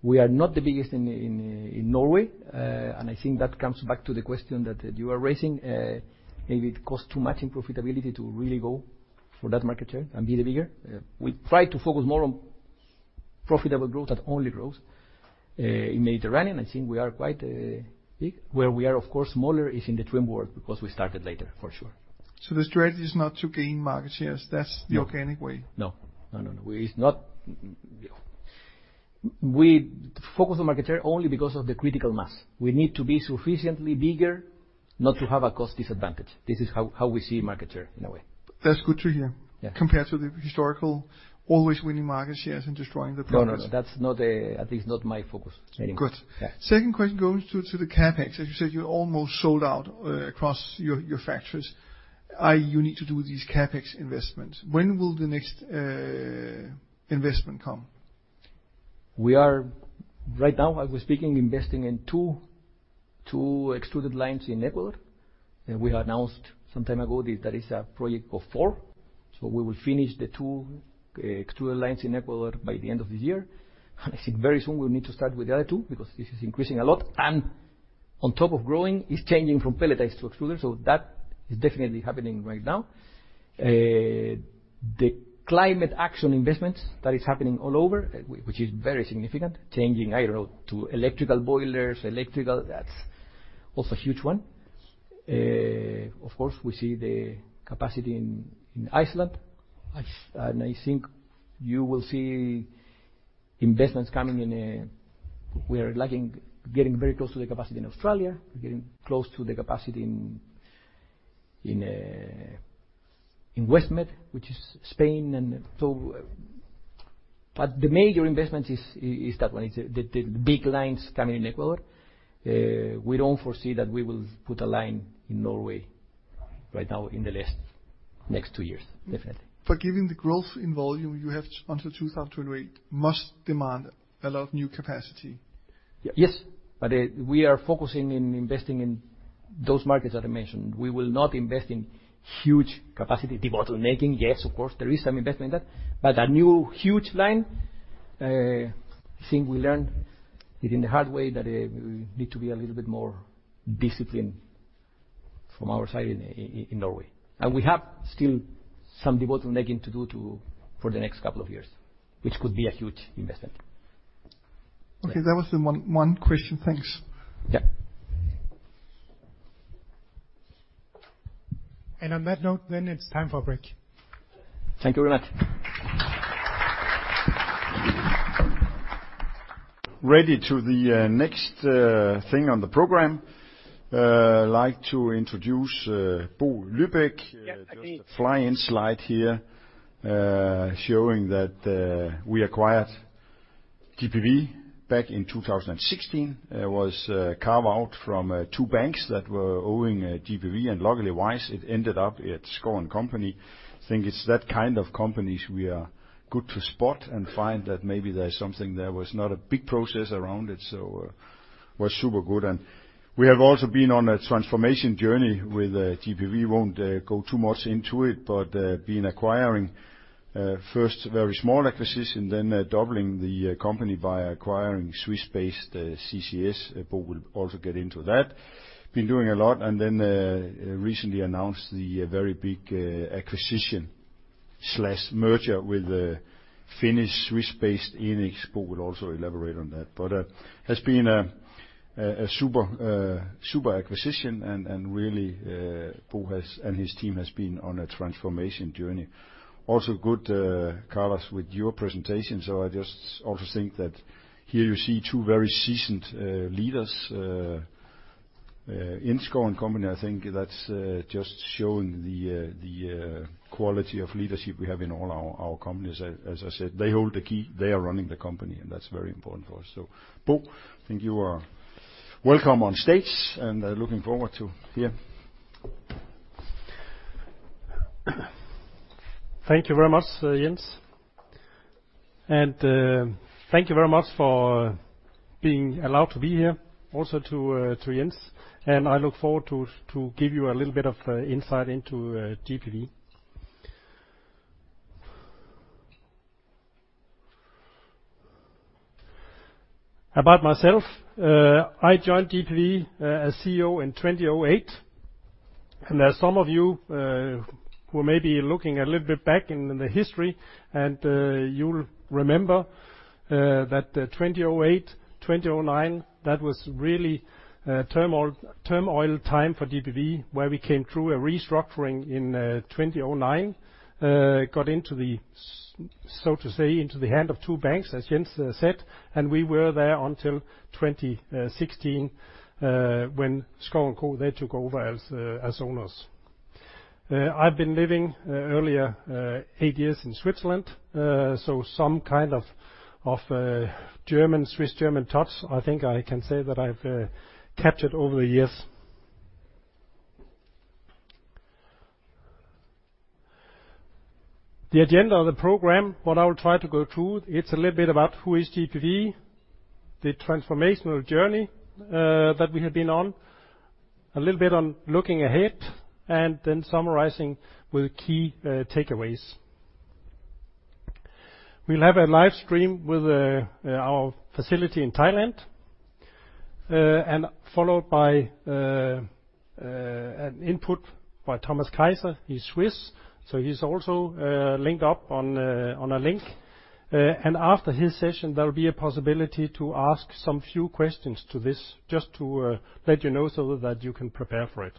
We are not the biggest in Norway. I think that comes back to the question that you are raising. Maybe it costs too much in profitability to really go for that market share and be the bigger. We try to focus more on profitable growth than only growth. In the Mediterranean, I think we are quite big. Where we are, of course, smaller is in the shrimp world because we started later, for sure. The strategy is not to gain market shares. That's the organic way. No. It's not. We focus on market share only because of the critical mass. We need to be sufficiently bigger not to have a cost disadvantage. This is how we see market share, in a way. That's good to hear. Yeah. Compared to the historically always winning market shares and destroying the product. No, no. At least not my focus anymore. Good. Yeah. Second question goes to the CapEx. As you said, you're almost sold out across your factories. You need to do these CapEx investments. When will the next investment come? We are right now, as we're speaking, investing in two extruded lines in Ecuador. We announced some time ago that is a project of four. We will finish the two extruded lines in Ecuador by the end of this year. I think very soon we'll need to start with the other two because this is increasing a lot. On top of growing, it's changing from pelletized to extruded. That is definitely happening right now. The climate action investments that is happening all over, which is very significant, changing, I don't know, to electrical boilers, that's also a huge one. Of course, we see the capacity in Iceland. I think you will see investments coming in. We are getting very close to the capacity in Australia. We're getting close to the capacity in WestMed, which is Spain and so. The major investment is that one. It's the big lines coming in Ecuador. We don't foresee that we will put a line in Norway right now in the next two years, definitely. Given the growth in volume you have until 2028 must demand a lot of new capacity. Yes, we are focusing on investing in those markets that I mentioned. We will not invest in huge capacity. Debottlenecking, yes, of course, there is some investment in that. A new huge line, I think we learned it the hard way that we need to be a little bit more disciplined from our side in Norway. We have still some debottlenecking to do for the next couple of years, which could be a huge investment. Okay. That was the one question. Thanks. Yeah. On that note, then it's time for a break. Thank you very much. Ready to the next thing on the program. I'd like to introduce Bo Lybæk. Yeah, can hear you. Just a fly-in slide here, showing that we acquired GPV back in 2016. It was a carve out from two banks that were owning GPV, and luckily wise, it ended up at Schouw & Co. Think it's that kind of companies we are good to spot and find that maybe there's something. There was not a big process around it, so was super good. We have also been on a transformation journey with GPV. Won't go too much into it, but been acquiring, first very small acquisition, then doubling the company via acquiring Swiss-based CCS. Bo will also get into that. Been doing a lot, and then recently announced the very big acquisition/merger with the Finnish Swiss-based Enics. Bo will also elaborate on that. has been a super acquisition and really Bo and his team has been on a transformation journey. Also good Carlos with your presentation. I just also think that here you see two very seasoned leaders in Schouw & Co. I think that's just showing the quality of leadership we have in all our companies. As I said, they hold the key, they are running the company, and that's very important for us. Bo, I think you are welcome on stage, and looking forward to hear. Thank you very much, Jens. Thank you very much for being allowed to be here, also to Jens, and I look forward to give you a little bit of insight into GPV. About myself, I joined GPV as CEO in 2008. There are some of you who may be looking a little bit back in the history, and you'll remember that 2008, 2009, that was really a turmoil time for GPV, where we came through a restructuring in 2009. Got into the so to say, into the hand of two banks, as Jens said, and we were there until 2016, when Schouw & Co. took over as owners. I've been living earlier eight years in Switzerland, so some kind of German, Swiss-German touch, I think I can say that I've captured over the years. The agenda of the program, what I will try to go through, it's a little bit about who is GPV, the transformational journey that we have been on, a little bit on looking ahead, and then summarizing with key takeaways. We'll have a live stream with our facility in Thailand, and followed by an input by Thomas Kaiser. He's Swiss, so he's also linked up on a link, and after his session, there'll be a possibility to ask some few questions to this, just to let you know so that you can prepare for it.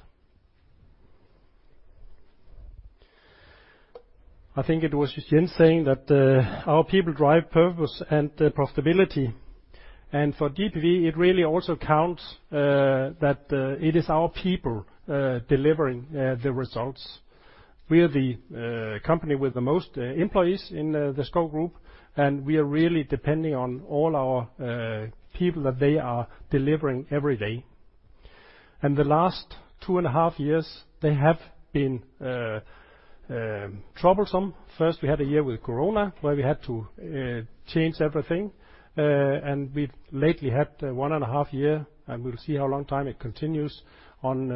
I think it was Jens saying that our people drive purpose and profitability. For GPV, it really also counts that it is our people delivering the results. We are the company with the most employees in the Schouw & Co., and we are really depending on all our people that they are delivering every day. The last two and a half years, they have been troublesome. First, we had a year with COVID, where we had to change everything, and we lately had one and a half year, and we'll see how long time it continues on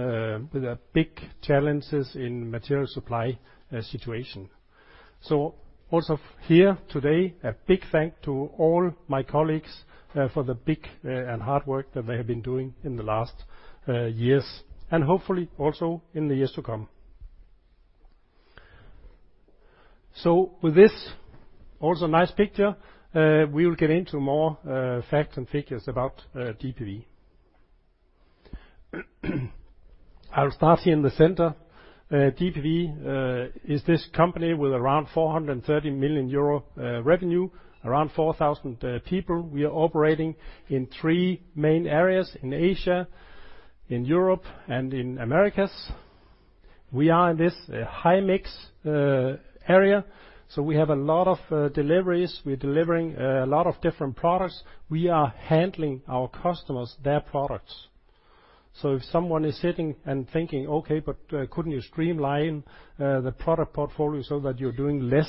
with the big challenges in material supply situation. Also here today, a big thank to all my colleagues, for the big and hard work that they have been doing in the last years, and hopefully also in the years to come. With this also nice picture, we will get into more facts and figures about GPV. I'll start here in the center. GPV is this company with around 430 million euro revenue, around 4,000 people. We are operating in three main areas in Asia, in Europe, and in Americas. We are in this high-mix area, so we have a lot of deliveries. We're delivering a lot of different products. We are handling our customers their products. If someone is sitting and thinking, okay, but, couldn't you streamline the product portfolio so that you're doing less,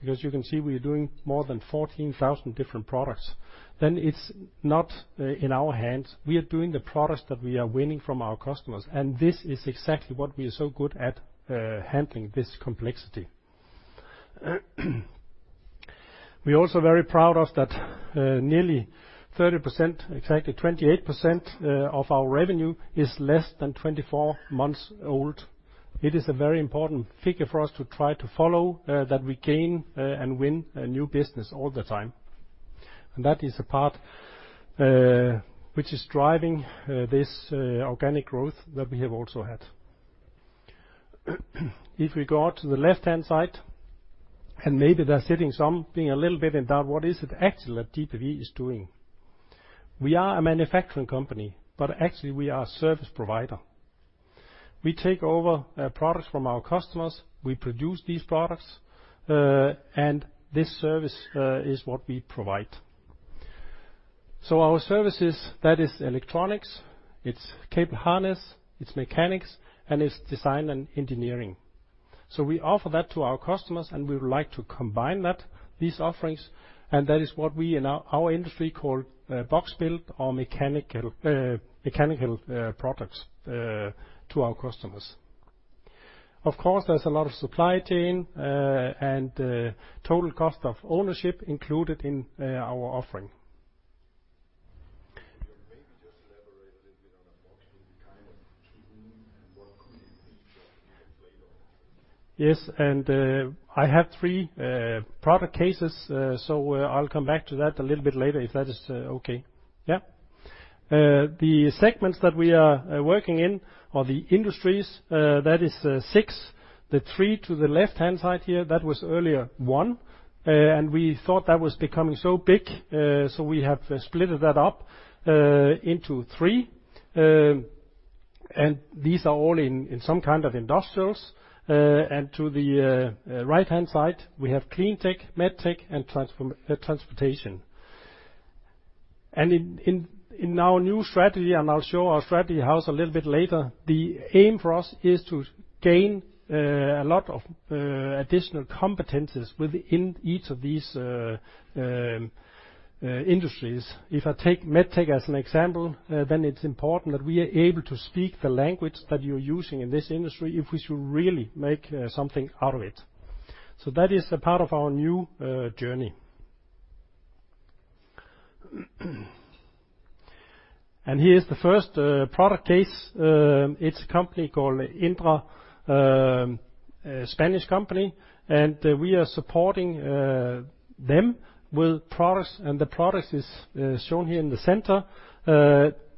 because you can see we are doing more than 14,000 different products, then it's not in our hands. We are doing the products that we are winning from our customers, and this is exactly what we are so good at handling this complexity. We're also very proud of that nearly 30%, exactly 28%, of our revenue is less than 24 months old. It is a very important figure for us to try to follow, that we gain and win new business all the time. That is the part which is driving this organic growth that we have also had. If we go out to the left-hand side, and maybe there sitting some being a little bit in doubt, what is it actually that GPV is doing? We are a manufacturing company, but actually we are a service provider. We take over products from our customers, we produce these products, and this service is what we provide. Our services, that is electronics, it's cable harness, it's mechanics, and it's design and engineering. We offer that to our customers, and we would like to combine that, these offerings, and that is what we in our industry call box build or mechanical products to our customers. Of course, there's a lot of supply chain and total cost of ownership included in our offering. Could you maybe just elaborate a little bit on the box build? Kind of key things and what key features you can play on? Yes, I have 3 product cases, so I'll come back to that a little bit later, if that is okay. Yeah. The segments that we are working in or the industries, that is 6. The 3 to the left-hand side here, that was earlier 1, and we thought that was becoming so big, so we have split that up into 3. These are all in some kind of industrials. To the right-hand side, we have clean tech, med tech, and transportation. In our new strategy, and I'll show our strategy house a little bit later, the aim for us is to gain a lot of additional competencies within each of these industries. If I take med tech as an example, then it's important that we are able to speak the language that you're using in this industry if we should really make something out of it. That is a part of our new journey. Here is the first product case. It's a company called Indra, a Spanish company, and we are supporting them with products, and the product is shown here in the center.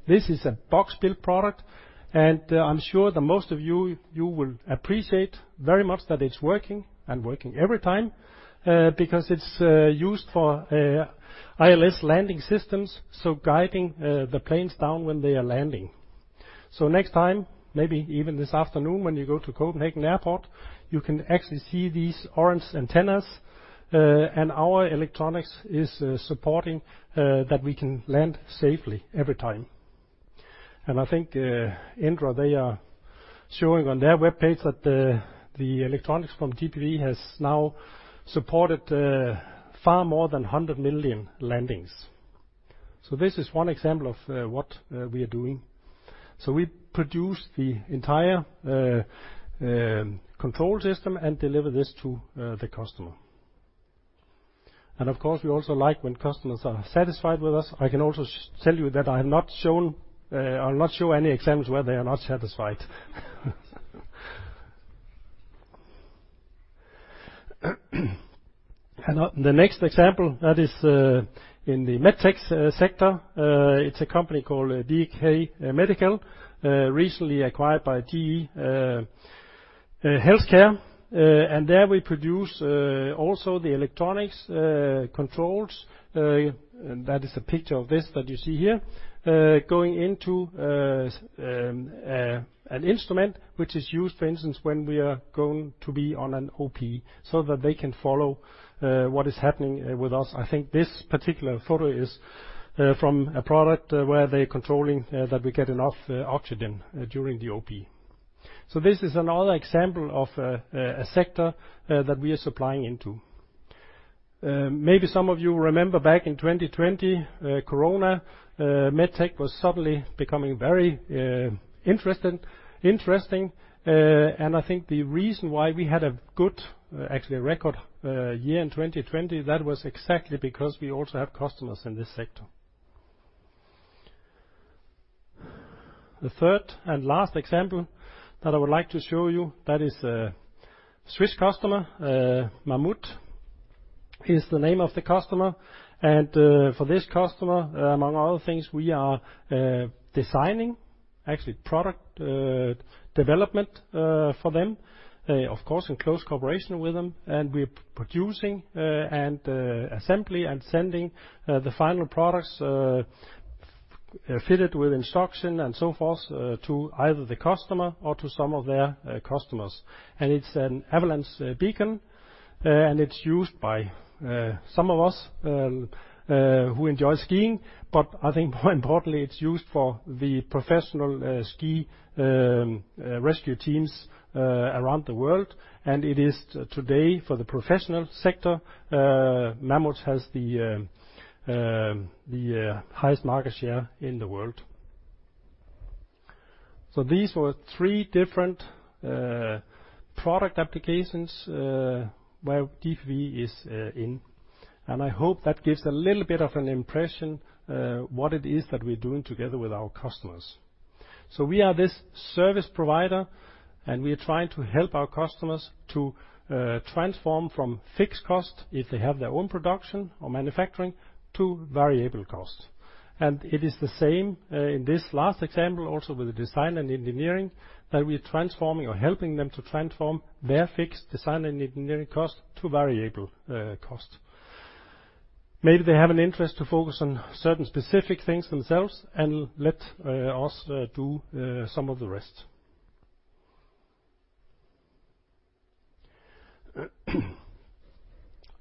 This is a box build product, and I'm sure that most of you will appreciate very much that it's working and working every time, because it's used for ILS landing systems, guiding the planes down when they are landing. Next time, maybe even this afternoon when you go to Copenhagen Airport, you can actually see these orange antennas, and our electronics is supporting that we can land safely every time. I think Indra, they are showing on their webpage that the electronics from GPV has now supported far more than 100 million landings. This is one example of what we are doing. We produce the entire control system and deliver this to the customer. Of course, we also like when customers are satisfied with us. I can also tell you that I have not shown any examples where they are not satisfied. The next example is in the med tech sector. It's a company called BK Medical, recently acquired by GE HealthCare. There we produce also the electronics controls, and that is a picture of this that you see here, going into an instrument which is used, for instance, when we are going to be on an OP so that they can follow what is happening with us. I think this particular photo is from a product where they're controlling that we get enough oxygen during the OP. This is another example of a sector that we are supplying into. Maybe some of you remember back in 2020, Corona, med tech was suddenly becoming very interesting, and I think the reason why we had a good, actually a record, year in 2020, that was exactly because we also have customers in this sector. The third and last example that I would like to show you, that is a Swiss customer, Mammut is the name of the customer. For this customer, among other things, we are designing actually product development for them, of course in close cooperation with them, and we're producing and assembly and sending the final products fitted with instruction and so forth to either the customer or to some of their customers. It's an avalanche beacon, and it's used by some of us who enjoy skiing, but I think more importantly, it's used for the professional ski rescue teams around the world, and it is today for the professional sector. Mammut has the highest market share in the world. These were three different product applications where GPV is in, and I hope that gives a little bit of an impression what it is that we're doing together with our customers. We are this service provider, and we are trying to help our customers to transform from fixed cost if they have their own production or manufacturing to variable costs. It is the same in this last example also with the design and engineering that we're transforming or helping them to transform their fixed design and engineering cost to variable cost. Maybe they have an interest to focus on certain specific things themselves and let us do some of the rest.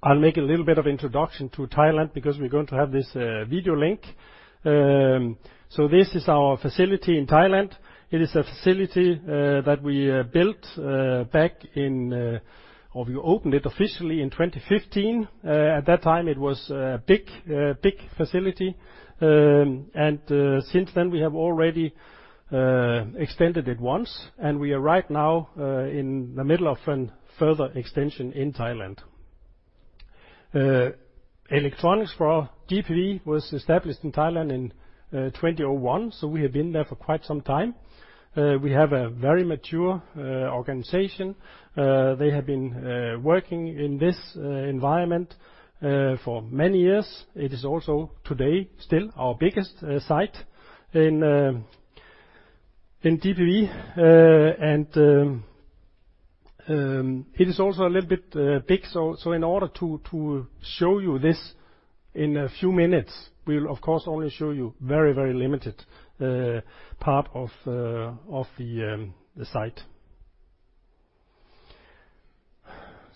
I'll make a little bit of introduction to Thailand because we're going to have this video link. This is our facility in Thailand. It is a facility that we built back in or we opened it officially in 2015. At that time, it was a big facility. Since then, we have already extended it once, and we are right now in the middle of a further extension in Thailand. Electronics for GPV was established in Thailand in 2001, so we have been there for quite some time. We have a very mature organization. They have been working in this environment for many years. It is also today still our biggest site in GPV. It is also a little bit big. In order to show you this in a few minutes, we'll of course only show you very limited part of the site.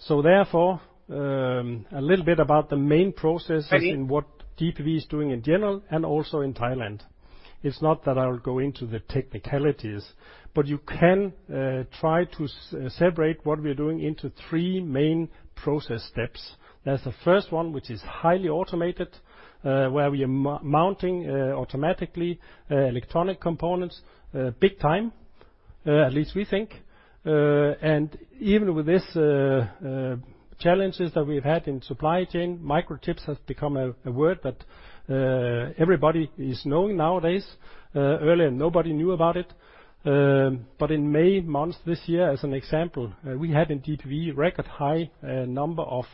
Therefore, a little bit about the main processes. Ready? What GPV is doing in general and also in Thailand. It's not that I'll go into the technicalities, but you can try to separate what we're doing into three main process steps. There's the first one, which is highly automated, where we are mounting automatically electronic components big time. At least we think. And even with this challenges that we've had in supply chain, microchips has become a word that everybody is knowing nowadays. Earlier, nobody knew about it. But in the month of May this year as an example, we had a record high number of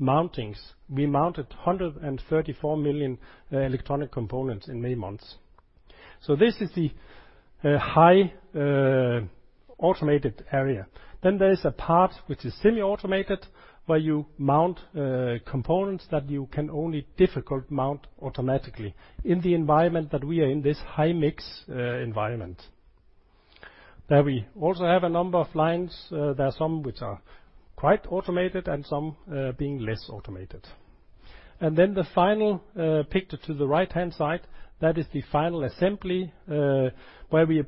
mountings. We mounted 134 million electronic components in the month of May. So this is the high automated area. There is a part which is semi-automated, where you mount components that you can only with difficulty mount automatically in the environment that we are in, this high mix environment. There we also have a number of lines. There are some which are quite automated and some being less automated. The final picture to the right-hand side, that is the final assembly, where we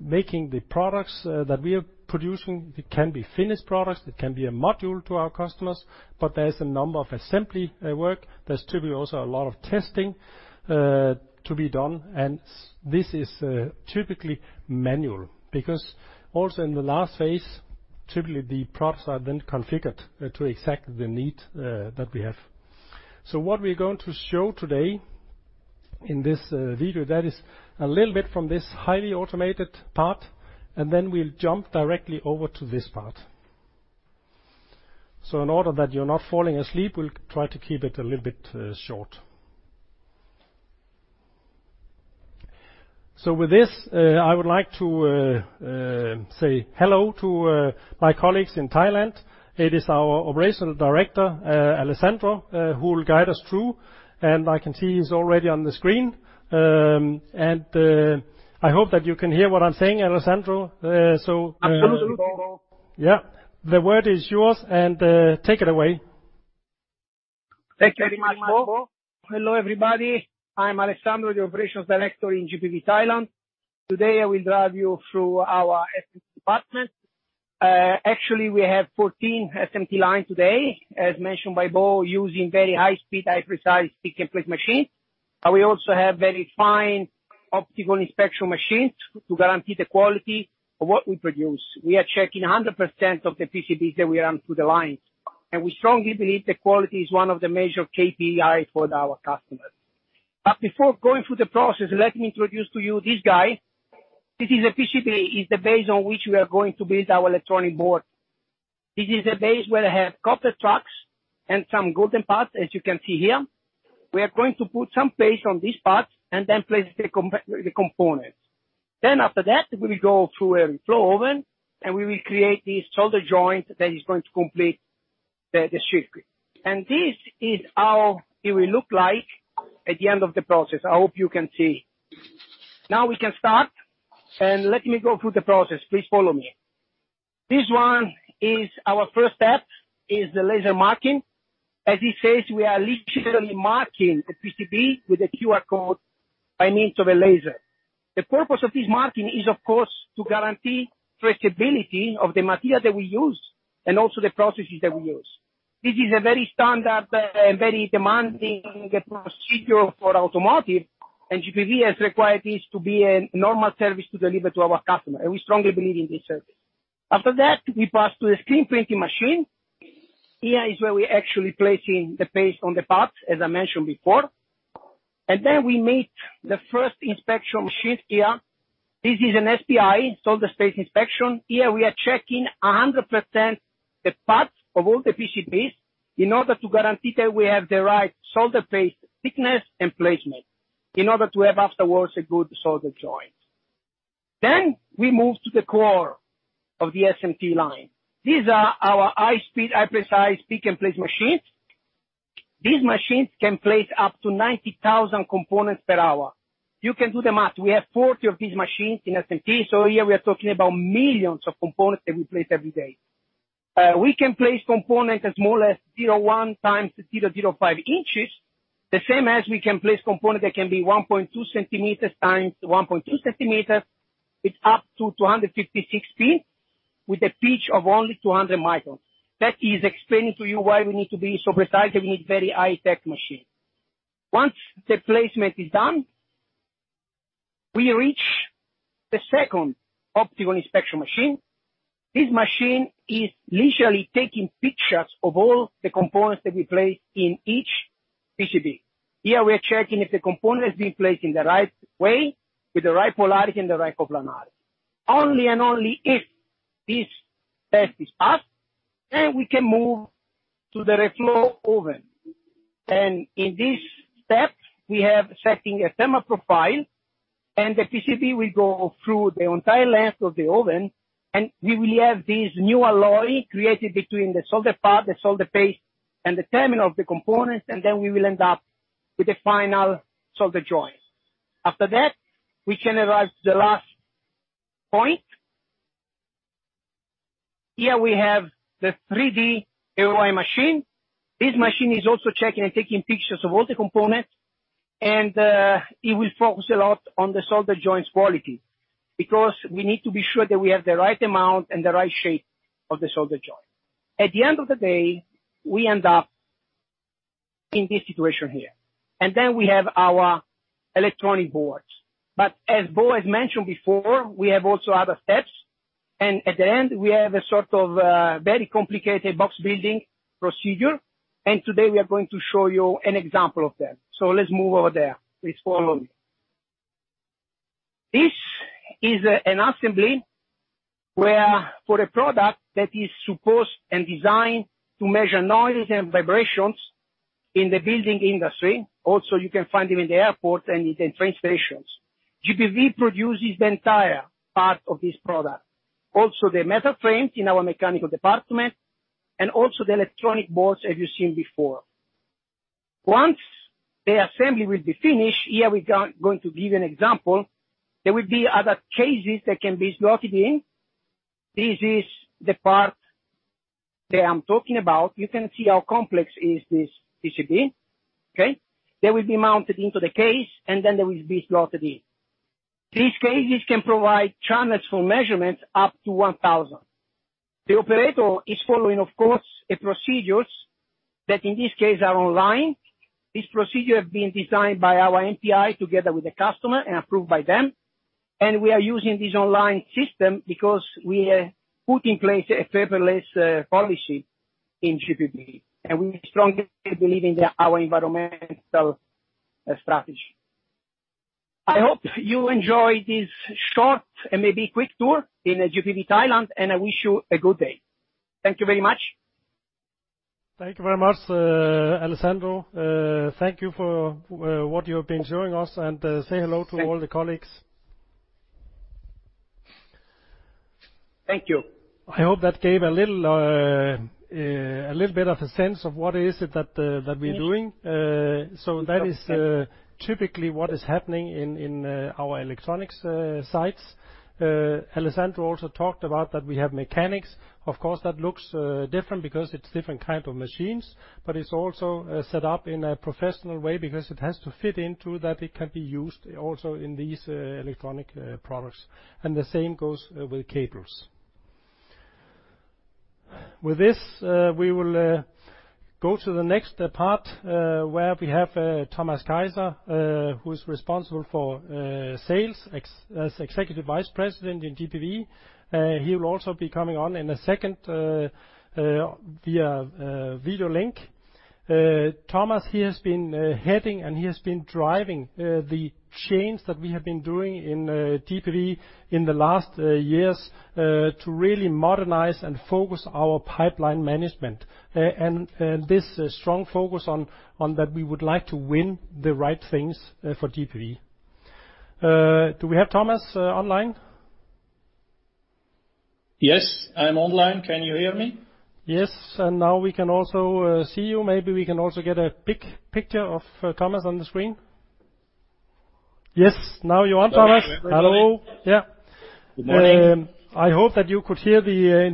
making the products that we are producing. It can be finished products, it can be a module to our customers, but there's a number of assembly work. There's typically also a lot of testing to be done, and this is typically manual because also in the last phase, typically the products are then configured to the exact need that we have. What we're going to show today in this video that is a little bit from this highly automated part, and then we'll jump directly over to this part. In order that you're not falling asleep, we'll try to keep it a little bit short. With this, I would like to say hello to my colleagues in Thailand. It is our Operational Director, Alessandro, who will guide us through, and I can see he's already on the screen. I hope that you can hear what I'm saying, Alessandro. Absolutely, Bo. Yeah. The word is yours and take it away. Thank you very much, Bo. Hello, everybody. I'm Alessandro, the operations director in GPV Thailand. Today, I will drive you through our SMT department. Actually we have 14 SMT lines today, as mentioned by Bo, using very high speed, high precise pick-and-place machines. We also have very fine optical inspection machines to guarantee the quality of what we produce. We are checking 100% of the PCBs that we run through the lines, and we strongly believe that quality is one of the major KPIs for our customers. Before going through the process, let me introduce to you this guy. This is a PCB, the base on which we are going to build our electronic board. This is a base where I have copper tracks and some golden parts, as you can see here. We are going to put some paste on these parts and then place the components. Then after that, we will go through a reflow oven, and we will create this solder joint that is going to complete the circuit. This is how it will look like at the end of the process. I hope you can see. Now we can start, and let me go through the process. Please follow me. This one is our first step, the laser marking. As it says, we are literally marking the PCB with a QR code by means of a laser. The purpose of this marking is of course to guarantee traceability of the material that we use and also the processes that we use. This is a very standard and very demanding procedure for automotive, and GPV has required this to be a normal service to deliver to our customer. We strongly believe in this service. After that, we pass through a screen printing machine. Here is where we're actually placing the paste on the parts as I mentioned before. We meet the first inspection machine here. This is an SPI, solder paste inspection. Here we are checking 100% the parts of all the PCBs in order to guarantee that we have the right solder paste thickness and placement in order to have afterwards a good solder joint. We move to the core of the SMT line. These are our high speed, high precise pick-and-place machines. These machines can place up to 90,000 components per hour. You can do the math. We have 40 of these machines in SMT, so here we are talking about millions of components that we place every day. We can place components as small as 0.1 x 0.05 inches, the same as we can place component that can be 1.2 centimeters x 1.2 centimeters. It's up to 256-pin with a pitch of only 200 microns. That is explaining to you why we need to be so precise, and we need very high-tech machine. Once the placement is done, we reach the second optical inspection machine. This machine is literally taking pictures of all the components that we place in each PCB. Here we are checking if the component is being placed in the right way with the right polarity and the right coplanarity. Only and only if this test is passed, then we can move to the reflow oven. In this step, we have setting a thermal profile, and the PCB will go through the entire length of the oven, and we will have this new alloy created between the solder pad, the solder paste, and the terminal of the components, and then we will end up with the final solder joint. After that, we can arrive to the last point. Here we have the 3D AOI machine. This machine is also checking and taking pictures of all the components, and it will focus a lot on the solder joints quality because we need to be sure that we have the right amount and the right shape of the solder joint. At the end of the day, we end up in this situation here. We have our electronic boards. As Bo has mentioned before, we have also other steps, and at the end, we have a sort of very complicated box building procedure. Today, we are going to show you an example of that. Let's move over there. Please follow me. This is an assembly where for the product that is supposed and designed to measure noise and vibrations in the building industry, also you can find them in the airports and in train stations. GPV produces the entire part of this product. Also the metal frames in our mechanical department and also the electronic boards as you seen before. Once the assembly will be finished, here we going to give an example. There will be other cases that can be slotted in. This is the part that I'm talking about. You can see how complex is this PCB. Okay. They will be mounted into the case, and then they will be slotted in. These cases can provide channels for measurements up to 1,000. The operator is following, of course, procedures that in this case are online. These procedures have been designed by our NPI together with the customer and approved by them. We are using this online system because we have put in place a paperless policy in GPV, and we strongly believe in our environmental strategy. I hope you enjoy this short and maybe quick tour in GPV Thailand, and I wish you a good day. Thank you very much. Thank you very much, Alessandro. Thank you for what you have been showing us, and say hello to all the colleagues. Thank you. I hope that gave a little bit of a sense of what it is that we're doing. So that is typically what is happening in our electronics sites. Alessandro also talked about that we have mechanics. Of course, that looks different because it's different kind of machines, but it's also set up in a professional way because it has to fit into that it can be used also in these electronic products. The same goes with cables. With this, we will go to the next part where we have Thomas Kaiser, who is responsible for sales as Executive Vice President in GPV. He will also be coming on in a second via video link. Thomas, he has been heading, and he has been driving the change that we have been doing in GPV in the last years to really modernize and focus our pipeline management. This strong focus on that we would like to win the right things for GPV. Do we have Thomas online? Yes, I'm online. Can you hear me? Yes. Now we can also see you. Maybe we can also get a picture of Thomas on the screen. Yes, now you're on, Thomas. Hello, everybody. Hello. Yeah. Good morning. I hope that you could hear the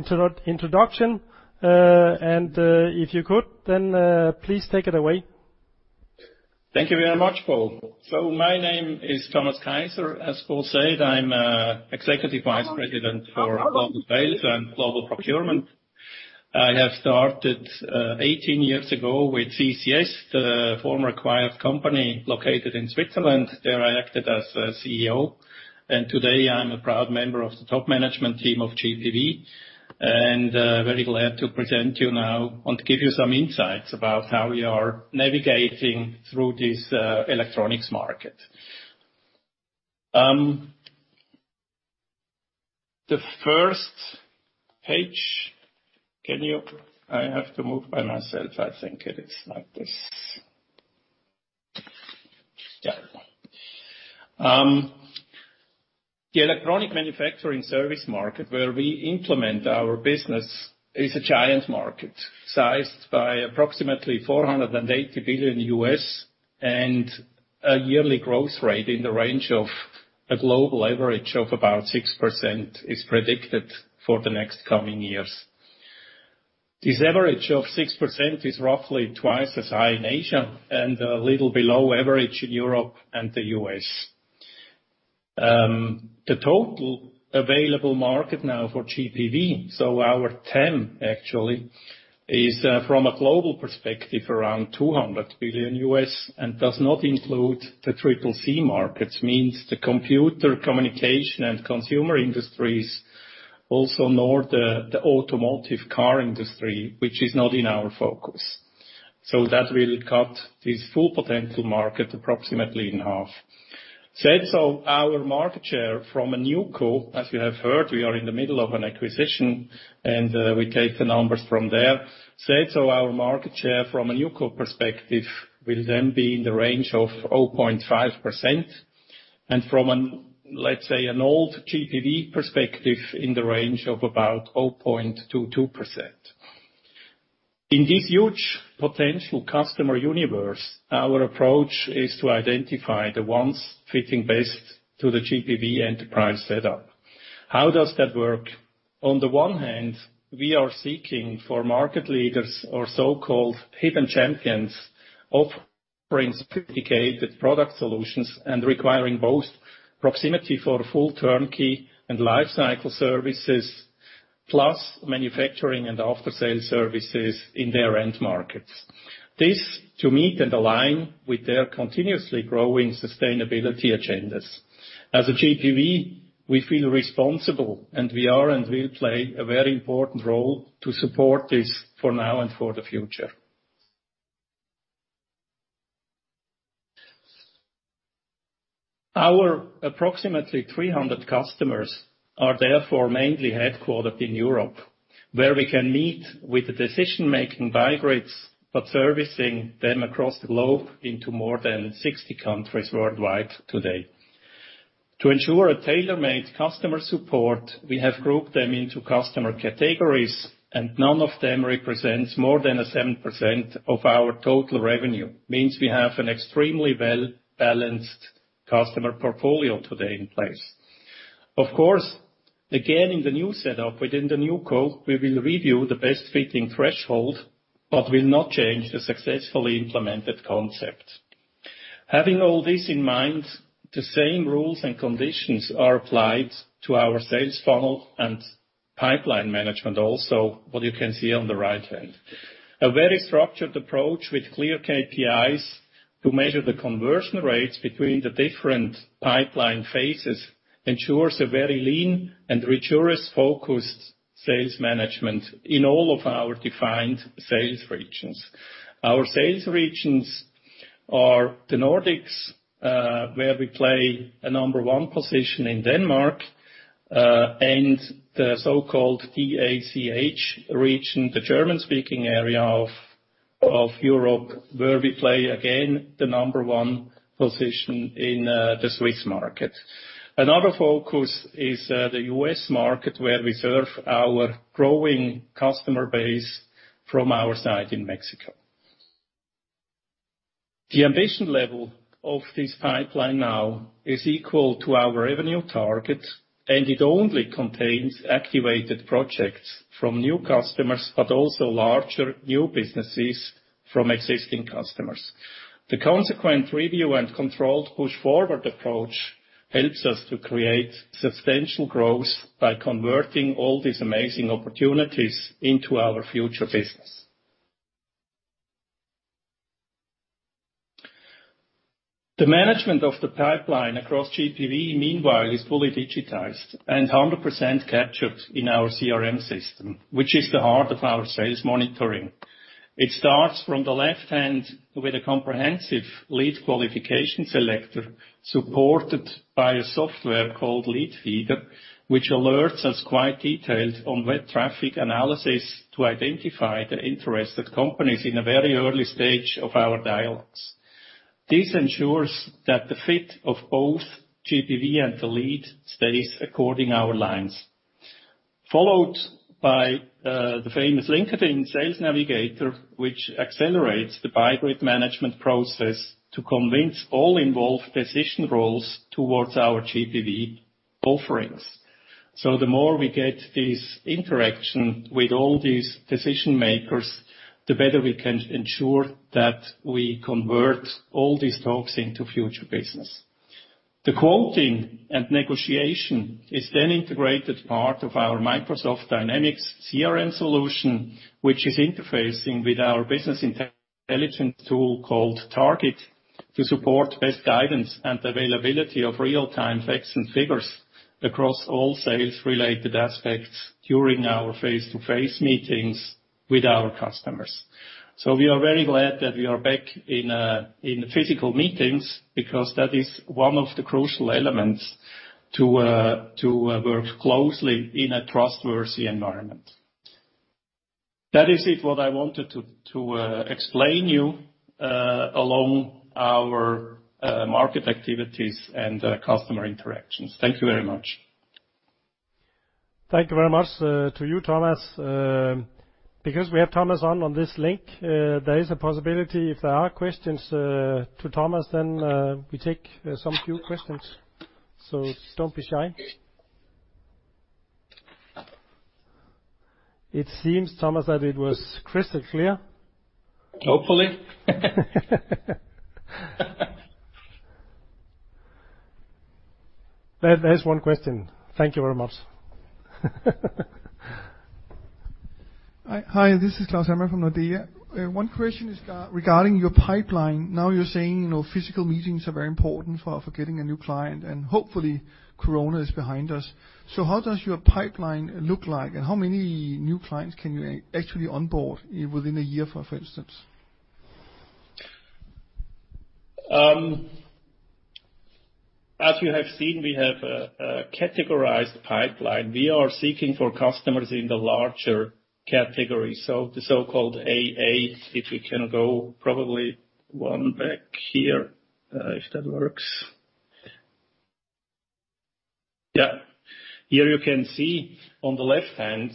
introduction, and if you could, then please take it away. Thank you very much, Bo. My name is Thomas Kaiser. As Bo said, I'm Executive Vice President for Global Sales and Global Procurement. I have started 18 years ago with CCS, the former acquired company located in Switzerland. There, I acted as a CEO. Today, I'm a proud member of the top management team of GPV, and very glad to present you now and give you some insights about how we are navigating through this electronics market. The first page. Can you. I have to move by myself. I think it is like this. Yeah. The electronic manufacturing service market, where we implement our business, is a giant market sized by approximately $480 billion and a yearly growth rate in the range of a global average of about 6% is predicted for the next coming years. This average of 6% is roughly twice as high in Asia and a little below average in Europe and the U.S. The total available market now for GPV, so our TAM actually, is, from a global perspective around $200 billion and does not include the 3C markets, means the computer, communication, and consumer industries also nor the automotive car industry, which is not in our focus. That will cut this full potential market approximately in half. Our market share from a NewCo, as you have heard, we are in the middle of an acquisition, and, we take the numbers from there. Our market share from a NewCo perspective will then be in the range of 0.5% and from an, let's say, an old GPV perspective in the range of about 0.22%. In this huge potential customer universe, our approach is to identify the ones fitting best to the GPV enterprise setup. How does that work? On the one hand, we are seeking for market leaders or so-called hidden champions offering sophisticated product solutions and requiring both proximity for full turn-key and life cycle services, plus manufacturing and after sales services in their end markets. This to meet and align with their continuously growing sustainability agendas. As a GPV, we feel responsible, and we are and will play a very important role to support this for now and for the future. Our approximately 300 customers are therefore mainly headquartered in Europe, where we can meet with the decision-making buyers, but servicing them across the globe into more than 60 countries worldwide today. To ensure a tailor-made customer support, we have grouped them into customer categories, and none of them represents more than 7% of our total revenue. Means we have an extremely well-balanced customer portfolio today in place. Of course, again, in the new setup within the NewCo, we will review the best fitting threshold, but will not change the successfully implemented concept. Having all this in mind, the same rules and conditions are applied to our sales funnel and pipeline management also, what you can see on the right end. A very structured approach with clear KPIs to measure the conversion rates between the different pipeline phases ensures a very lean and rigorous focused sales management in all of our defined sales regions. Our sales regions are the Nordics, where we play a number one position in Denmark, and the so-called DACH region, the German-speaking area of Europe, where we play again the number one position in the Swiss market. Another focus is the US market, where we serve our growing customer base from our site in Mexico. The ambition level of this pipeline now is equal to our revenue target, and it only contains activated projects from new customers, but also larger new businesses from existing customers. The consequent review and controlled push forward approach helps us to create substantial growth by converting all these amazing opportunities into our future business. The management of the pipeline across GPV, meanwhile, is fully digitized and 100% captured in our CRM system, which is the heart of our sales monitoring. It starts from the left hand with a comprehensive lead qualification selector supported by a software called Leadfeeder, which alerts us quite detailed on web traffic analysis to identify the interested companies in a very early stage of our dialogues. This ensures that the fit of both GPV and the lead stays according to our lines. Followed by the famous LinkedIn Sales Navigator, which accelerates the buy rate management process to convince all involved decision roles towards our GPV offerings. The more we get this interaction with all these decision-makers, the better we can ensure that we convert all these talks into future business. The quoting and negotiation is then integrated part of our Microsoft Dynamics CRM solution, which is interfacing with our business intelligence tool called TARGIT to support best guidance and availability of real-time facts and figures across all sales-related aspects during our face-to-face meetings with our customers. We are very glad that we are back in physical meetings because that is one of the crucial elements to work closely in a trustworthy environment. That is what I wanted to explain to you along our market activities and customer interactions. Thank you very much. Thank you very much to you, Thomas. Because we have Thomas on this link, there is a possibility if there are questions to Thomas, then we take some few questions. Don't be shy. It seems, Thomas, that it was crystal clear. Hopefully. There is one question. Thank you very much. This is Claus Almer from Nordea. One question is regarding your pipeline. Now you're saying, you know, physical meetings are very important for getting a new client, and hopefully corona is behind us. How does your pipeline look like, and how many new clients can you actually onboard within a year, for instance? As you have seen, we have a categorized pipeline. We are seeking for customers in the larger category. The so-called AA, if we can go probably one back here, if that works. Here you can see on the left-hand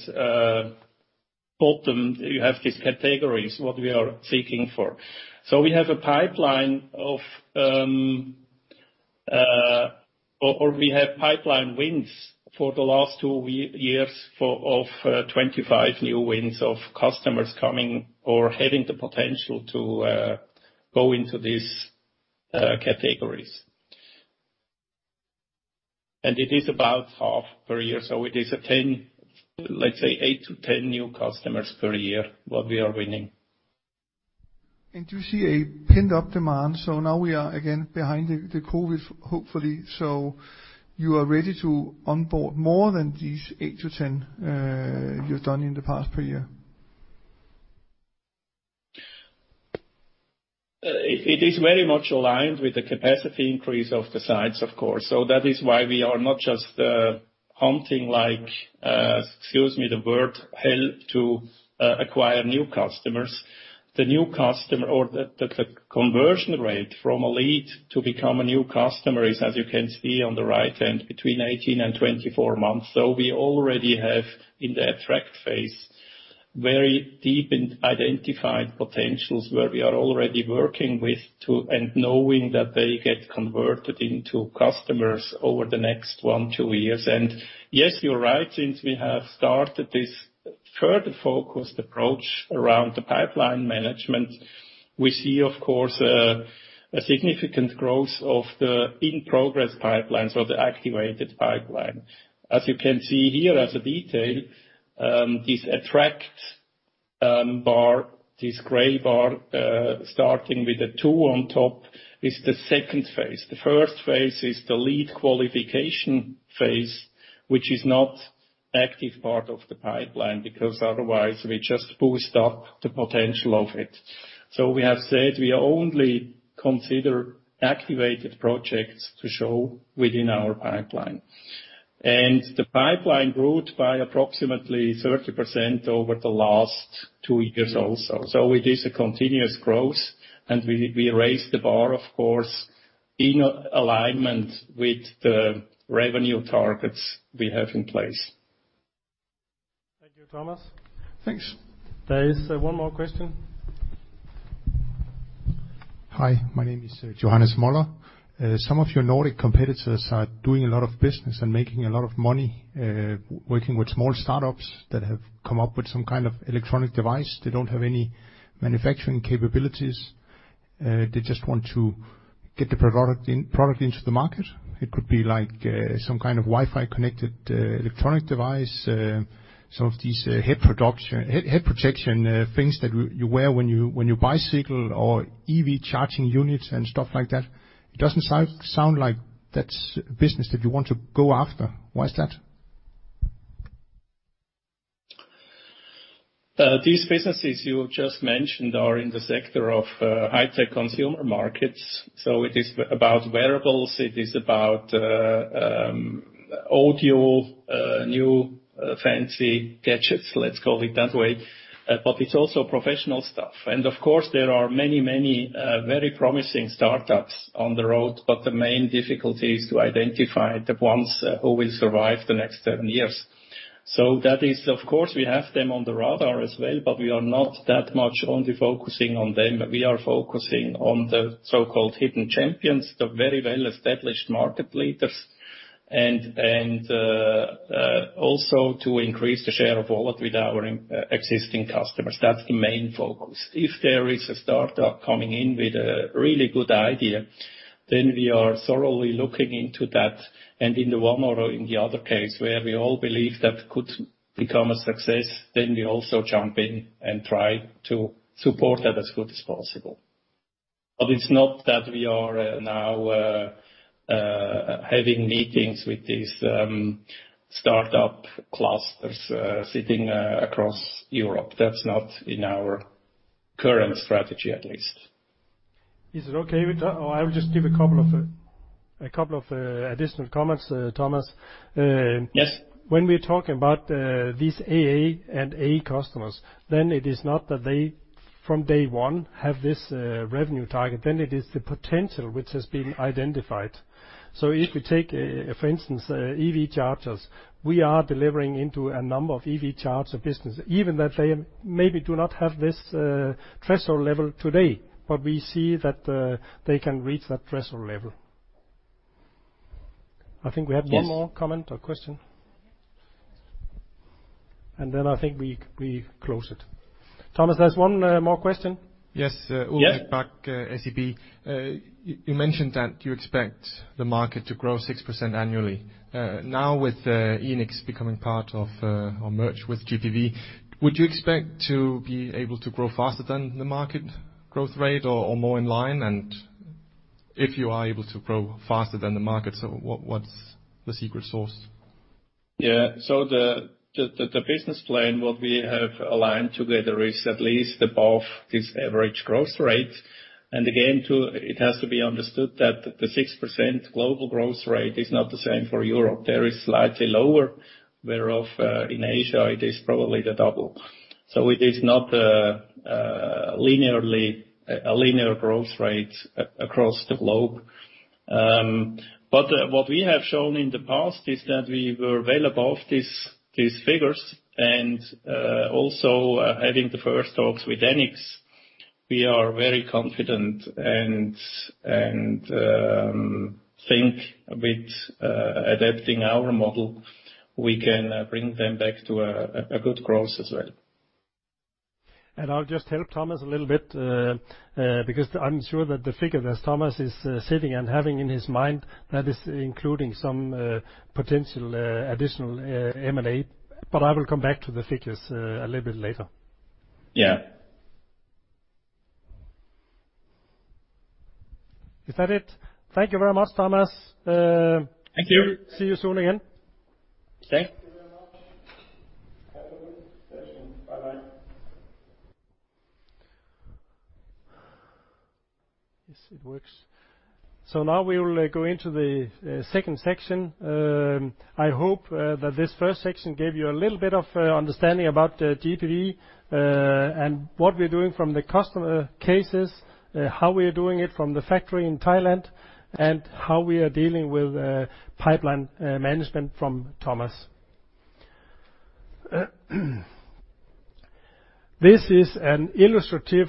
bottom, you have these categories, what we are seeking for. We have pipeline wins for the last two years of 25 new wins of customers coming or having the potential to go into these categories. It is about half per year. It is eight to ten new customers per year what we are winning. Do you see a pent-up demand? Now we are again behind the COVID, hopefully. You are ready to onboard more than these 8-10 you've done in the past per year. It is very much aligned with the capacity increase of the sites, of course. That is why we are not just hunting like, excuse me the word, hell to acquire new customers. The new customer or the conversion rate from a lead to become a new customer is, as you can see on the right end, between 18-24 months. We already have in the attract phase, very deep identified potentials where we are already working with to, and knowing that they get converted into customers over the next 1-2 years. Yes, you're right, since we have started this further focused approach around the pipeline management, we see, of course, a significant growth of the in-progress pipelines or the activated pipeline. As you can see here as a detail, this track bar, this gray bar, starting with a 2 on top, is the second phase. The first phase is the lead qualification phase, which is not active part of the pipeline, because otherwise we just boost up the potential of it. We have said we only consider activated projects to show within our pipeline. The pipeline grew by approximately 30% over the last 2 years also. It is a continuous growth, and we raised the bar, of course, in alignment with the revenue targets we have in place. Thank you, Thomas. Thanks. There is one more question. Hi, my name is Johannes Møller. Some of your Nordic competitors are doing a lot of business and making a lot of money, working with small startups that have come up with some kind of electronic device. They don't have any manufacturing capabilities. They just want to get the product into the market. It could be like some kind of Wi-Fi connected electronic device, some of these head protection things that you wear when you bicycle or EV charging units and stuff like that. It doesn't sound like that's business that you want to go after. Why is that? These businesses you just mentioned are in the sector of high-tech consumer markets. It is about wearables, it is about audio, new fancy gadgets, let's call it that way. It's also professional stuff. Of course, there are many very promising startups on the road, but the main difficulty is to identify the ones who will survive the next 10 years. That is, of course, we have them on the radar as well, but we are not that much only focusing on them. We are focusing on the so-called hidden champions, the very well-established market leaders, and also to increase the share of wallet with our existing customers. That's the main focus. If there is a startup coming in with a really good idea, then we are thoroughly looking into that. In the one or in the other case where we all believe that could become a success, then we also jump in and try to support that as good as possible. It's not that we are now having meetings with these startup clusters sitting across Europe. That's not in our current strategy, at least. Is it okay with that? Or I'll just give a couple of additional comments, Thomas. Yes. When we talk about these AA and A customers, then it is not that they, from day one, have this revenue target, then it is the potential which has been identified. If you take for instance EV chargers, we are delivering into a number of EV charger business, even that they maybe do not have this threshold level today, but we see that they can reach that threshold level. I think we have one more comment or question. Yes. I think we close it. Thomas, there's one more question. Yes, Ulrik Bak, SEB. You mentioned that you expect the market to grow 6% annually. Now with Enics becoming part of or merged with GPV, would you expect to be able to grow faster than the market growth rate or more in line? If you are able to grow faster than the market, what's the secret sauce? Yeah. The business plan what we have aligned together is at least above this average growth rate. Again, it has to be understood that the 6% global growth rate is not the same for Europe. There is slightly lower, whereof in Asia, it is probably the double. It is not a linear growth rate across the globe. What we have shown in the past is that we were well above these figures and also having the first talks with Enics. We are very confident and think with adapting our model, we can bring them back to a good growth as well. I'll just help Thomas a little bit, because I'm sure that the figure that Thomas is sitting and having in his mind, that is including some potential additional M&A. I will come back to the figures a little bit later. Yeah. Is that it? Thank you very much, Thomas. Thank you. See you soon again. Okay. Thank you very much. Have a good session. Bye-bye. Yes, it works. Now we will go into the second section. I hope that this first section gave you a little bit of understanding about GPV, and what we're doing from the customer cases, how we are doing it from the factory in Thailand, and how we are dealing with pipeline management from Thomas. This is an illustrative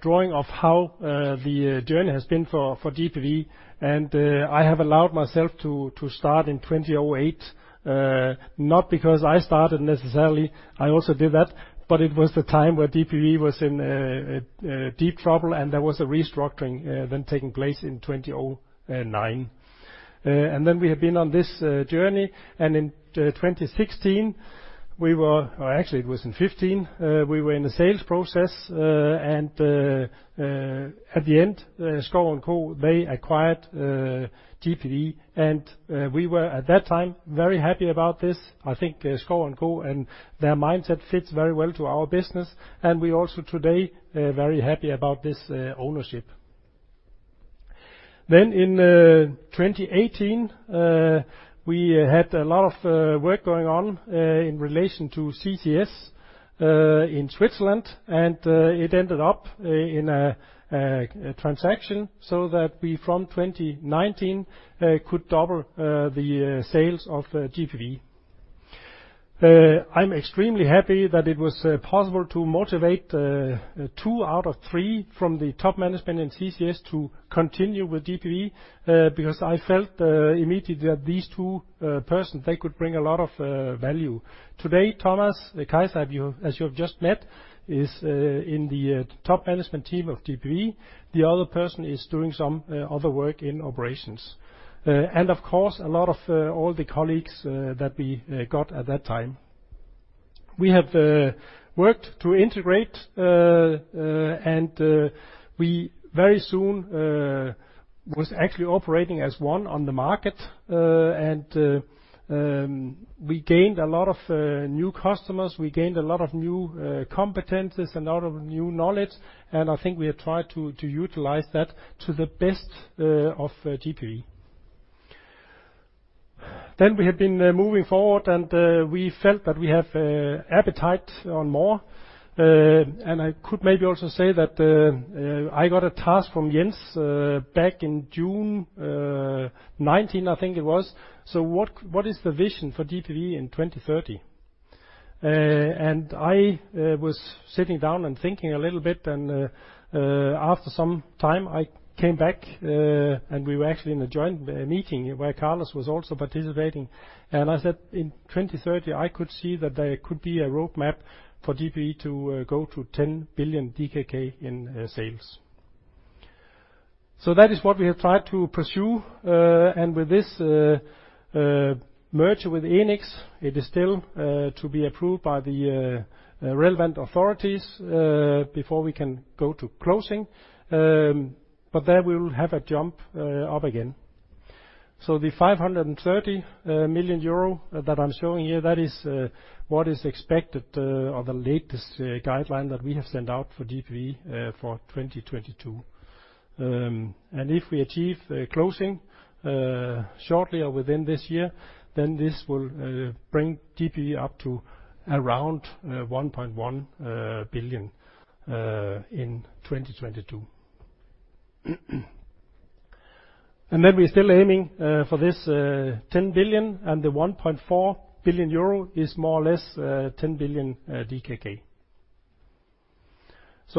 drawing of how the journey has been for GPV. I have allowed myself to start in 2008, not because I started necessarily, I also did that, but it was the time where GPV was in deep trouble and there was a restructuring then taking place in 2009. Then we have been on this journey, and in 2016, we were... Actually it was in 2015, we were in a sales process, and at the end,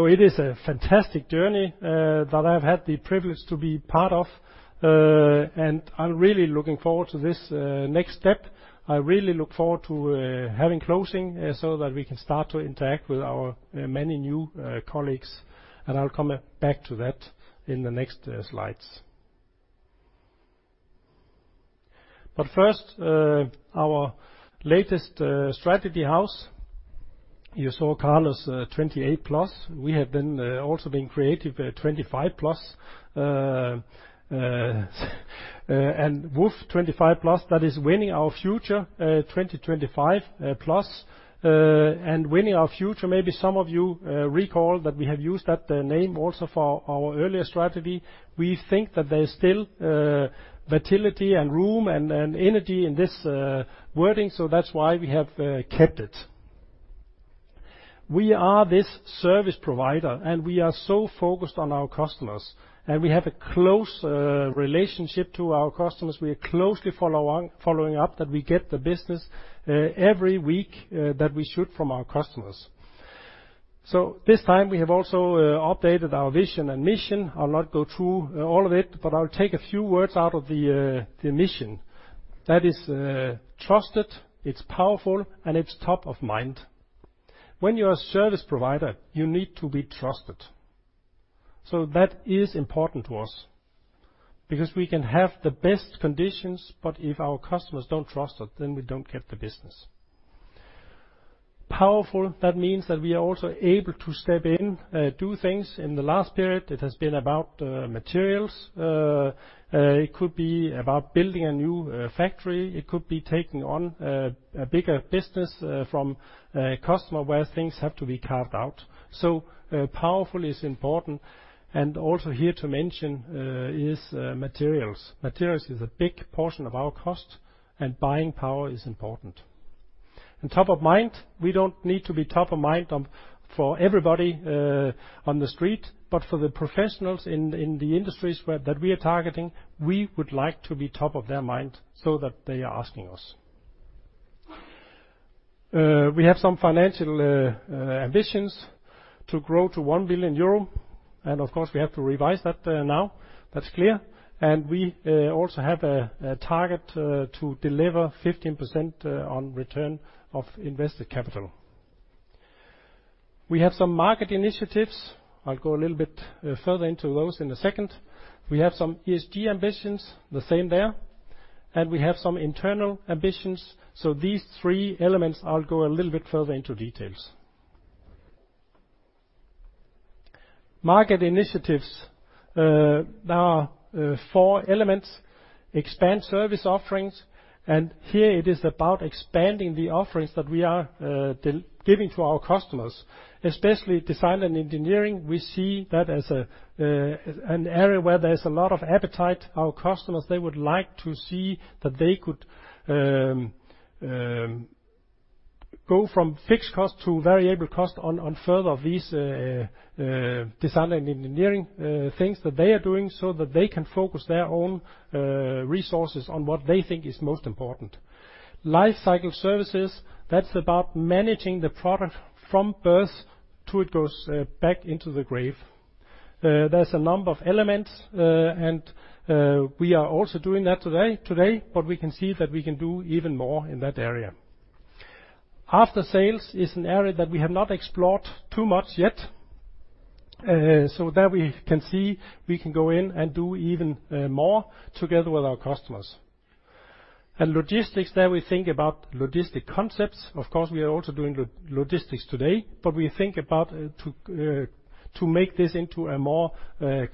it is a fantastic journey that I've had the privilege to be part of, and I'm really looking forward to this next step. I really look forward to having closing so that we can start to interact with our many new colleagues, and I'll come back to that in the next slides. First, our latest strategy house, you saw Carlos 28+. We have also been creative 25+, and WOF 25+, that is Winning Our Future 2025+. Winning Our Future, maybe some of you recall that we have used that name also for our earlier strategy. We think that there's still fertility and room and energy in this wording, so that's why we have kept it. We are this service provider, and we are so focused on our customers. We have a close relationship to our customers. We are closely following up that we get the business every week that we should from our customers. This time we have also updated our vision and mission. I'll not go through all of it, but I'll take a few words out of the mission. That is trusted, it's powerful, and it's top of mind. When you're a service provider, you need to be trusted. That is important to us because we can have the best conditions, but if our customers don't trust us, then we don't get the business. Powerful, that means that we are also able to step in, do things. In the last period, it has been about materials. It could be about building a new factory. It could be taking on a bigger business from a customer where things have to be carved out. Powerful is important, and also here to mention is materials. Materials is a big portion of our cost, and buying power is important. Top of mind, we don't need to be top of mind for everybody on the street, but for the professionals in the industries that we are targeting, we would like to be top of their mind so that they are asking us. We have some financial ambitions to grow to 1 billion euro, and of course, we have to revise that now. That's clear. We also have a target to deliver 15% on return of invested capital. We have some market initiatives. I'll go a little bit further into those in a second. We have some ESG ambitions, the same there. We have some internal ambitions. These three elements, I'll go a little bit further into details. Market initiatives, there are four elements. Expand service offerings, and here it is about expanding the offerings that we are giving to our customers, especially design and engineering. We see that as an area where there's a lot of appetite. Our customers, they would like to see that they could go from fixed cost to variable cost on future of these design and engineering things that they are doing so that they can focus their own resources on what they think is most important. Life cycle services, that's about managing the product from birth till it goes back into the grave. There's a number of elements and we are also doing that today, but we can see that we can do even more in that area. After sales is an area that we have not explored too much yet. There we can see we can go in and do even more together with our customers. Logistics, there we think about logistics concepts. Of course, we are also doing logistics today, but we think about to make this into a more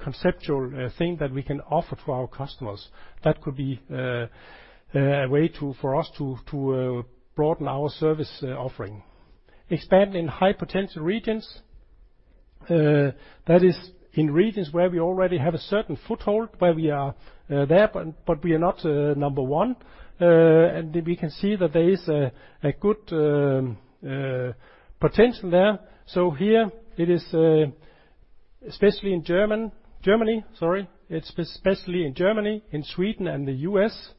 conceptual thing that we can offer to our customers. That could be a way for us to broaden our service offering. Expand in high-potential regions, that is in regions where we already have a certain foothold, where we are there but we are not number one. And we can see that there is a good potential there. Here it is especially in Germany, sorry. It is especially in Germany, in Sweden, and the U.S.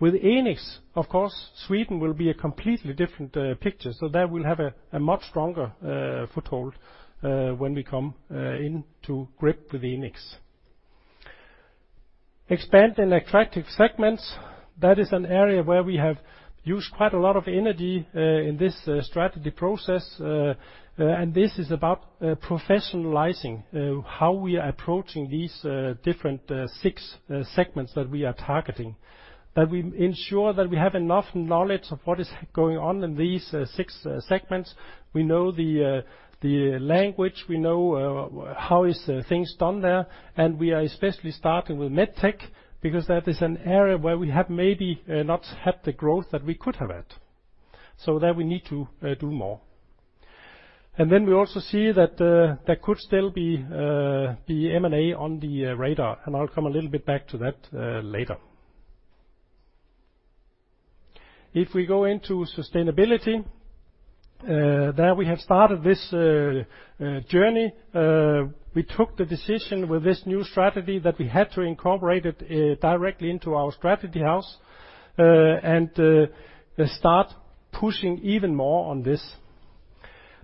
With Enics, of course, Sweden will be a completely different picture. There we will have a much stronger foothold when we come to grips with Enics. Expand in attractive segments. That is an area where we have used quite a lot of energy in this strategy process. This is about professionalizing how we are approaching these different 6 segments that we are targeting. That we ensure that we have enough knowledge of what is going on in these 6 segments. We know the language. We know how things are done there. We are especially starting with MedTech because that is an area where we have maybe not had the growth that we could have had. There we need to do more. We also see that there could still be M&A on the radar, and I'll come a little bit back to that later. If we go into sustainability, there we have started this journey. We took the decision with this new strategy that we had to incorporate it directly into our strategy house, and start pushing even more on this.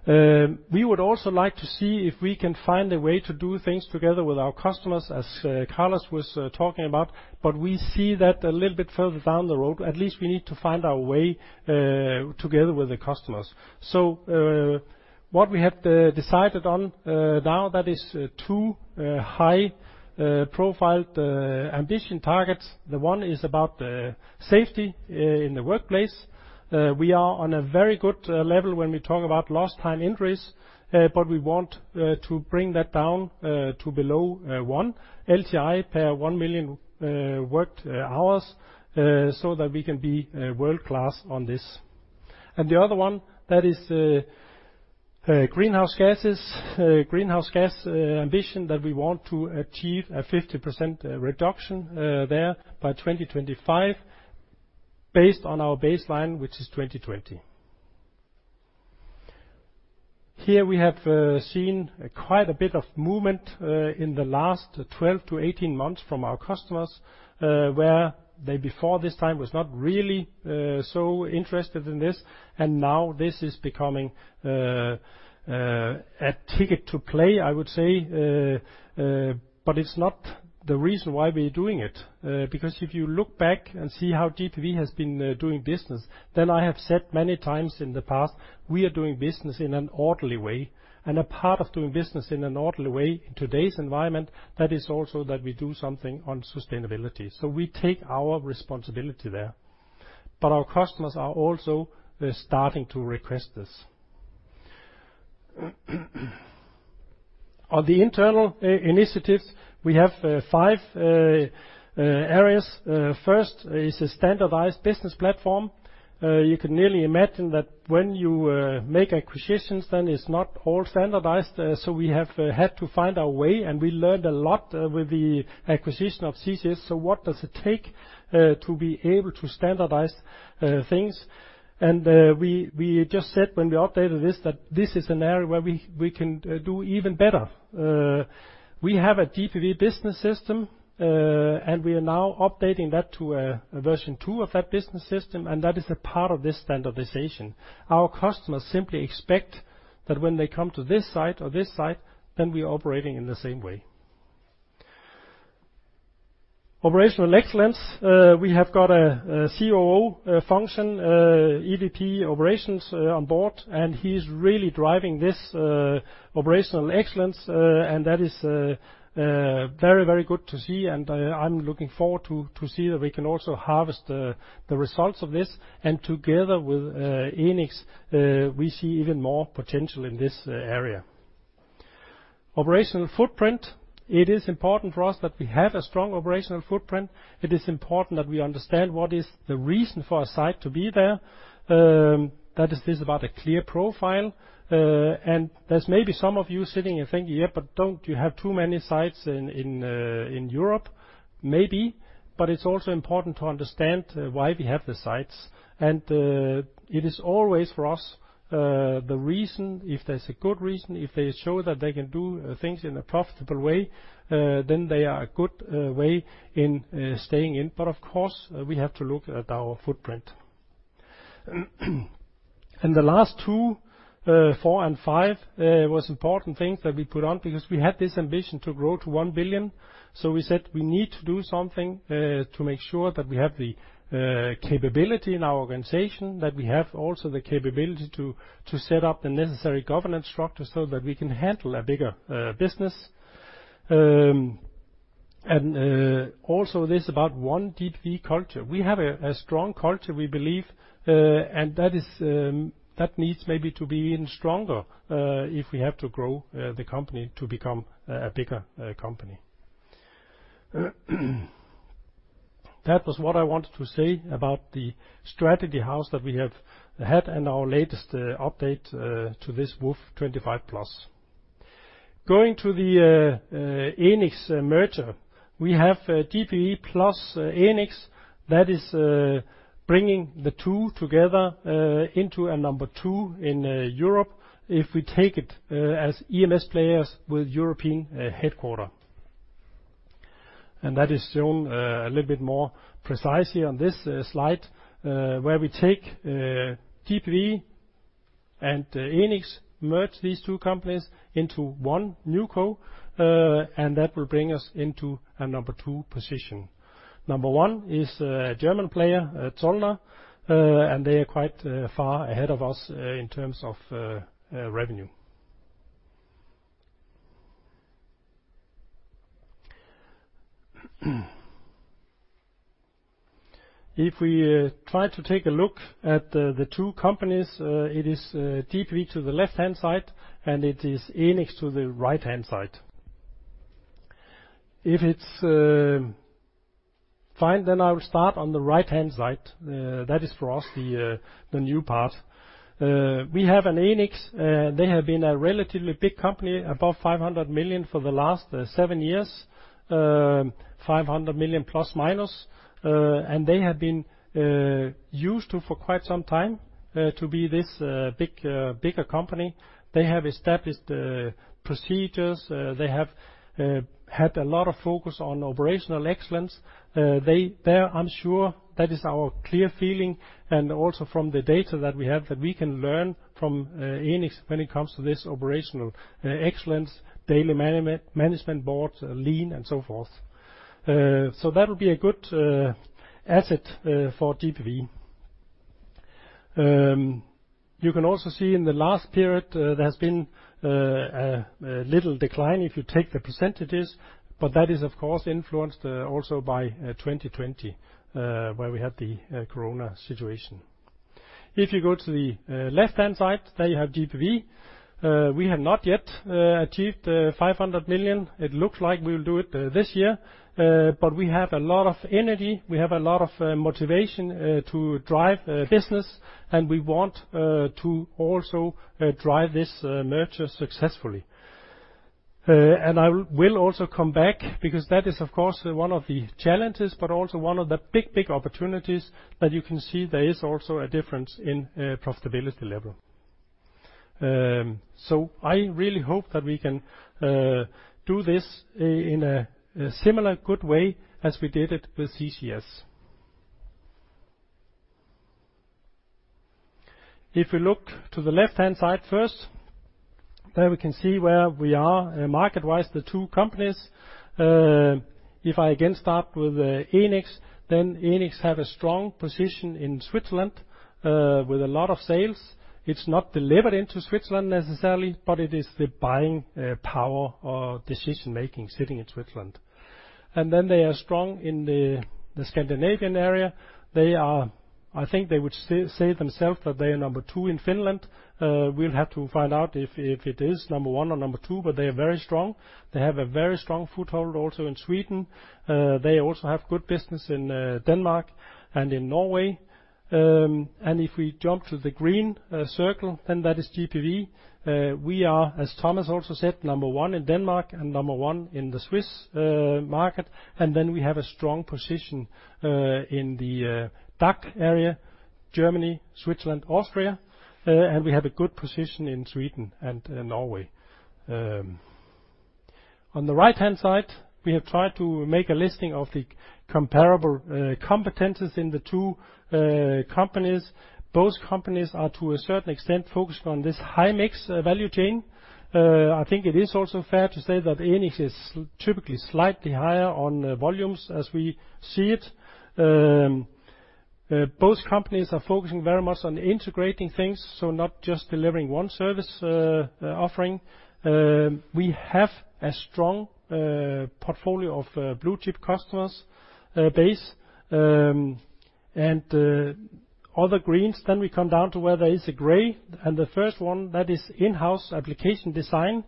We would also like to see if we can find a way to do things together with our customers, as Carlos was talking about, but we see that a little bit further down the road. At least we need to find our way together with the customers. What we have decided on now, that is two high-profile ambition targets. The one is about safety in the workplace. We are on a very good level when we talk about lost time injuries, but we want to bring that down to below 1 LTI per 1 million worked hours so that we can be world-class on this. The other one, that is, greenhouse gas ambition that we want to achieve a 50% reduction there by 2025 based on our baseline, which is 2020. Here we have seen quite a bit of movement in the last 12-18 months from our customers, where they before this time was not really so interested in this, and now this is becoming a ticket to play, I would say. It's not the reason why we're doing it. Because if you look back and see how GPV has been doing business, then I have said many times in the past, we are doing business in an orderly way. A part of doing business in an orderly way in today's environment, that is also that we do something on sustainability. We take our responsibility there. Our customers are also starting to request this. On the internal initiatives, we have five areas. First is a standardized business platform. You can nearly imagine that when you make acquisitions, then it's not all standardized, so we have had to find our way, and we learned a lot with the acquisition of CCS. What does it take to be able to standardize things? We just said when we updated this, that this is an area where we can do even better. We have a GPV business system, and we are now updating that to a version 2 of that business system, and that is a part of this standardization. Our customers simply expect that when they come to this site or that site, then we're operating in the same way. Operational excellence, we have got a COO function, GPV Operations, on board, and he's really driving this operational excellence, and that is very good to see, and I'm looking forward to see that we can also harvest the results of this. Together with Enics, we see even more potential in this area. Operational footprint. It is important for us that we have a strong operational footprint. It is important that we understand what is the reason for a site to be there. That is, this is about a clear profile. There's maybe some of you sitting and thinking, "Yeah, but don't you have too many sites in Europe?" Maybe, but it's also important to understand why we have the sites. It is always for us the reason, if there's a good reason, if they show that they can do things in a profitable way, then they are a good way in staying in. Of course, we have to look at our footprint. The last two, four and five was important things that we put on because we had this ambition to grow to 1 billion. We said we need to do something to make sure that we have the capability in our organization, that we have also the capability to set up the necessary governance structure so that we can handle a bigger business. Also this about our GPV culture. We have a strong culture, we believe, and that needs maybe to be even stronger if we have to grow the company to become a bigger company. That was what I wanted to say about the strategy house that we have had and our latest update to this WOF 25+. Going to the Enics merger, we have GPV plus Enics that is bringing the two together into a number two in Europe if we take it as EMS players with European headquarters. That is shown a little bit more precisely on this slide, where we take GPV and Enics, merge these two companies into one NewCo, and that will bring us into a number two position. Number one is a German player, Zollner, and they are quite far ahead of us in terms of revenue. If we try to take a look at the two companies, it is GPV to the left-hand side, and it is Enics to the right-hand side. If it's fine, then I'll start on the right-hand side. That is for us the new part. We have an Enics. They have been a relatively big company, above 500 million for the last 7 years, 500 million plus minus, and they have been used to for quite some time to be this bigger company. They have established procedures. They have had a lot of focus on operational excellence. There I'm sure that is our clear feeling and also from the data that we have, that we can learn from Enics when it comes to this operational excellence, daily management board, lean, and so forth. That'll be a good asset for GPV. You can also see in the last period, there has been a little decline if you take the percentages, but that is of course influenced also by 2020, where we had the COVID situation. If you go to the left-hand side, there you have GPV. We have not yet achieved 500 million. It looks like we'll do it this year, but we have a lot of energy, we have a lot of motivation to drive business, and we want to also drive this merger successfully. I will also come back, because that is of course one of the challenges, but also one of the big, big opportunities that you can see there is also a difference in profitability level. I really hope that we can do this in a similar good way as we did it with CCS. If we look to the left-hand side first, there we can see where we are market-wise, the two companies. If I again start with Enics, then Enics have a strong position in Switzerland with a lot of sales. It's not delivered into Switzerland necessarily, but it is the buying power or decision-making sitting in Switzerland. They are strong in the Scandinavian area. They are. I think they would say themselves that they are number two in Finland. We'll have to find out if it is number one or number two, but they are very strong. They have a very strong foothold also in Sweden. They also have good business in Denmark and in Norway. If we jump to the green circle, then that is GPV. We are, as Thomas also said, number one in Denmark and number one in the Swiss market. We have a strong position in the DACH area, Germany, Switzerland, Austria, and we have a good position in Sweden and Norway. On the right-hand side, we have tried to make a listing of the comparable competencies in the two companies. Both companies are to a certain extent focused on this high mix value chain. I think it is also fair to say that Enics is typically slightly higher on volumes as we see it. Both companies are focusing very much on integrating things, so not just delivering one service offering. We have a strong portfolio of blue-chip customer base. All the greens then we come down to where there is a gray. The first one, that is in-house application design.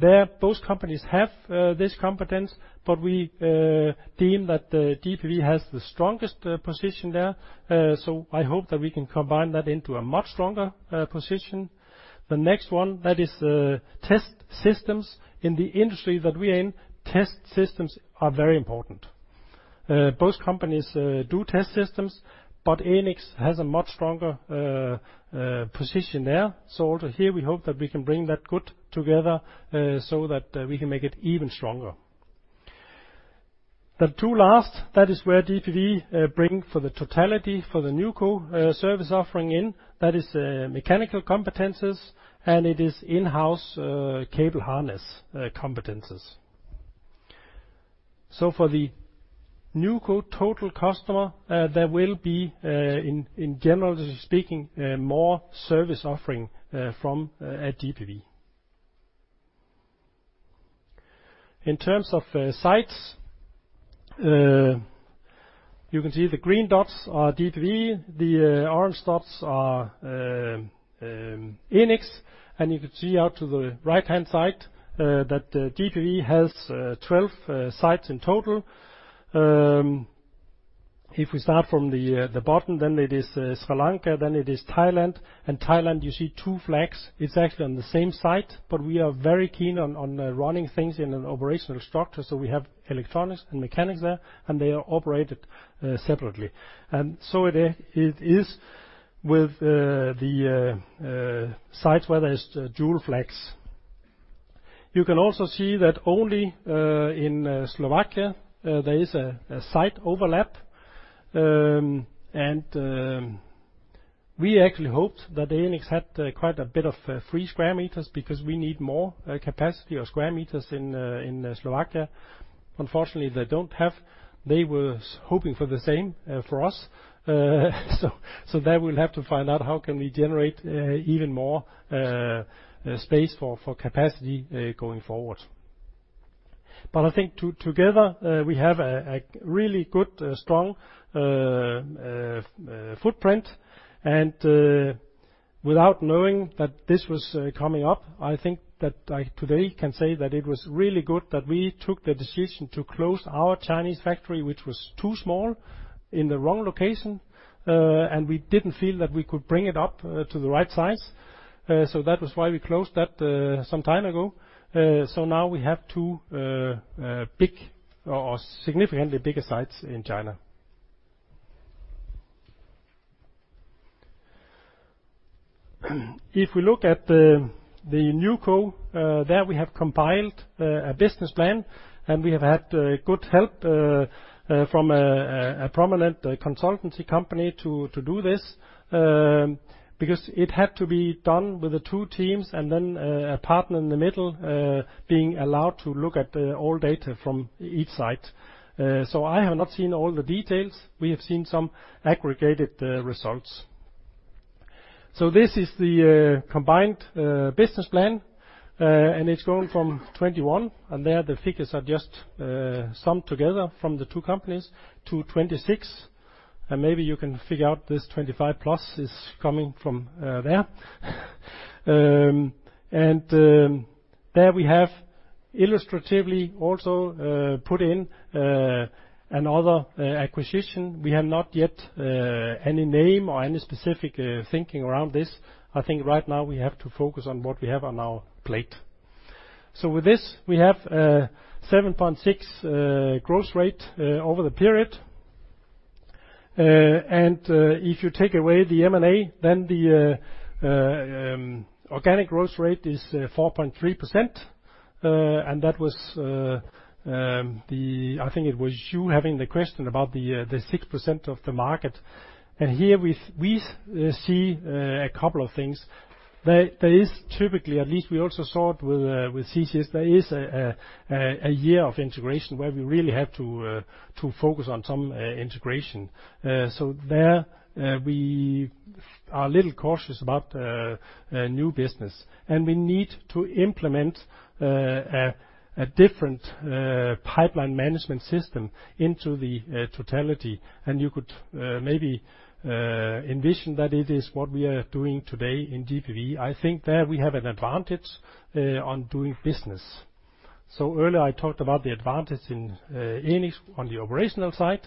There, both companies have this competence, but we deem that GPV has the strongest position there. I hope that we can combine that into a much stronger position. The next one, that is test systems. In the industry that we're in, test systems are very important. Both companies do test systems, but Enics has a much stronger position there. Also here we hope that we can bring that good together so that we can make it even stronger. The two last, that is where GPV bring for the totality for the NewCo service offering in, that is mechanical competencies, and it is in-house cable harness competencies. For the NewCo total customer, there will be, in general speaking, more service offering, from GPV. In terms of sites, you can see the green dots are GPV, the orange dots are Enics, and you can see out to the right-hand side that GPV has 12 sites in total. If we start from the bottom, then it is Sri Lanka, then it is Thailand. In Thailand, you see two flags. It's actually on the same site, but we are very keen on running things in an operational structure. We have electronics and mechanics there, and they are operated separately. It is with the sites where there's dual flags. You can also see that only in Slovakia there is a site overlap. We actually hoped that Enics had quite a bit of free square meters because we need more capacity or square meters in Slovakia. Unfortunately, they don't have. They were hoping for the same for us. There we'll have to find out how we can generate even more space for capacity going forward. I think together we have a really good strong footprint. Without knowing that this was coming up, I think that I today can say that it was really good that we took the decision to close our Chinese factory, which was too small, in the wrong location, and we didn't feel that we could bring it up to the right size. That was why we closed that some time ago. Now we have two big or significantly bigger sites in China. If we look at the NewCo, there we have compiled a business plan, and we have had good help from a prominent consultancy company to do this, because it had to be done with the two teams and then a partner in the middle being allowed to look at the old data from each site. I have not seen all the details. We have seen some aggregated results. This is the combined business plan, and it's going from 2021, and there the figures are just summed together from the two companies to 2026. Maybe you can figure out this 25+ is coming from there. There we have illustratively also put in another acquisition. We have not yet any name or any specific thinking around this. I think right now we have to focus on what we have on our plate. With this, we have 7.6% growth rate over the period. If you take away the M&A, then the organic growth rate is 4.3%. That was. I think it was you having the question about the 6% of the market. Here we see a couple of things. There is typically, at least we also saw it with CCS, there is a year of integration where we really have to focus on some integration. There, we are a little cautious about new business. We need to implement a different pipeline management system into the totality. You could maybe envision that it is what we are doing today in GPV. I think there we have an advantage on doing business. Earlier I talked about the advantage in Enics on the operational side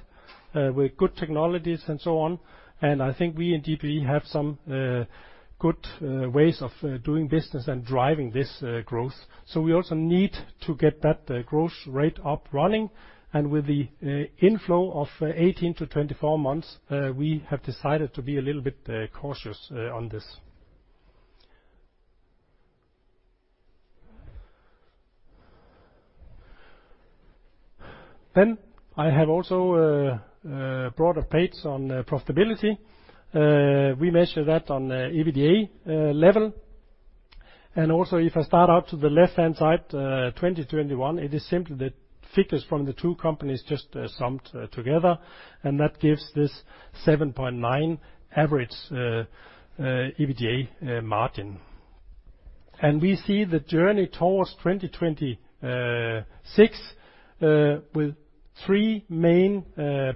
with good technologies and so on. I think we in GPV have some good ways of doing business and driving this growth. We also need to get that growth rate up running. With the inflow of 18-24 months, we have decided to be a little bit cautious on this. I have also brought a page on profitability. We measure that on EBITDA level. Also, if I start out to the left-hand side, 2021, it is simply the figures from the two companies just summed together, and that gives this 7.9 average EBITDA margin. We see the journey towards 2026 with three main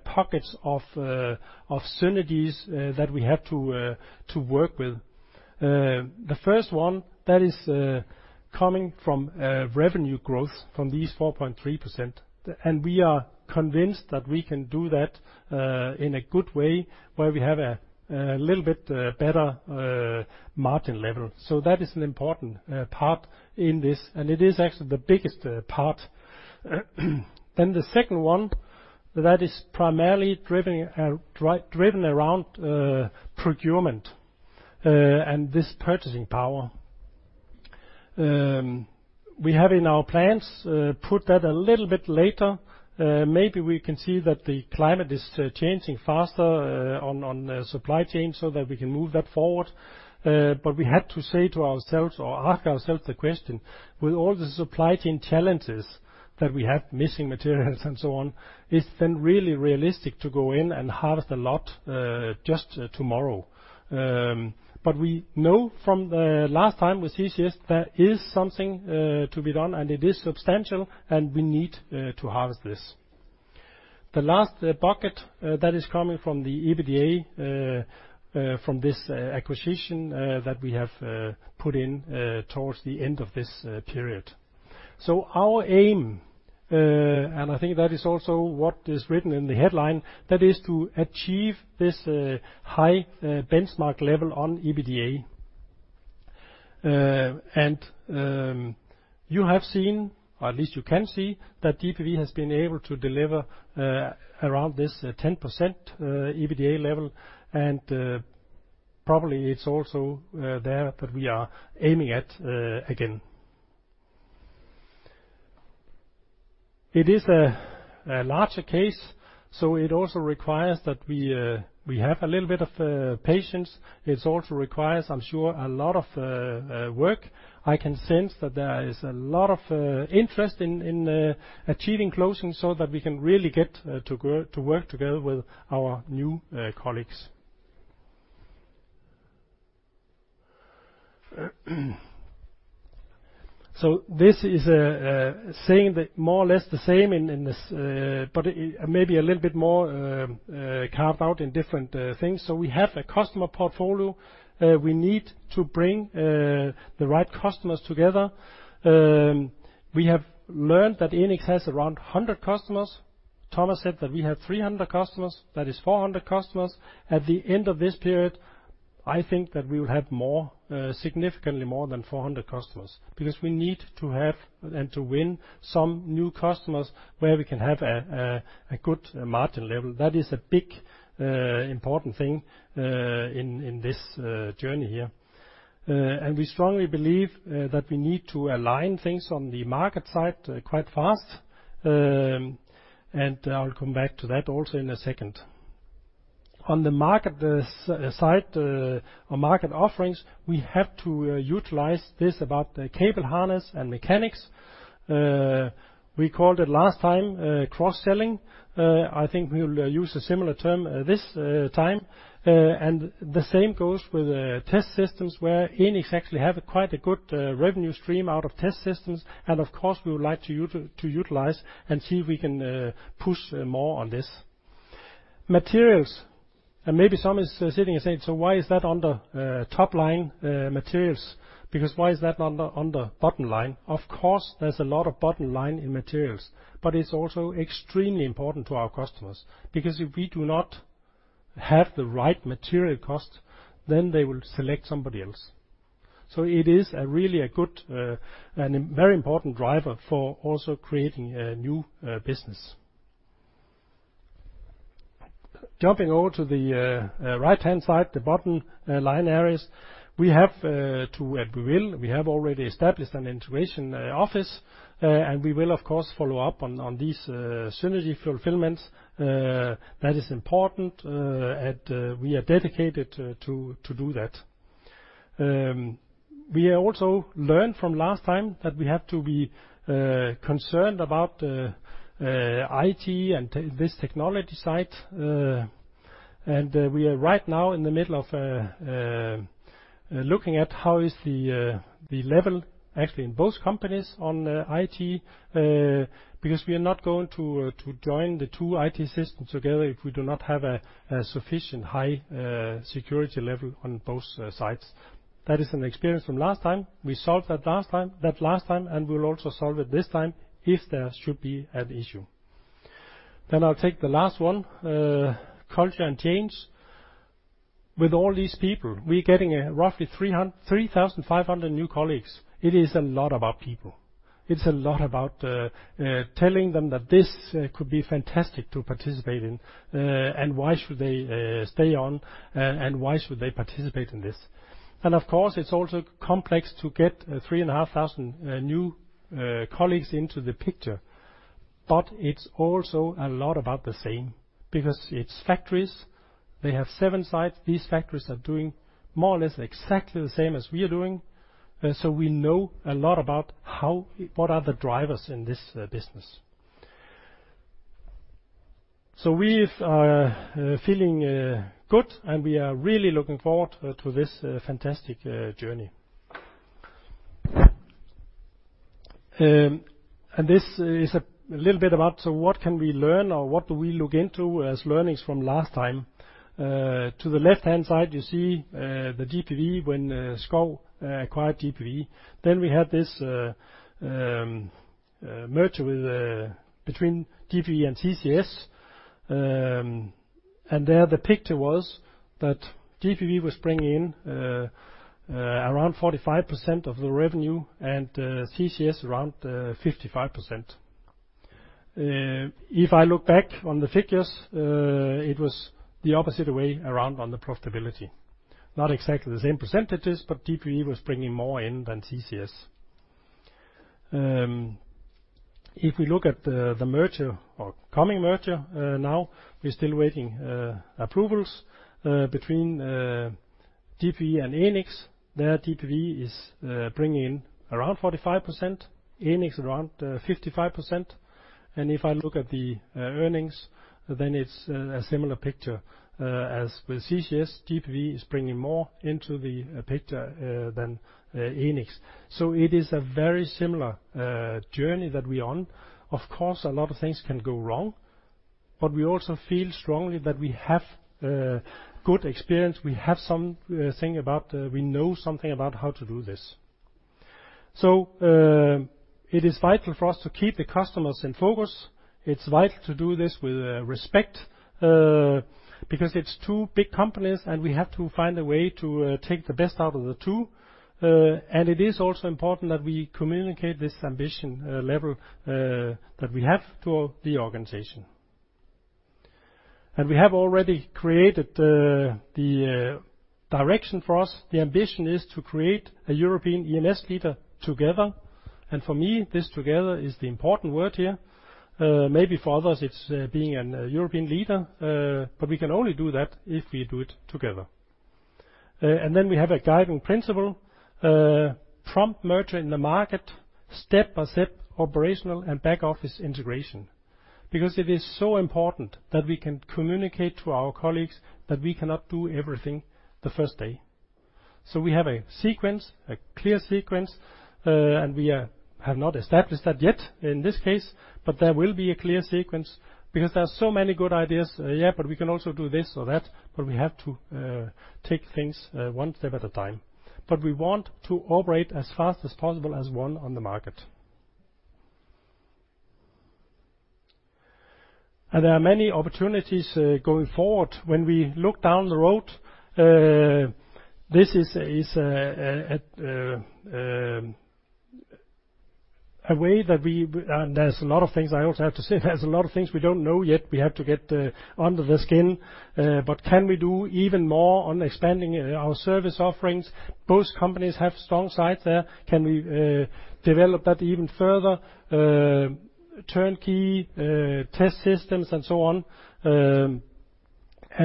pockets of synergies that we have to work with. The first one, that is, coming from revenue growth from these 4.3%. We are convinced that we can do that in a good way, where we have a little bit better margin level. That is an important part in this, and it is actually the biggest part. The second one, that is primarily driven around procurement and this purchasing power. We have in our plans put that a little bit later. Maybe we can see that the climate is changing faster on the supply chain so that we can move that forward. But we had to say to ourselves or ask ourselves the question, with all the supply chain challenges that we have, missing materials and so on, is then really realistic to go in and harvest a lot just tomorrow. We know from the last time with CCS, there is something to be done, and it is substantial, and we need to harvest this. The last bucket that is coming from the EBITDA from this acquisition that we have put in towards the end of this period. Our aim, and I think that is also what is written in the headline, that is to achieve this high benchmark level on EBITDA. You have seen, or at least you can see, that GPV has been able to deliver around this 10% EBITDA level, and probably it's also there that we are aiming at again. It is a larger case, so it also requires that we have a little bit of patience. It also requires, I'm sure, a lot of work. I can sense that there is a lot of interest in achieving closing so that we can really get to work together with our new colleagues. This is saying more or less the same in this, but maybe a little bit more carved out in different things. We have a customer portfolio. We need to bring the right customers together. We have learned that Enics has around 100 customers. Thomas said that we have 300 customers. That is 400 customers. At the end of this period, I think that we will have significantly more than 400 customers because we need to have and to win some new customers where we can have a good margin level. That is a big important thing in this journey here. We strongly believe that we need to align things on the market side quite fast. I'll come back to that also in a second. On the market side or market offerings, we have to utilize this about the cable harness and mechanics. We called it last time cross-selling. I think we'll use a similar term this time. The same goes with test systems, where Enics actually have quite a good revenue stream out of test systems. Of course, we would like to utilize and see if we can push more on this. Materials, and maybe someone is sitting and saying, "So why is that under top line materials? Because why is that under bottom line?" Of course, there's a lot of bottom line in materials, but it's also extremely important to our customers. Because if we do not have the right material cost, then they will select somebody else. It is really a good and very important driver for also creating a new business. Jumping over to the right-hand side, the bottom line areas, we have two and we will, we have already established an integration office, and we will, of course, follow up on these synergy fulfillments. That is important, and we are dedicated to do that. We also learned from last time that we have to be concerned about IT and this technology side. We are right now in the middle of looking at how the level actually is in both companies on IT, because we are not going to join the two IT systems together if we do not have a sufficient high security level on both sides. That is an experience from last time. We solved that last time, and we'll also solve it this time if there should be an issue. I'll take the last one, culture and change. With all these people, we're getting roughly 3,500 new colleagues. It is a lot about people. It's a lot about telling them that this could be fantastic to participate in, and why should they stay on, and why should they participate in this. Of course, it's also complex to get 3,500 new colleagues into the picture, but it's also a lot about the same because it's factories. They have 7 sites. These factories are doing more or less exactly the same as we are doing. So we know a lot about what are the drivers in this business. So we are feeling good, and we are really looking forward to this fantastic journey. This is a little bit about what can we learn or what do we look into as learnings from last time. To the left-hand side, you see the GPV when Schouw acquired GPV. We had this merger between GPV and CCS. There, the picture was that GPV was bringing in around 45% of the revenue and CCS around 55%. If I look back on the figures, it was the opposite way around on the profitability. Not exactly the same percentages, but GPV was bringing more in than CCS. If we look at the merger or coming merger now, we're still waiting approvals between GPV and Enics. There, GPV is bringing in around 45%, Enics around 55%. If I look at the earnings, then it's a similar picture as with CCS. GPV is bringing more into the picture than Enics. It is a very similar journey that we're on. Of course, a lot of things can go wrong, but we also feel strongly that we have good experience. We know something about how to do this. It is vital for us to keep the customers in focus. It's vital to do this with respect because it's two big companies, and we have to find a way to take the best out of the two. It is also important that we communicate this ambition level that we have to the organization. We have already created the direction for us. The ambition is to create a European EMS leader together. For me, this together is the important word here. Maybe for others, it's being a European leader, but we can only do that if we do it together. Then we have a guiding principle, prompt merger in the market, step-by-step operational and back-office integration. Because it is so important that we can communicate to our colleagues that we cannot do everything the first day. We have a sequence, a clear sequence, and we have not established that yet in this case, but there will be a clear sequence because there are so many good ideas. But we can also do this or that, but we have to take things one step at a time. We want to operate as fast as possible as one on the market. There are many opportunities going forward. When we look down the road, there's a lot of things I also have to say. There's a lot of things we don't know yet. We have to get under the skin. Can we do even more on expanding our service offerings? Both companies have strong sides there. Can we develop that even further? Turnkey test systems, and so on.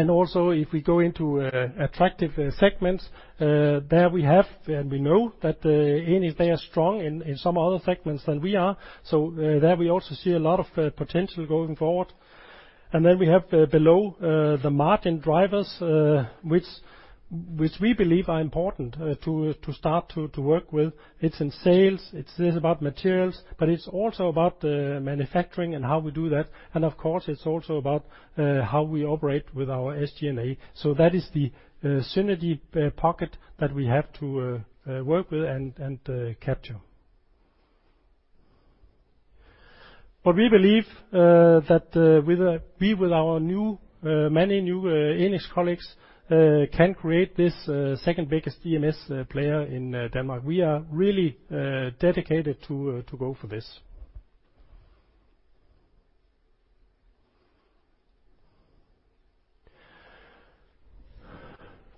Also, if we go into attractive segments, there we have and we know that, Enics, they are strong in some other segments than we are. There we also see a lot of potential going forward. Then we have below the margin drivers, which we believe are important to start to work with. It's in sales, it is about materials, but it's also about manufacturing and how we do that. Of course, it's also about how we operate with our SG&A. That is the synergy pocket that we have to work with and capture. We believe that with our many new Enics colleagues can create this second biggest DMS player in Denmark. We are really dedicated to go for this.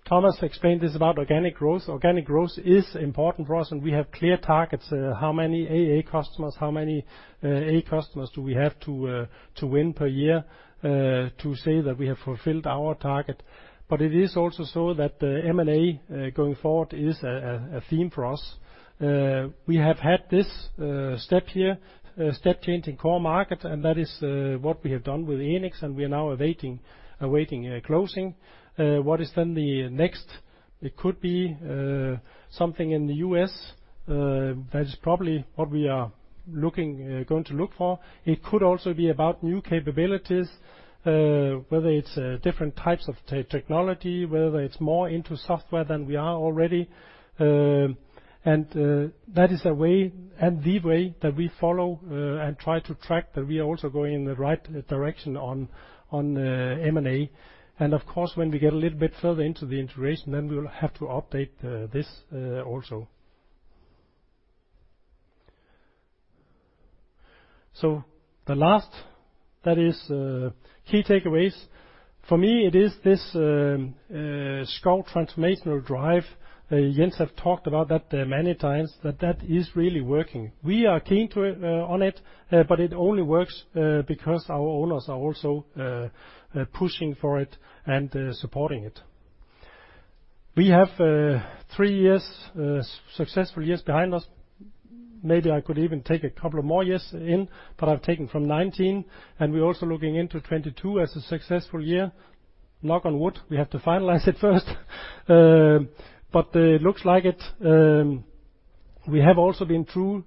Thomas explained this about organic growth. Organic growth is important for us, and we have clear targets how many AA customers, how many A customers do we have to win per year to say that we have fulfilled our target. It is also so that the M&A going forward is a theme for us. We have had this step change in core market, and that is what we have done with Enics, and we are now awaiting a closing. What is then the next? It could be something in the US, that is probably what we are going to look for. It could also be about new capabilities, whether it's different types of technology, whether it's more into software than we are already. That is a way and the way that we follow, and try to track that we are also going in the right direction on M&A. Of course, when we get a little bit further into the integration, then we will have to update this also. The last that is key takeaways. For me, it is this Schouw transformational drive. Jens have talked about that many times, that is really working. We are keen on it, but it only works because our owners are also pushing for it and supporting it. We have three successful years behind us. Maybe I could even take a couple of more years in, but I've taken from 2019, and we're also looking into 2022 as a successful year. Knock on wood. We have to finalize it first. But it looks like it. We have also been through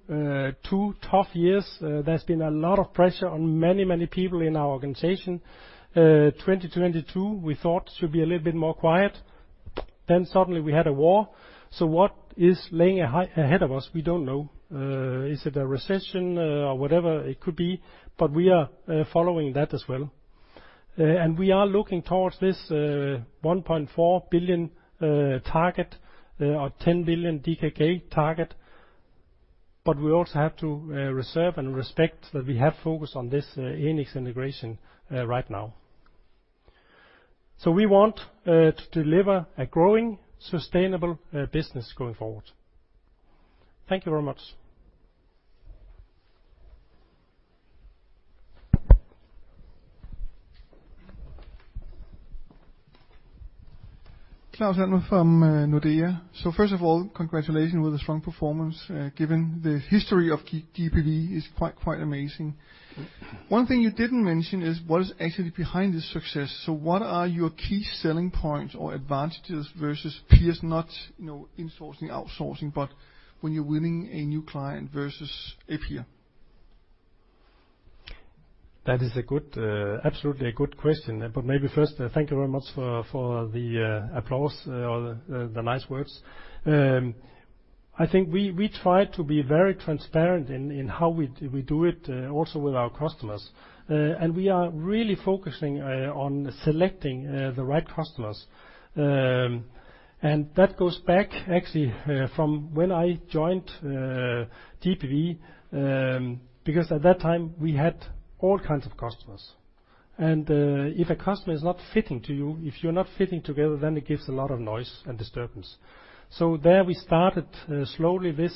two tough years. There's been a lot of pressure on many people in our organization. 2022, we thought should be a little bit more quiet. Suddenly we had a war. What is lying ahead of us? We don't know. Is it a recession, or whatever it could be? We are following that as well. We are looking towards this 1.4 billion target or 10 billion DKK target, but we also have to reserve and respect that we have focus on this Enics integration right now. We want to deliver a growing, sustainable business going forward. Thank you very much. Claus Almer from Nordea. First of all, congratulations with a strong performance. Given the history of GPV is quite amazing. One thing you didn't mention is what is actually behind this success. What are your key selling points or advantages versus peers not, you know, insourcing, outsourcing, but when you're winning a new client versus a peer? That is a good absolutely a good question. Maybe first, thank you very much for the applause or the nice words. I think we try to be very transparent in how we do it also with our customers. We are really focusing on selecting the right customers. That goes back actually from when I joined GPV because at that time, we had all kinds of customers. If a customer is not fitting to you, if you're not fitting together, then it gives a lot of noise and disturbance. There we started slowly this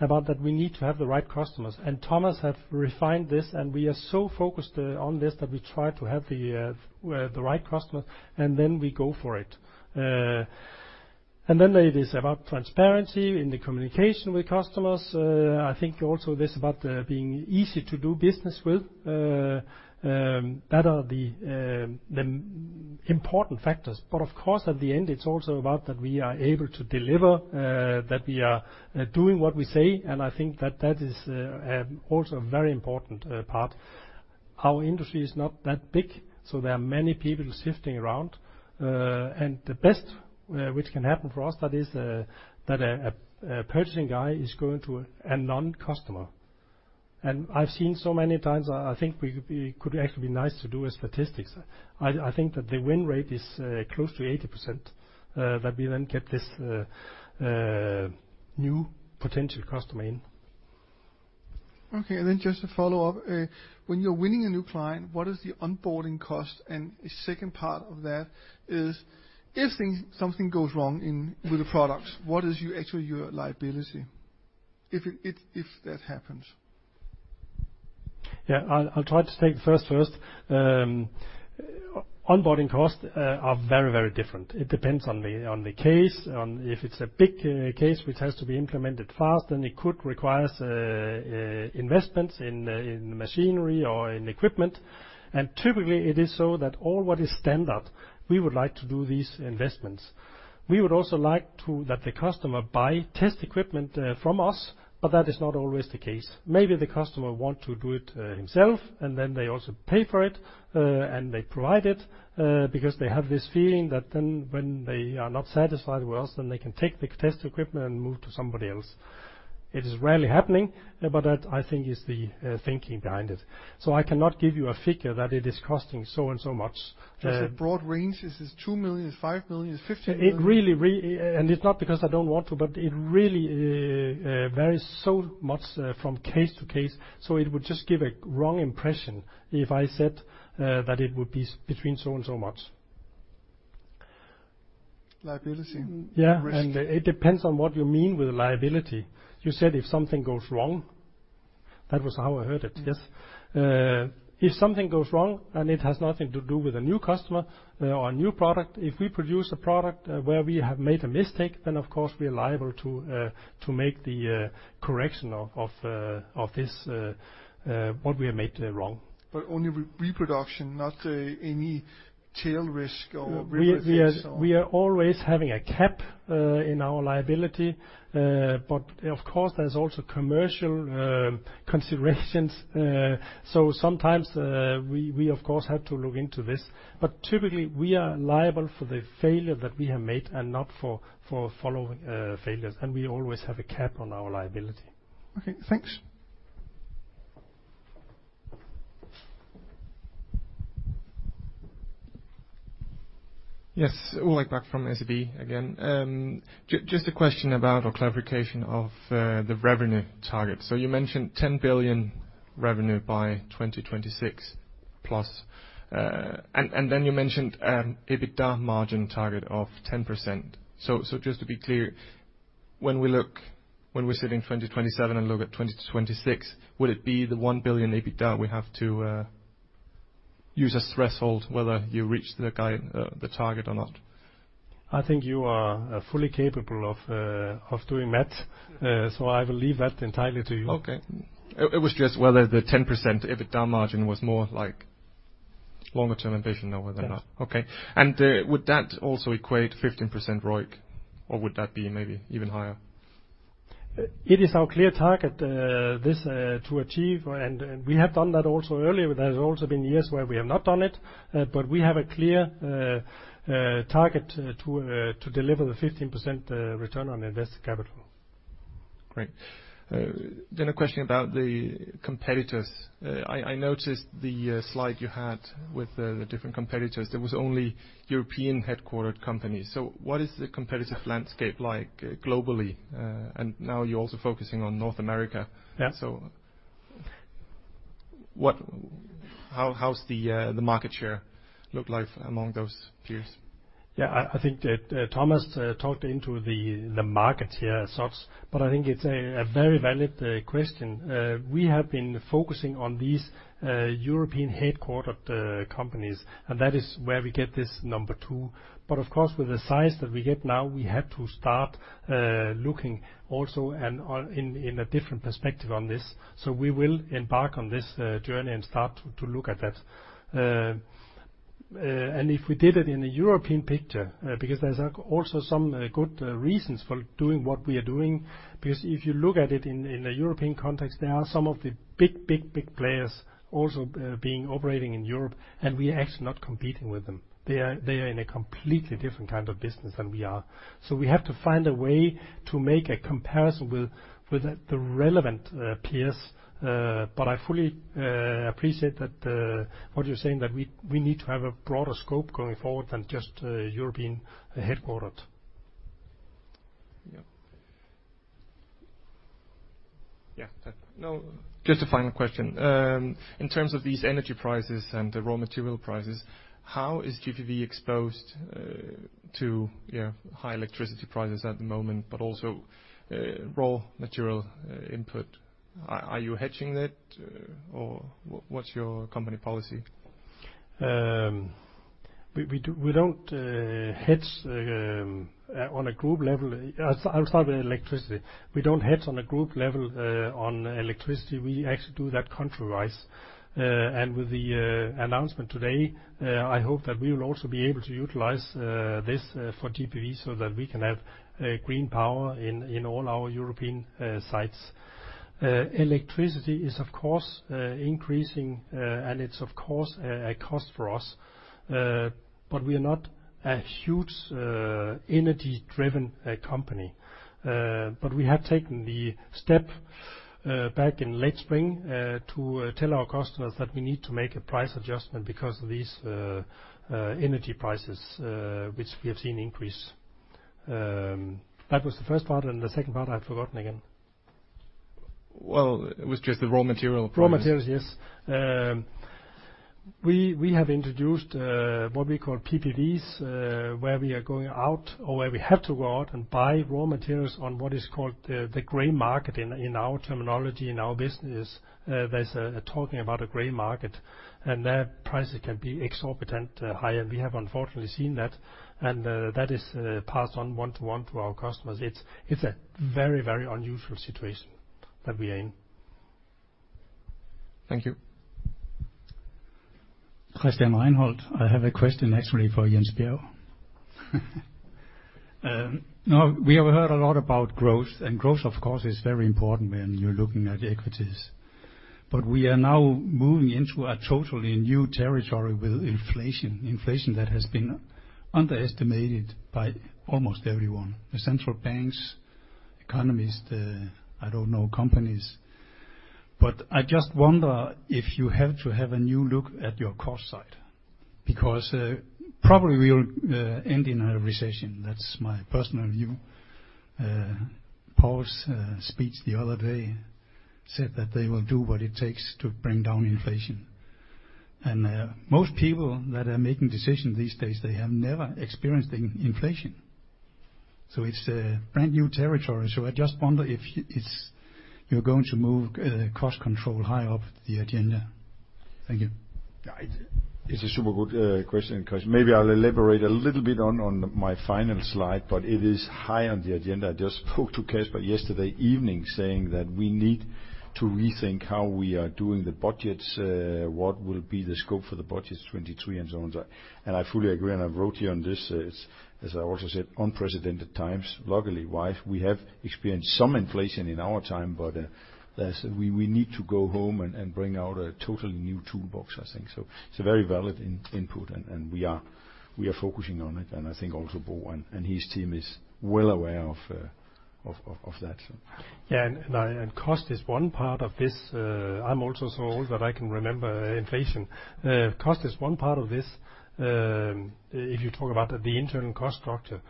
about that we need to have the right customers. Thomas have refined this, and we are so focused on this that we try to have the right customer, and then we go for it. It is about transparency in the communication with customers. I think also this about being easy to do business with. That are the important factors. Of course, at the end, it's also about that we are able to deliver, that we are doing what we say, and I think that is also a very important part. Our industry is not that big, so there are many people shifting around. The best which can happen for us is that a purchasing guy is going to a non-customer. I've seen so many times. I think we could actually be nice to do a statistics. I think that the win rate is close to 80%, that we then get this new potential customer in. Okay, just to follow up. When you're winning a new client, what is the onboarding cost? A second part of that is, if something goes wrong with the products, what is actually your liability if that happens? Yeah. I'll try to take the first. Onboarding costs are very different. It depends on the case, on if it's a big case which has to be implemented fast, then it could requires investments in machinery or in equipment. Typically, it is so that all what is standard, we would like to do these investments. We would also like to, that the customer buy test equipment from us, but that is not always the case. Maybe the customer want to do it himself, and then they also pay for it, and they provide it, because they have this feeling that then when they are not satisfied with us, then they can take the test equipment and move to somebody else. It is rarely happening, but that, I think, is the thinking behind it. I cannot give you a figure that it is costing so and so much. Just a broad range. Is this 2 million, 5 million, 15 million? It really. It's not because I don't want to, but it really varies so much from case to case, so it would just give a wrong impression if I said that it would be between so and so much. Liability, risk. Yeah, it depends on what you mean with liability. You said if something goes wrong? That was how I heard it, yes. If something goes wrong and it has nothing to do with a new customer or a new product, if we produce a product where we have made a mistake, then of course we're liable to make the correction of this what we have made wrong. Only with reproduction, not any tail risk or revenue at risk or? We are always having a cap in our liability. Of course there's also commercial considerations. Sometimes we of course have to look into this. Typically, we are liable for the failure that we have made and not for following failures. We always have a cap on our liability. Okay, thanks. Yes. Ulrik Bak from SEB again. Just a question about or clarification of the revenue target. You mentioned 10 billion revenue by 2026+. And then you mentioned an EBITDA margin target of 10%. Just to be clear, when we sit in 2027 and look at 2026, will it be the 1 billion EBITDA we have to use as threshold whether you reach the guide, the target or not? I think you are fully capable of doing math, so I will leave that entirely to you. Okay. It was just whether the 10% EBITDA margin was more like longer-term ambition or whether or not? Yes. Okay. Would that also equate 15% ROIC, or would that be maybe even higher? It is our clear target to achieve, and we have done that also earlier. There has also been years where we have not done it. We have a clear target to deliver the 15% return on invested capital. Great. A question about the competitors. I noticed the slide you had with the different competitors. There was only European-headquartered companies. What is the competitive landscape like globally? Now you're also focusing on North America. Yeah. How's the market share look like among those peers? Yeah, I think that Thomas talked about the market, but I think it's a very valid question. We have been focusing on these European-headquartered companies, and that is where we get this number too. Of course, with the size that we get now, we have to start looking also or in a different perspective on this. We will embark on this journey and start to look at that. If we did it in a European picture, because there's also some good reasons for doing what we are doing, because if you look at it in a European context, there are some of the big players also operating in Europe, and we are actually not competing with them. They are in a completely different kind of business than we are. We have to find a way to make a comparison with the relevant peers. I fully appreciate that what you're saying, that we need to have a broader scope going forward than just European-headquartered. No, just a final question. In terms of these energy prices and the raw material prices, how is GPV exposed to high electricity prices at the moment, but also raw material input? Are you hedging that, or what's your company policy? We don't hedge on a group level. I'll start with electricity. We don't hedge on a group level on electricity. We actually do that country-wise. With the announcement today, I hope that we will also be able to utilize this for GPV so that we can have green power in all our European sites. Electricity is of course increasing, and it's of course a cost for us. We are not a huge energy-driven company. We have taken the step back in late spring to tell our customers that we need to make a price adjustment because of these energy prices which we have seen increase. That was the first part, and the second part I've forgotten again. Well, it was just the raw material prices. Raw materials, yes. We have introduced what we call PPDs, where we are going out or where we have to go out and buy raw materials on what is called the gray market in our terminology, in our business. There's talk about a gray market, and their prices can be exorbitantly high, and we have unfortunately seen that, and that is passed on one-to-one to our customers. It's a very, very unusual situation that we are in. Thank you. Christian Reinholdt. I have a question actually for Jens Bjerg Sørensen. Now we have heard a lot about growth, and growth of course is very important when you're looking at equities. We are now moving into a totally new territory with inflation that has been underestimated by almost everyone. The central banks, economists, I don't know, companies. I just wonder if you have to have a new look at your cost side, because probably we'll end in a recession. That's my personal view. Paul's speech the other day said that they will do what it takes to bring down inflation. Most people that are making decisions these days, they have never experienced inflation, so it's a brand-new territory. I just wonder if you're going to move cost control high up the agenda. Thank you. It's a super good question, because maybe I'll elaborate a little bit on my final slide, but it is high on the agenda. I just spoke to Kasper yesterday evening saying that we need to rethink how we are doing the budgets, what will be the scope for the budget 2023, and so on. I fully agree, and I wrote here on this, it's as I also said, unprecedented times. Luckily, we have experienced some inflation in our time, but we need to go home and bring out a totally new toolbox, I think. It's a very valid input, and we are focusing on it. I think also Bo and his team is well aware of that, so. Yeah. Cost is one part of this. I'm also so old that I can remember inflation. Cost is one part of this, if you talk about the internal cost structure.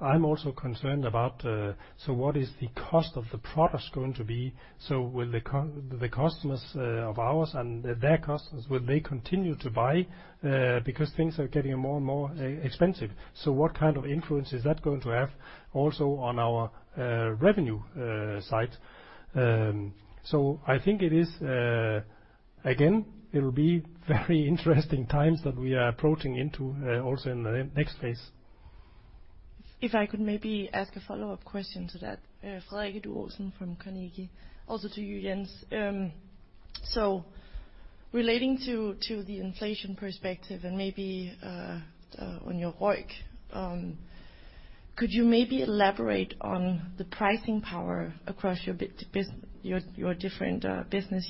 I'm also concerned about, so what is the cost of the products going to be? Will the customers, of ours and their customers, will they continue to buy, because things are getting more and more expensive? What kind of influence is that going to have also on our, revenue, side? I think it is, again, it'll be very interesting times that we are approaching into, also in the next phase. If I could maybe ask a follow-up question to that. Frederik Duus Hansen from Carnegie. Also to you, Jens. So relating to the inflation perspective and maybe on your ROIC, could you maybe elaborate on the pricing power across your business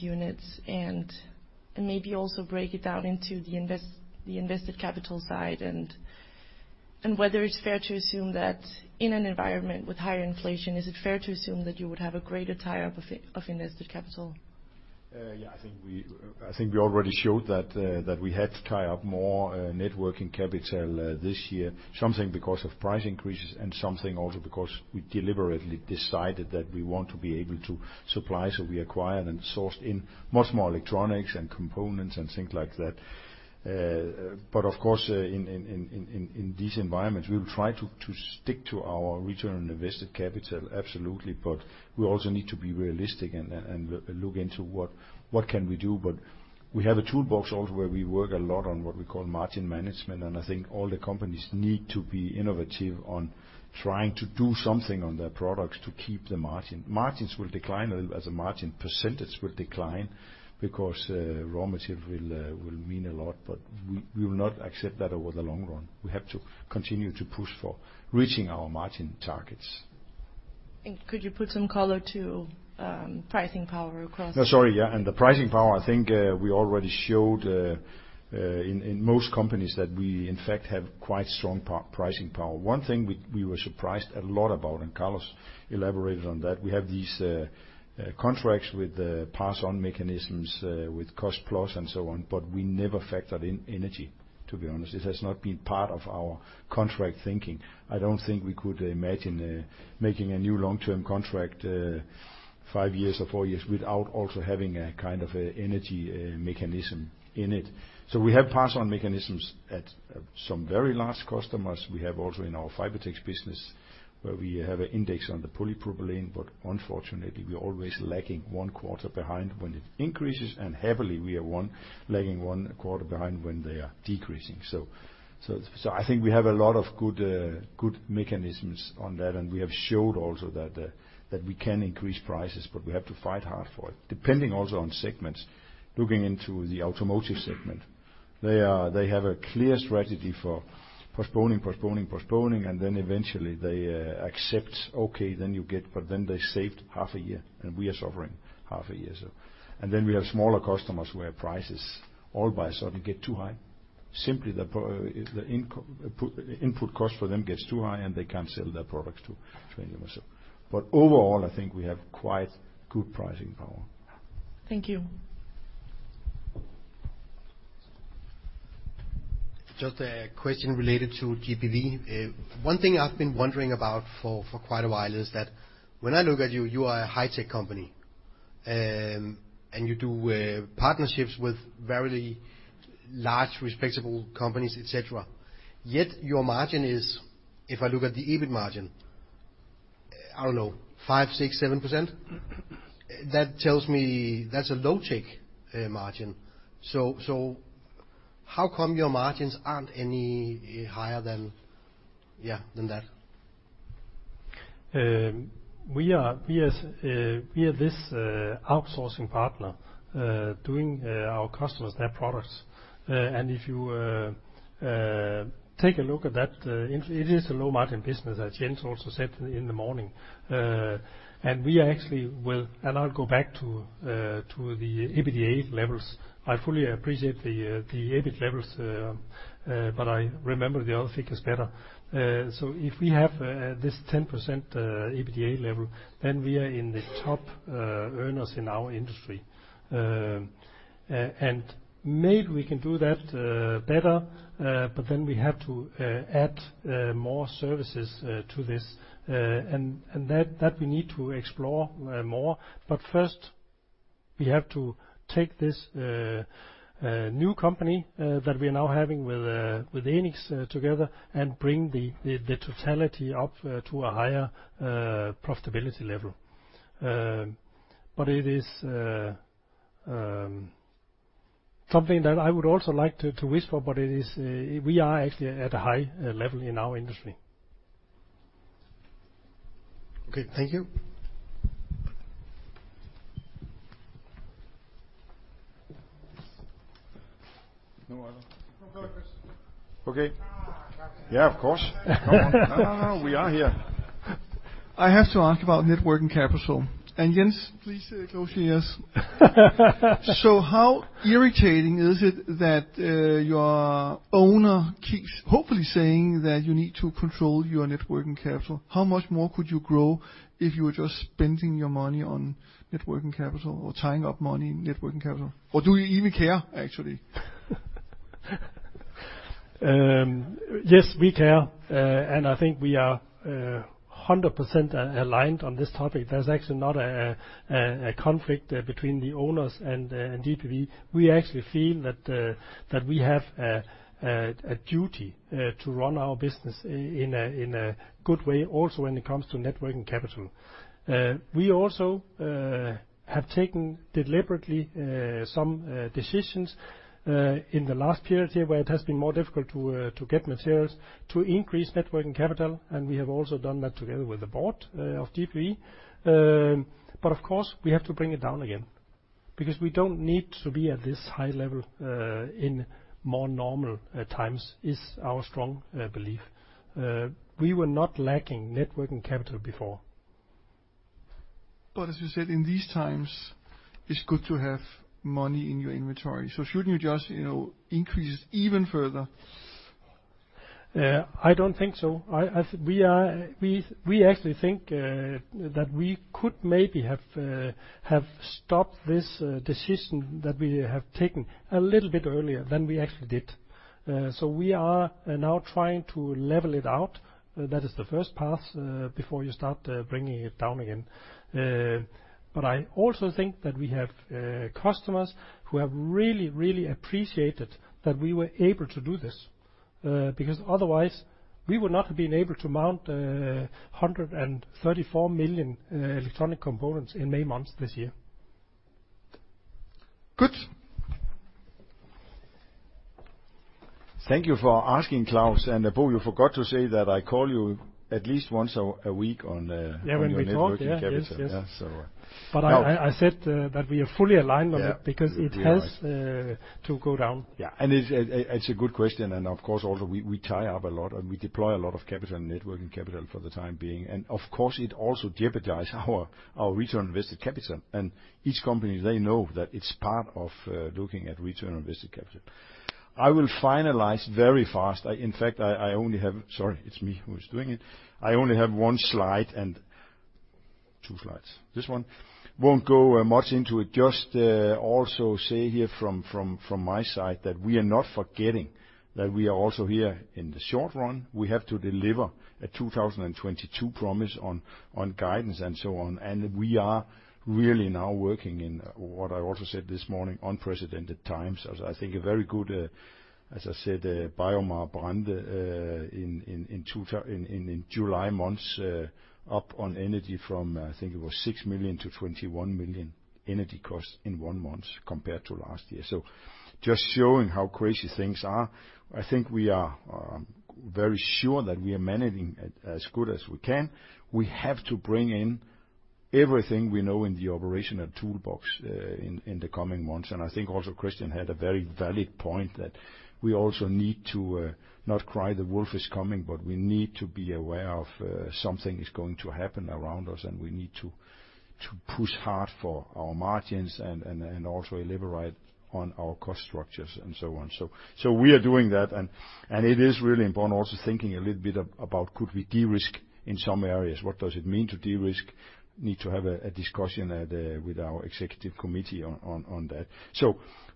units? And maybe also break it down into the invested capital side and whether it's fair to assume that in an environment with higher inflation, you would have a greater tie-up of invested capital? I think we already showed that we had to tie up more net working capital this year, something because of price increases and something also because we deliberately decided that we want to be able to supply. We acquired and sourced in much more electronics and components and things like that. Of course, in these environments, we'll try to stick to our return on invested capital, absolutely. We also need to be realistic and look into what we can do. We have a toolbox also where we work a lot on what we call margin management, and I think all the companies need to be innovative on trying to do something on their products to keep the margin. Margins will decline a little, as a margin percentage will decline because raw material will will mean a lot, but we will not accept that over the long run. We have to continue to push for reaching our margin targets. Could you put some color to pricing power across- No, sorry, yeah, the pricing power, I think, we already showed in most companies that we in fact have quite strong pricing power. One thing we were surprised a lot about, Carlos Diaz elaborated on that, we have these contracts with pass-on mechanisms with cost plus and so on, but we never factored in energy, to be honest. It has not been part of our contract thinking. I don't think we could imagine making a new long-term contract five years or four years without also having a kind of a energy mechanism in it. We have pass-on mechanisms at some very large customers. We have also in our Fibertex business where we have an index on the polypropylene, but unfortunately, we're always lagging one quarter behind when it increases, and lagging one quarter behind when they are decreasing. I think we have a lot of good mechanisms on that, and we have showed also that we can increase prices, but we have to fight hard for it, depending also on segments. Looking into the automotive segment, they have a clear strategy for postponing, and then eventually they accept. Okay, then you get, but then they saved half a year and we are suffering half a year. We have smaller customers where prices all of a sudden get too high. Simply the input cost for them gets too high, and they can't sell their products to 20 or more. Overall, I think we have quite good pricing power. Thank you. Just a question related to GPV. One thing I've been wondering about for quite a while is that when I look at you are a high-tech company, and you do partnerships with very large, respectable companies, et cetera, yet your margin is, if I look at the EBIT margin, I don't know, 5, 6, 7%. That tells me that's a low-tech margin. How come your margins aren't any higher than that? We are this outsourcing partner doing our customers their products. If you take a look at that, it is a low-margin business, as Jens also said in the morning. I'll go back to the EBITDA levels. I fully appreciate the EBIT levels, but I remember the other figures better. If we have this 10% EBITDA level, then we are in the top earners in our industry. And maybe we can do that better, but then we have to add more services to this. And that we need to explore more. But first, we have to take this new company that we're now having with Enics together and bring the totality up to a higher profitability level. It is something that I would also like to wish for, but it is we are actually at a high level in our industry. Okay. Thank you. No other. Okay. Yeah, of course. Come on. No, no, we are here. I have to ask about net working capital. Jens, please close your ears. How irritating is it that your owner keeps hopefully saying that you need to control your net working capital? How much more could you grow if you were just spending your money on net working capital or tying up money in net working capital? Or do you even care, actually? Yes, we care. I think we are 100% aligned on this topic. There's actually not a conflict between the owners and GPV. We actually feel that we have a duty to run our business in a good way, also when it comes to net working capital. We also have taken deliberately some decisions in the last period here where it has been more difficult to get materials to increase net working capital, and we have also done that together with the board of GPV. Of course, we have to bring it down again because we don't need to be at this high level in more normal times, is our strong belief. We were not lacking net working capital before. as you said, in these times, it's good to have money in your inventory. Shouldn't you just, you know, increase it even further? I don't think so. We actually think that we could maybe have stopped this decision that we have taken a little bit earlier than we actually did. We are now trying to level it out. That is the first path before you start bringing it down again. I also think that we have customers who have really, really appreciated that we were able to do this because otherwise we would not have been able to mount 134 million electronic components in a month this year. Good. Thank you for asking, Claus. Bo, you forgot to say that I call you at least once a week on. Yeah, we talked. On your net working capital. Yes, yes. Yeah. I said that we are fully aligned on it. Yeah. Because it has. You're right. To go down. Yeah. It's a good question. Of course, also, we tie up a lot and we deploy a lot of capital, net working capital for the time being. Of course, it also jeopardize our return on invested capital. Each company, they know that it's part of looking at return on invested capital. I will finalize very fast. In fact, I only have. Sorry, it's me who is doing it. I only have one slide and two slides. This one. Won't go much into it, just also say here from my side that we are not forgetting that we are also here in the short run. We have to deliver a 2022 promise on guidance and so on. We are really now working in what I also said this morning, unprecedented times. As I said, BioMar brand in July months up on energy from I think it was 6 million-21 million energy costs in 1 month compared to last year. Just showing how crazy things are. I think we are very sure that we are managing it as good as we can. We have to bring in everything we know in the operational toolbox in the coming months. I think also Christian had a very valid point that we also need to not cry the wolf is coming, but we need to be aware of something is going to happen around us, and we need to push hard for our margins and also deliver it on our cost structures and so on. We are doing that and it is really important also thinking a little bit about could we de-risk in some areas? What does it mean to de-risk? Need to have a discussion with our executive committee on that.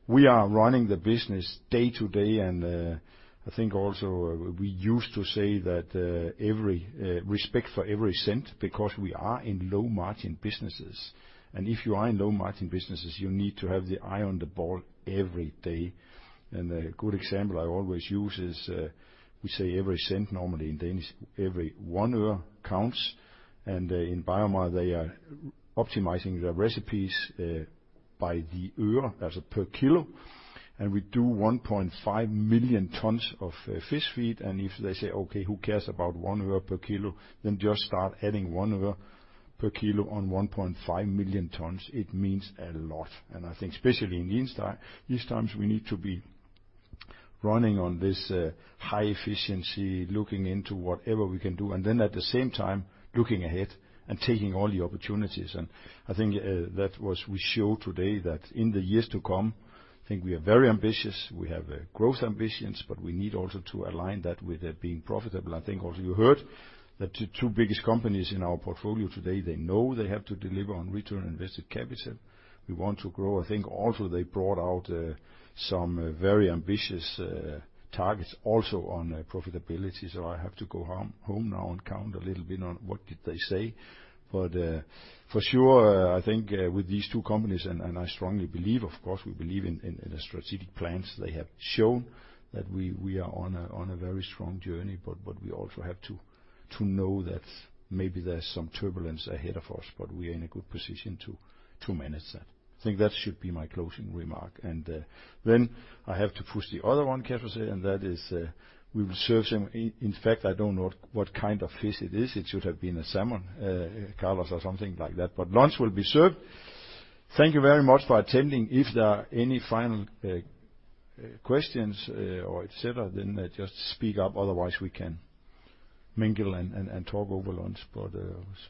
We are running the business day to day. I think also we used to say that every respect for every cent because we are in low margin businesses. If you are in low margin businesses, you need to have the eye on the ball every day. A good example I always use is we say every cent normally in Danish, every one øre counts. In BioMar, they are optimizing their recipes by the øre per kilo. We do 1.5 million tons of fish feed. If they say, "Okay, who cares about one øre per kilo?" Just start adding one øre per kilo on 1.5 million tons, it means a lot. I think especially in these times, we need to be running on this high efficiency, looking into whatever we can do, and then at the same time, looking ahead and taking all the opportunities. I think we show today that in the years to come, I think we are very ambitious. We have growth ambitions, but we need also to align that with being profitable. I think also you heard that the two biggest companies in our portfolio today, they know they have to deliver on return on invested capital. We want to grow. I think also they brought out some very ambitious targets also on profitability. I have to go home now and count a little bit on what did they say. For sure, I think, with these two companies and I strongly believe, of course, we believe in the strategic plans, they have shown that we are on a very strong journey. We also have to know that maybe there's some turbulence ahead of us, but we are in a good position to manage that. I think that should be my closing remark. Then I have to push the other one, Claus, and that is, we will serve some. In fact, I don't know what kind of fish it is. It should have been a salmon, Carlos, or something like that, but lunch will be served. Thank you very much for attending. If there are any final questions, or et cetera, then just speak up. Otherwise, we can mingle and talk over lunch. I was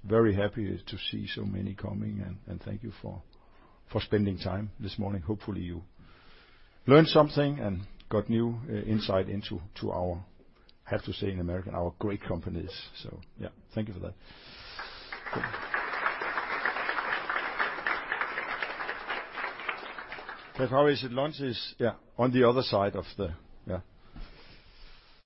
very happy to see so many coming, and thank you for spending time this morning. Hopefully you learned something and got new insight into our, I have to say in American, our great companies. Yeah, thank you for that. How is it lunch is? Yeah. On the other side of the yeah.